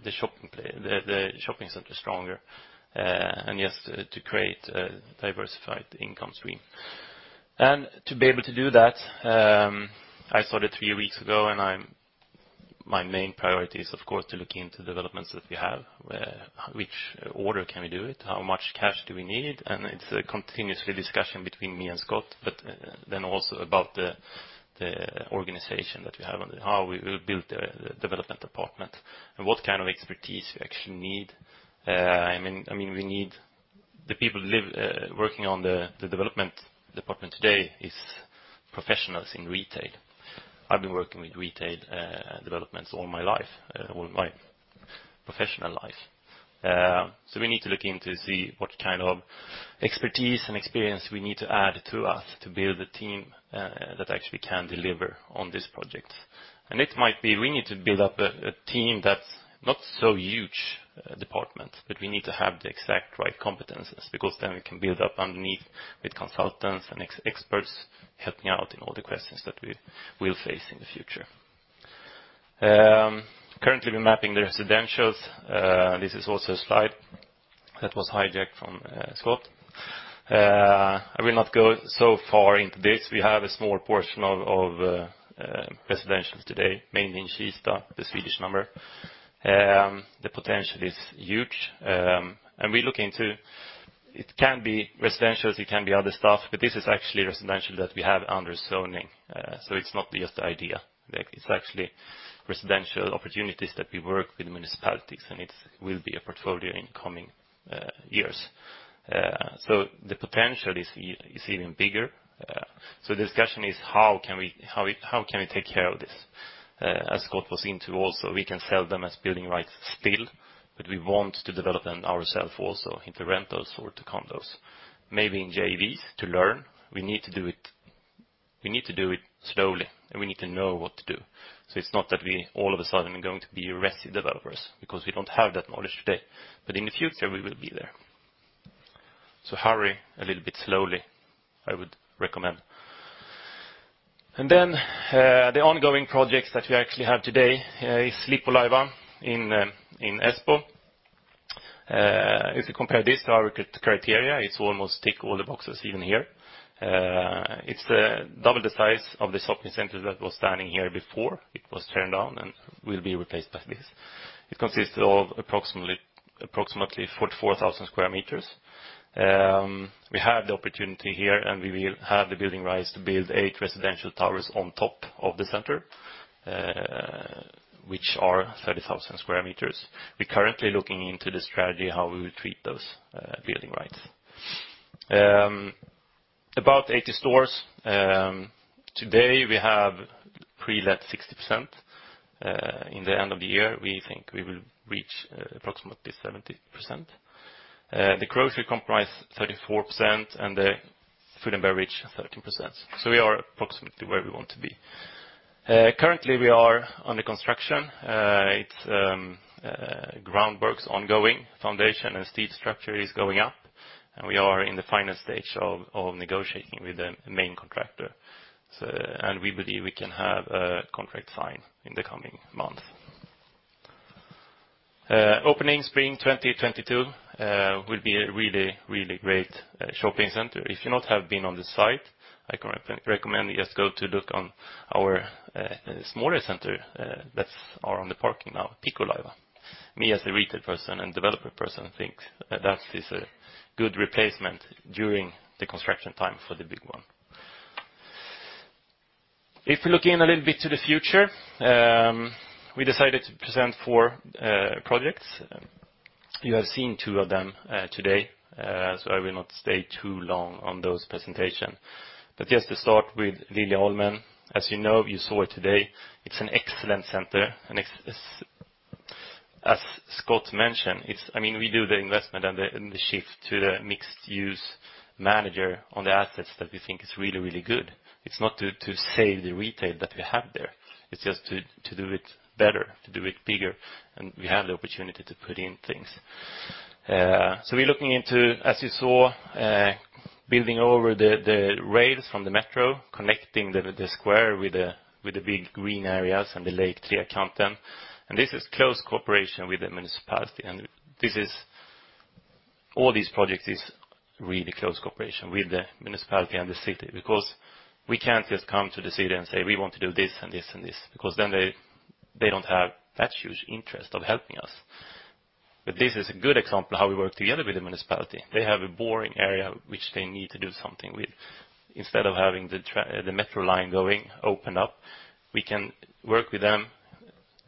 shopping center stronger, and to create a diversified income stream. To be able to do that, I started three weeks ago, and my main priority is, of course, to look into developments that we have. Which order can we do it? How much cash do we need? It's a continuous discussion between me and Scott, but then also about the organization that we have and how we'll build the development department and what kind of expertise we actually need. The people working on the development department today is professionals in retail. I've been working with retail developments all my professional life. We need to look in to see what kind of expertise and experience we need to add to us to build a team that actually can deliver on this project. It might be we need to build up a team that's not so huge department, but we need to have the exact right competencies, because then we can build up underneath with consultants and experts helping out in all the questions that we'll face in the future. Currently, we're mapping the residentials. This is also a slide that was hijacked from Scott. I will not go so far into this. We have a small portion of residentials today, mainly in Kista, the Swedish number. The potential is huge. We look into it can be residentials, it can be other stuff. This is actually residential that we have under zoning. It's not just the idea. It's actually residential opportunities that we work with municipalities, and it will be a portfolio in coming years. The potential is even bigger. The discussion is how can we take care of this? As Scott was into also, we can sell them as building rights still, but we want to develop them ourself also into rentals or to condos, maybe in JVs to learn. We need to do it slowly, and we need to know what to do. It's not that we all of a sudden are going to be resi developers because we don't have that knowledge today. In the future, we will be there. Hurry a little bit slowly, I would recommend. The ongoing projects that we actually have today is Lippulaiva in Espoo. If you compare this to our criteria, it's almost tick all the boxes even here. It's double the size of the shopping center that was standing here before. It was turned down and will be replaced by this. It consists of approximately 44,000 sq m. We have the opportunity here, and we will have the building rights to build eight residential towers on top of the center, which are 30,000 sq m. We're currently looking into the strategy, how we will treat those building rights. About 80 stores. Today, we have pre-let 60%. In the end of the year, we think we will reach approximately 70%. The grocery comprise 34% and the food and beverage, 13%. We are approximately where we want to be. Currently, we are under construction. It's groundworks ongoing. Foundation and steel structure is going up, we are in the final stage of negotiating with the main contractor. We believe we can have a contract signed in the coming month. Opening spring 2022 will be a really great shopping center. If you not have been on this site, I recommend you just go to look on our smaller center that's on the parking now, Lippulaiva. Me as a retail person and developer person think that is a good replacement during the construction time for the big one. If you look in a little bit to the future, we decided to present four projects. You have seen two of them today, so I will not stay too long on those presentation. Just to start with Liljeholmen, as you know, you saw it today, it's an excellent center. As Scott mentioned, we do the investment and the shift to the mixed-use manager on the assets that we think is really good. It's not to save the retail that we have there, it's just to do it better, to do it bigger, and we have the opportunity to put in things. We're looking into, as you saw, building over the rails from the metro, connecting the square with the big green areas and the lake, Trekanten. This is close cooperation with the municipality, and all these projects is really close cooperation with the municipality and the city. We can't just come to the city and say, "We want to do this and this and this." Then they don't have that huge interest of helping us. This is a good example of how we work together with the municipality. They have a boring area which they need to do something with. Instead of having the metro line going open up, we can work with them,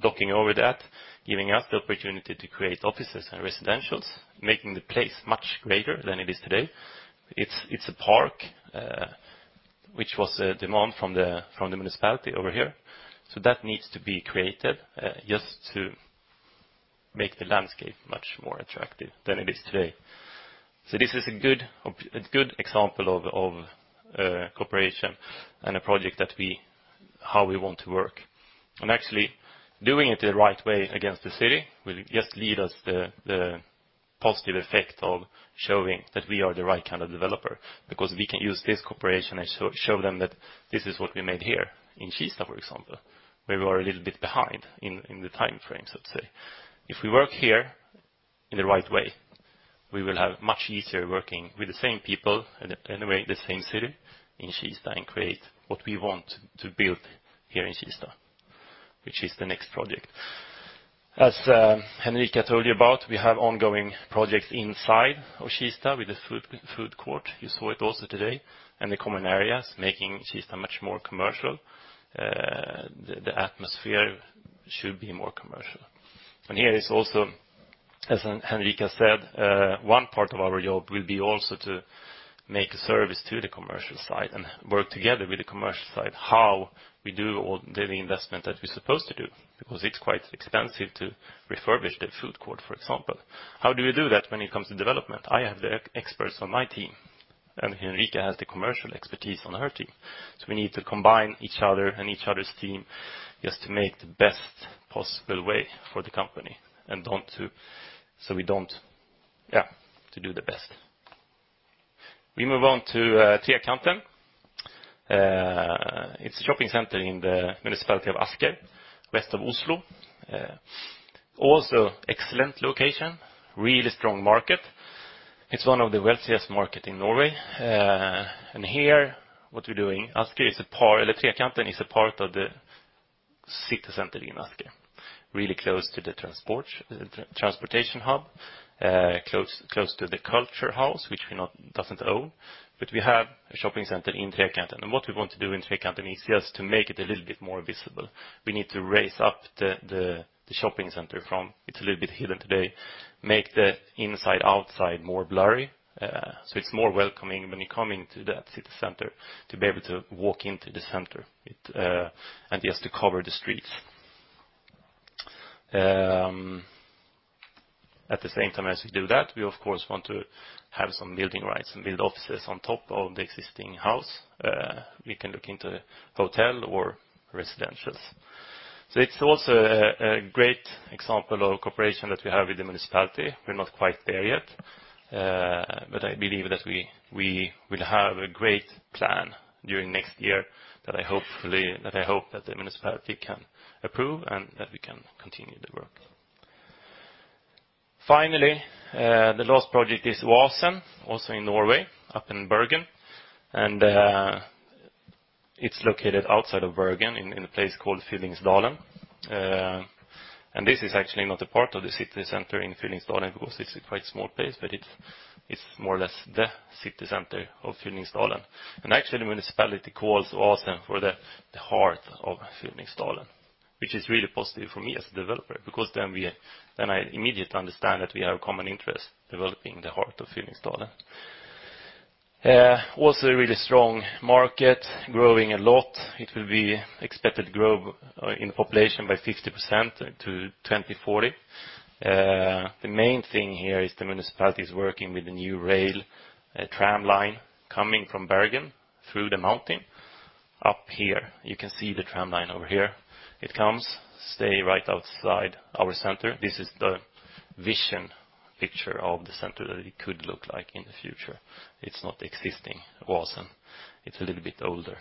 looking over that, giving us the opportunity to create offices and residentials, making the place much greater than it is today. It's a park, which was a demand from the municipality over here. That needs to be created, just to make the landscape much more attractive than it is today. This is a good example of cooperation and a project how we want to work. Actually, doing it the right way against the city will just lead us the positive effect of showing that we are the right kind of developer, because we can use this cooperation and show them that this is what we made here in Kista, for example, where we were a little bit behind in the time frames, let's say. If we work here in the right way, we will have much easier working with the same people in the same city in Kista and create what we want to build here in Kista, which is the next project. As Henrica told you about, we have ongoing projects inside of Kista with the food court. You saw it also today, and the common areas, making Kista much more commercial. The atmosphere should be more commercial. Here is also, as Henrica said, one part of our job will be also to make a service to the commercial side and work together with the commercial side how we do all the investment that we're supposed to do, because it's quite expensive to refurbish the food court, for example. How do we do that when it comes to development? I have the experts on my team, and Henrica has the commercial expertise on her team. We need to combine each other and each other's team just to make the best possible way for the company, yeah, to do the best. We move on to Trekanten. It's a shopping center in the municipality of Asker, west of Oslo. Also excellent location, really strong market. It's one of the wealthiest market in Norway. Here, what we're doing, Trekanten is a part of the city center in Asker. Really close to the transportation hub, close to the culture house, which we doesn't own. We have a shopping center in Trekanten. What we want to do in Trekanten is just to make it a little bit more visible. We need to raise up the shopping center from, it's a little bit hidden today, make the inside/outside more blurry, so it's more welcoming when you're coming to that city center to be able to walk into the center, and just to cover the streets. At the same time as we do that, we of course want to have some building rights and build offices on top of the existing house. We can look into hotel or residentials. It's also a great example of cooperation that we have with the municipality. We're not quite there yet. I believe that we will have a great plan during next year that I hope that the municipality can approve and that we can continue the work. Finally, the last project is Oasen, also in Norway, up in Bergen. It's located outside of Bergen in a place called Fyllingsdalen. This is actually not a part of the city center in Fyllingsdalen because it's a quite small place, but it's more or less the city center of Fyllingsdalen. Actually, the municipality calls Oasen for the heart of Fyllingsdalen, which is really positive for me as a developer, because then I immediately understand that we have a common interest developing the heart of Fyllingsdalen. A really strong market, growing a lot. It will be expected growth in population by 50% to 2040. The main thing here is the municipality is working with the new rail tram line coming from Bergen through the mountain up here. You can see the tram line over here. It comes, stay right outside our center. This is the vision picture of the center that it could look like in the future. It's not existing, Oasen. It's a little bit older.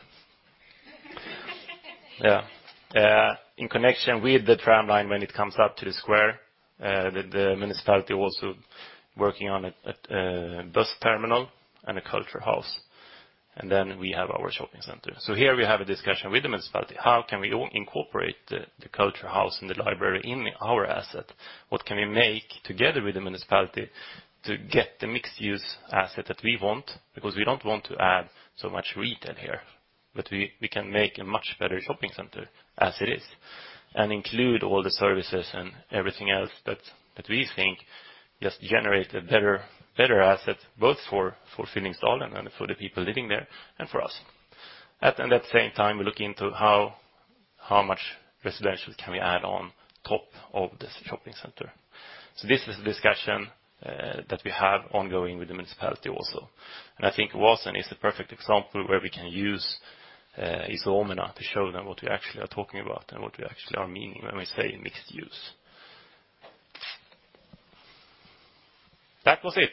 Yeah. In connection with the tram line, when it comes up to the square, the municipality also working on a bus terminal and a culture house. We have our shopping center. Here we have a discussion with the municipality. How can we incorporate the culture house and the library in our asset? What can we make together with the municipality to get the mixed use asset that we want, because we don't want to add so much retail here. We can make a much better shopping center as it is, and include all the services and everything else that we think just generate a better asset, both for Fyllingsdalen and for the people living there, and for us. At that same time, we're looking into how much residential can we add on top of this shopping center. This is a discussion that we have ongoing with the municipality also. I think Oasen is the perfect example where we can use Iso Omena to show them what we actually are talking about and what we actually are meaning when we say mixed use. That was it.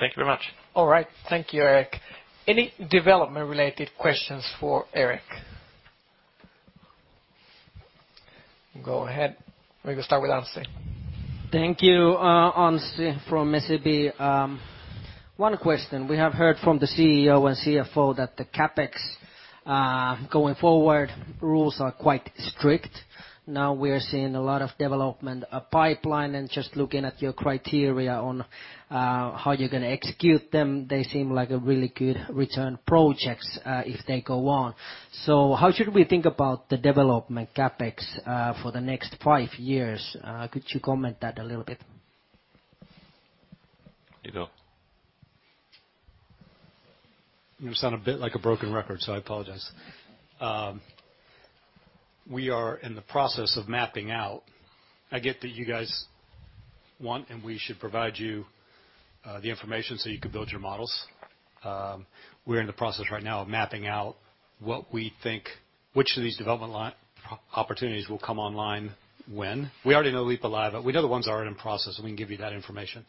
Thank you very much. All right. Thank you, Erik. Any development related questions for Erik? Go ahead. We can start with Anssi. Thank you. Anssi from SEB. One question. We have heard from the CEO and CFO that the CapEx going forward rules are quite strict. We're seeing a lot of development, a pipeline, and just looking at your criteria on how you're going to execute them. They seem like a really good return projects, if they go on. How should we think about the development CapEx for the next five years? Could you comment that a little bit? You go. We sound a bit like a broken record. I apologize. We are in the process of mapping out. I get that you guys want, and we should provide you the information so you could build your models. We're in the process right now of mapping out what we think, which of these development opportunities will come online when. We already know Lippulaiva. We know the ones that are already in process, and we can give you that information.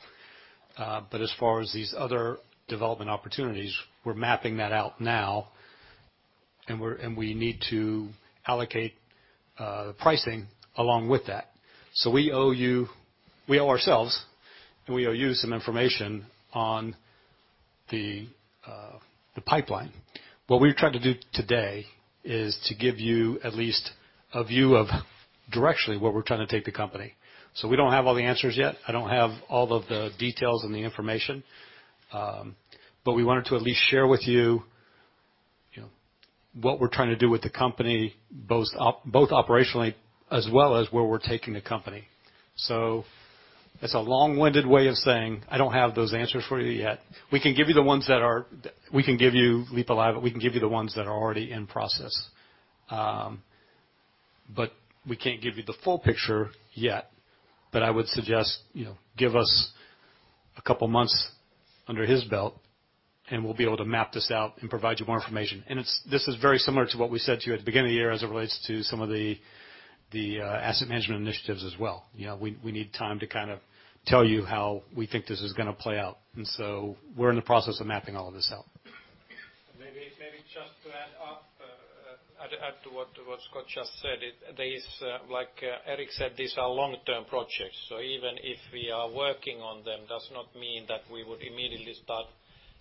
As far as these other development opportunities, we're mapping that out now and we need to allocate pricing along with that. We owe ourselves, and we owe you some information on the pipeline. What we've tried to do today is to give you at least a view of directionally where we're trying to take the company. We don't have all the answers yet. I don't have all of the details and the information. We wanted to at least share with you what we're trying to do with the company, both operationally as well as where we're taking the company. It's a long-winded way of saying, I don't have those answers for you yet. We can give you Lippulaiva. We can give you the ones that are already in process. We can't give you the full picture yet. I would suggest, give us a couple of months under his belt, and we'll be able to map this out and provide you more information. This is very similar to what we said to you at the beginning of the year as it relates to some of the asset management initiatives as well. We need time to tell you how we think this is going to play out. We're in the process of mapping all of this out. Maybe just to add to what Scott just said. Like Erik said, these are long-term projects. Even if we are working on them, does not mean that we would immediately start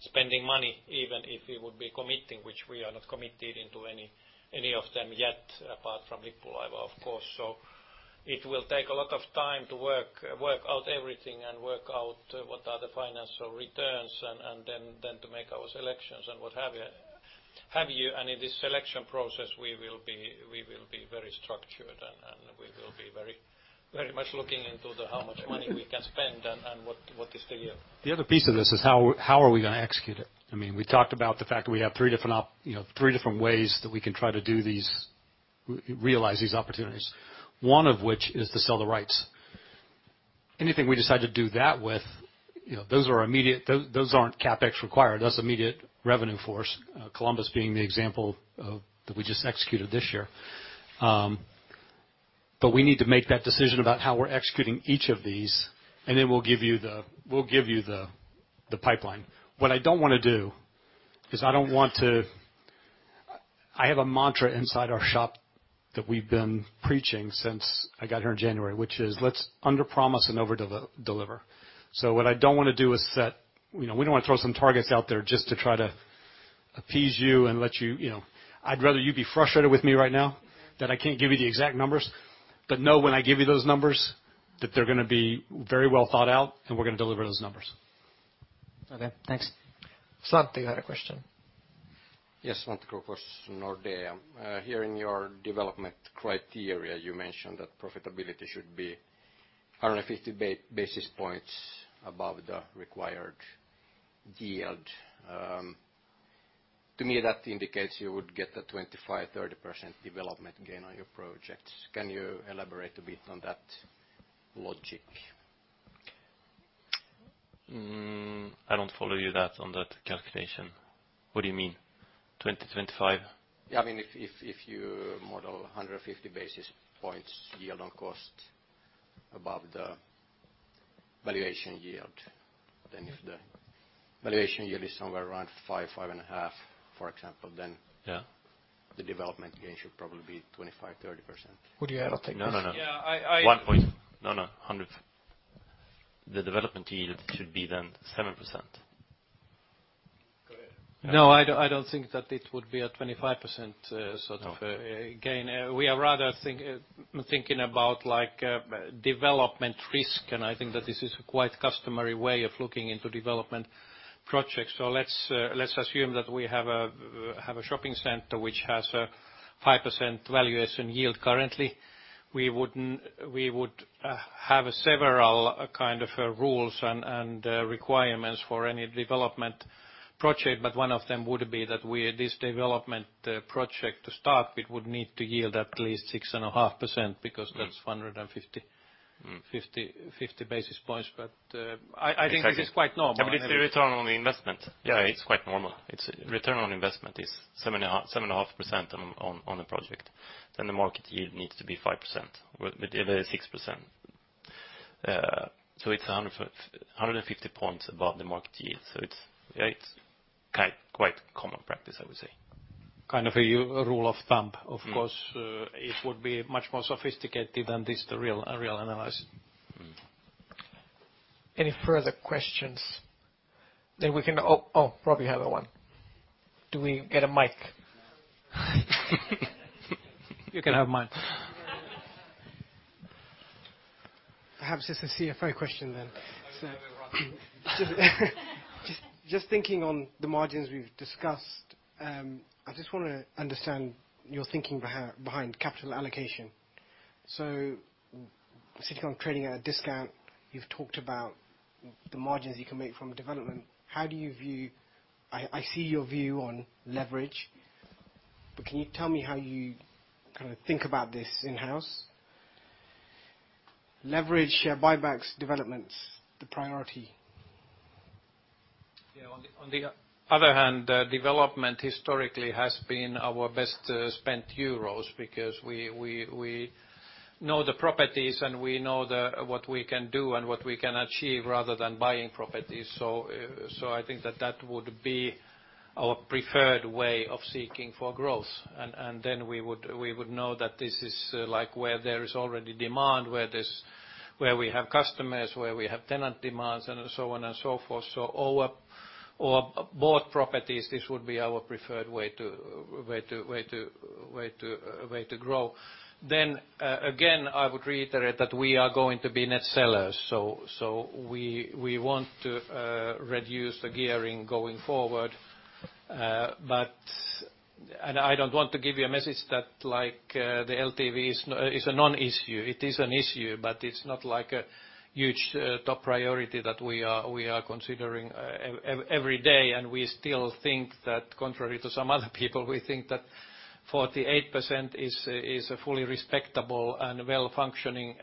spending money, even if we would be committing, which we are not committed into any of them yet, apart from Lippulaiva, of course. It will take a lot of time to work out everything and work out what are the financial returns and then to make our selections and what have you. In this selection process, we will be very structured and we will be very much looking into how much money we can spend and what is the yield. The other piece of this is how are we going to execute it? We talked about the fact that we have three different ways that we can try to realize these opportunities. One of which is to sell the rights. Anything we decide to do that with, those aren't CapEx required. That's immediate revenue for us. Columbus being the example that we just executed this year. We need to make that decision about how we're executing each of these, and then we'll give you the pipeline. What I don't want to do is I have a mantra inside our shop that we've been preaching since I got here in January, which is, let's underpromise and overdeliver. We don't want to throw some targets out there just to try to appease you. I'd rather you be frustrated with me right now that I can't give you the exact numbers. Know when I give you those numbers that they're going to be very well thought out, and we're going to deliver those numbers. Okay, thanks. Svante, you had a question. Yes. Svante Kokko, Nordea. Here in your development criteria, you mentioned that profitability should be 150 basis points above the required yield. To me, that indicates you would get a 25%-30% development gain on your projects. Can you elaborate a bit on that logic? I don't follow you on that calculation. What do you mean, 20, 25? Yeah. If you model 150 basis points yield on cost above the valuation yield. If the valuation yield is somewhere around 5%, 5.5%, for example, then. Yeah the development gain should probably be 25, 30%. Would you add on that, please? No. The development yield should be 7%. I don't think that it would be a 25% sort of gain. We are rather thinking about development risk. I think that this is a quite customary way of looking into development projects. Let's assume that we have a shopping center which has a 5% valuation yield currently. We would have several kind of rules and requirements for any development project. One of them would be that this development project to start, it would need to yield at least 6.5% because that's 150 basis points. I think this is quite normal. It's the return on the investment. Yeah, it's quite normal. Its return on investment is 7.5% on the project, the market yield needs to be 5%, whatever, 6%. It's 150 points above the market yield. It's quite common practice, I would say. Kind of a rule of thumb. Of course, it would be much more sophisticated than this, the real analysis. Any further questions? We can Oh, Robbie, you have one. Do we get a mic? You can have mine. Perhaps just a CFO question then. I know you have it, Robbie. Just thinking on the margins we've discussed, I just want to understand your thinking behind capital allocation. Citycon trading at a discount, you've talked about the margins you can make from development. I see your view on leverage, can you tell me how you think about this in-house? Leverage, share buybacks, developments, the priority. Yeah. On the other hand, development historically has been our best spent euros because we know the properties, and we know what we can do and what we can achieve rather than buying properties. I think that that would be our preferred way of seeking for growth. We would know that this is where there is already demand, where we have customers, where we have tenant demands, and so on and so forth. Over bought properties, this would be our preferred way to grow. Again, I would reiterate that we are going to be net sellers. We want to reduce the gearing going forward. I don't want to give you a message that the LTV is a non-issue. It is an issue, but it's not like a huge top priority that we are considering every day. We still think that contrary to some other people, we think that 48% is a fully respectable and well-functioning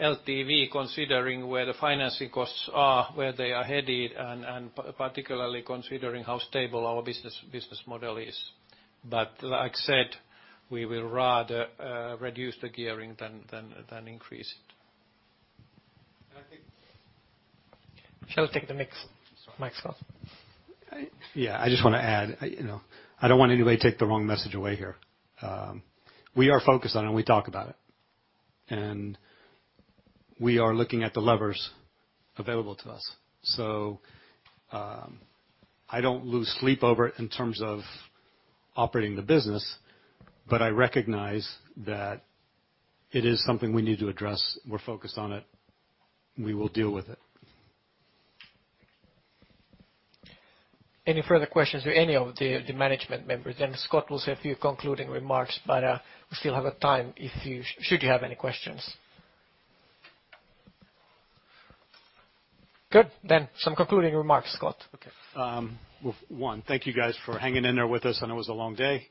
LTV, considering where the financing costs are, where they are headed, and particularly considering how stable our business model is. Like I said, we will rather reduce the gearing than increase it. I think Shall we take the mics off? I just want to add, I don't want anybody to take the wrong message away here. We are focused on it, and we talk about it. We are looking at the levers available to us. I don't lose sleep over it in terms of operating the business, but I recognize that it is something we need to address. We're focused on it. We will deal with it. Any further questions for any of the management members? Scott will say a few concluding remarks, but we still have time should you have any questions. Good. Some concluding remarks, Scott. Okay, thank you guys for hanging in there with us. I know it was a long day.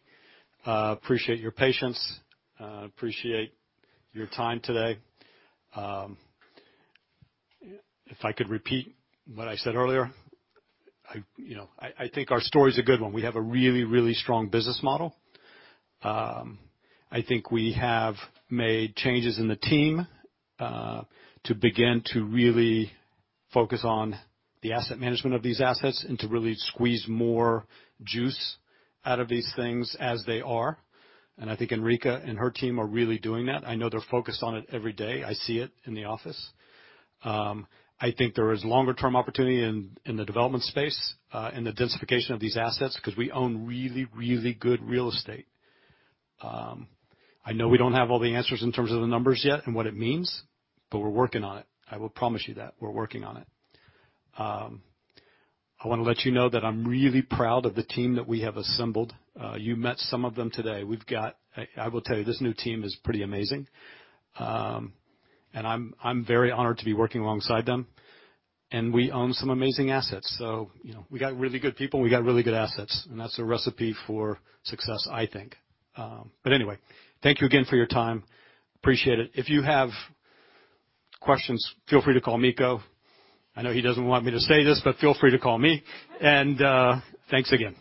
Appreciate your patience. Appreciate your time today. If I could repeat what I said earlier, I think our story's a good one. We have a really strong business model. I think we have made changes in the team, to begin to really focus on the asset management of these assets and to really squeeze more juice out of these things as they are. I think Henrica and her team are really doing that. I know they're focused on it every day. I see it in the office. I think there is longer-term opportunity in the development space, in the densification of these assets, because we own really good real estate. I know we don't have all the answers in terms of the numbers yet and what it means, but we're working on it. I will promise you that, we're working on it. I want to let you know that I'm really proud of the team that we have assembled. You met some of them today. I will tell you, this new team is pretty amazing. I'm very honored to be working alongside them. We own some amazing assets. We got really good people, and we got really good assets, and that's a recipe for success, I think. Anyway, thank you again for your time. Appreciate it. If you have questions, feel free to call Mikko. I know he doesn't want me to say this, but feel free to call me. Thanks again.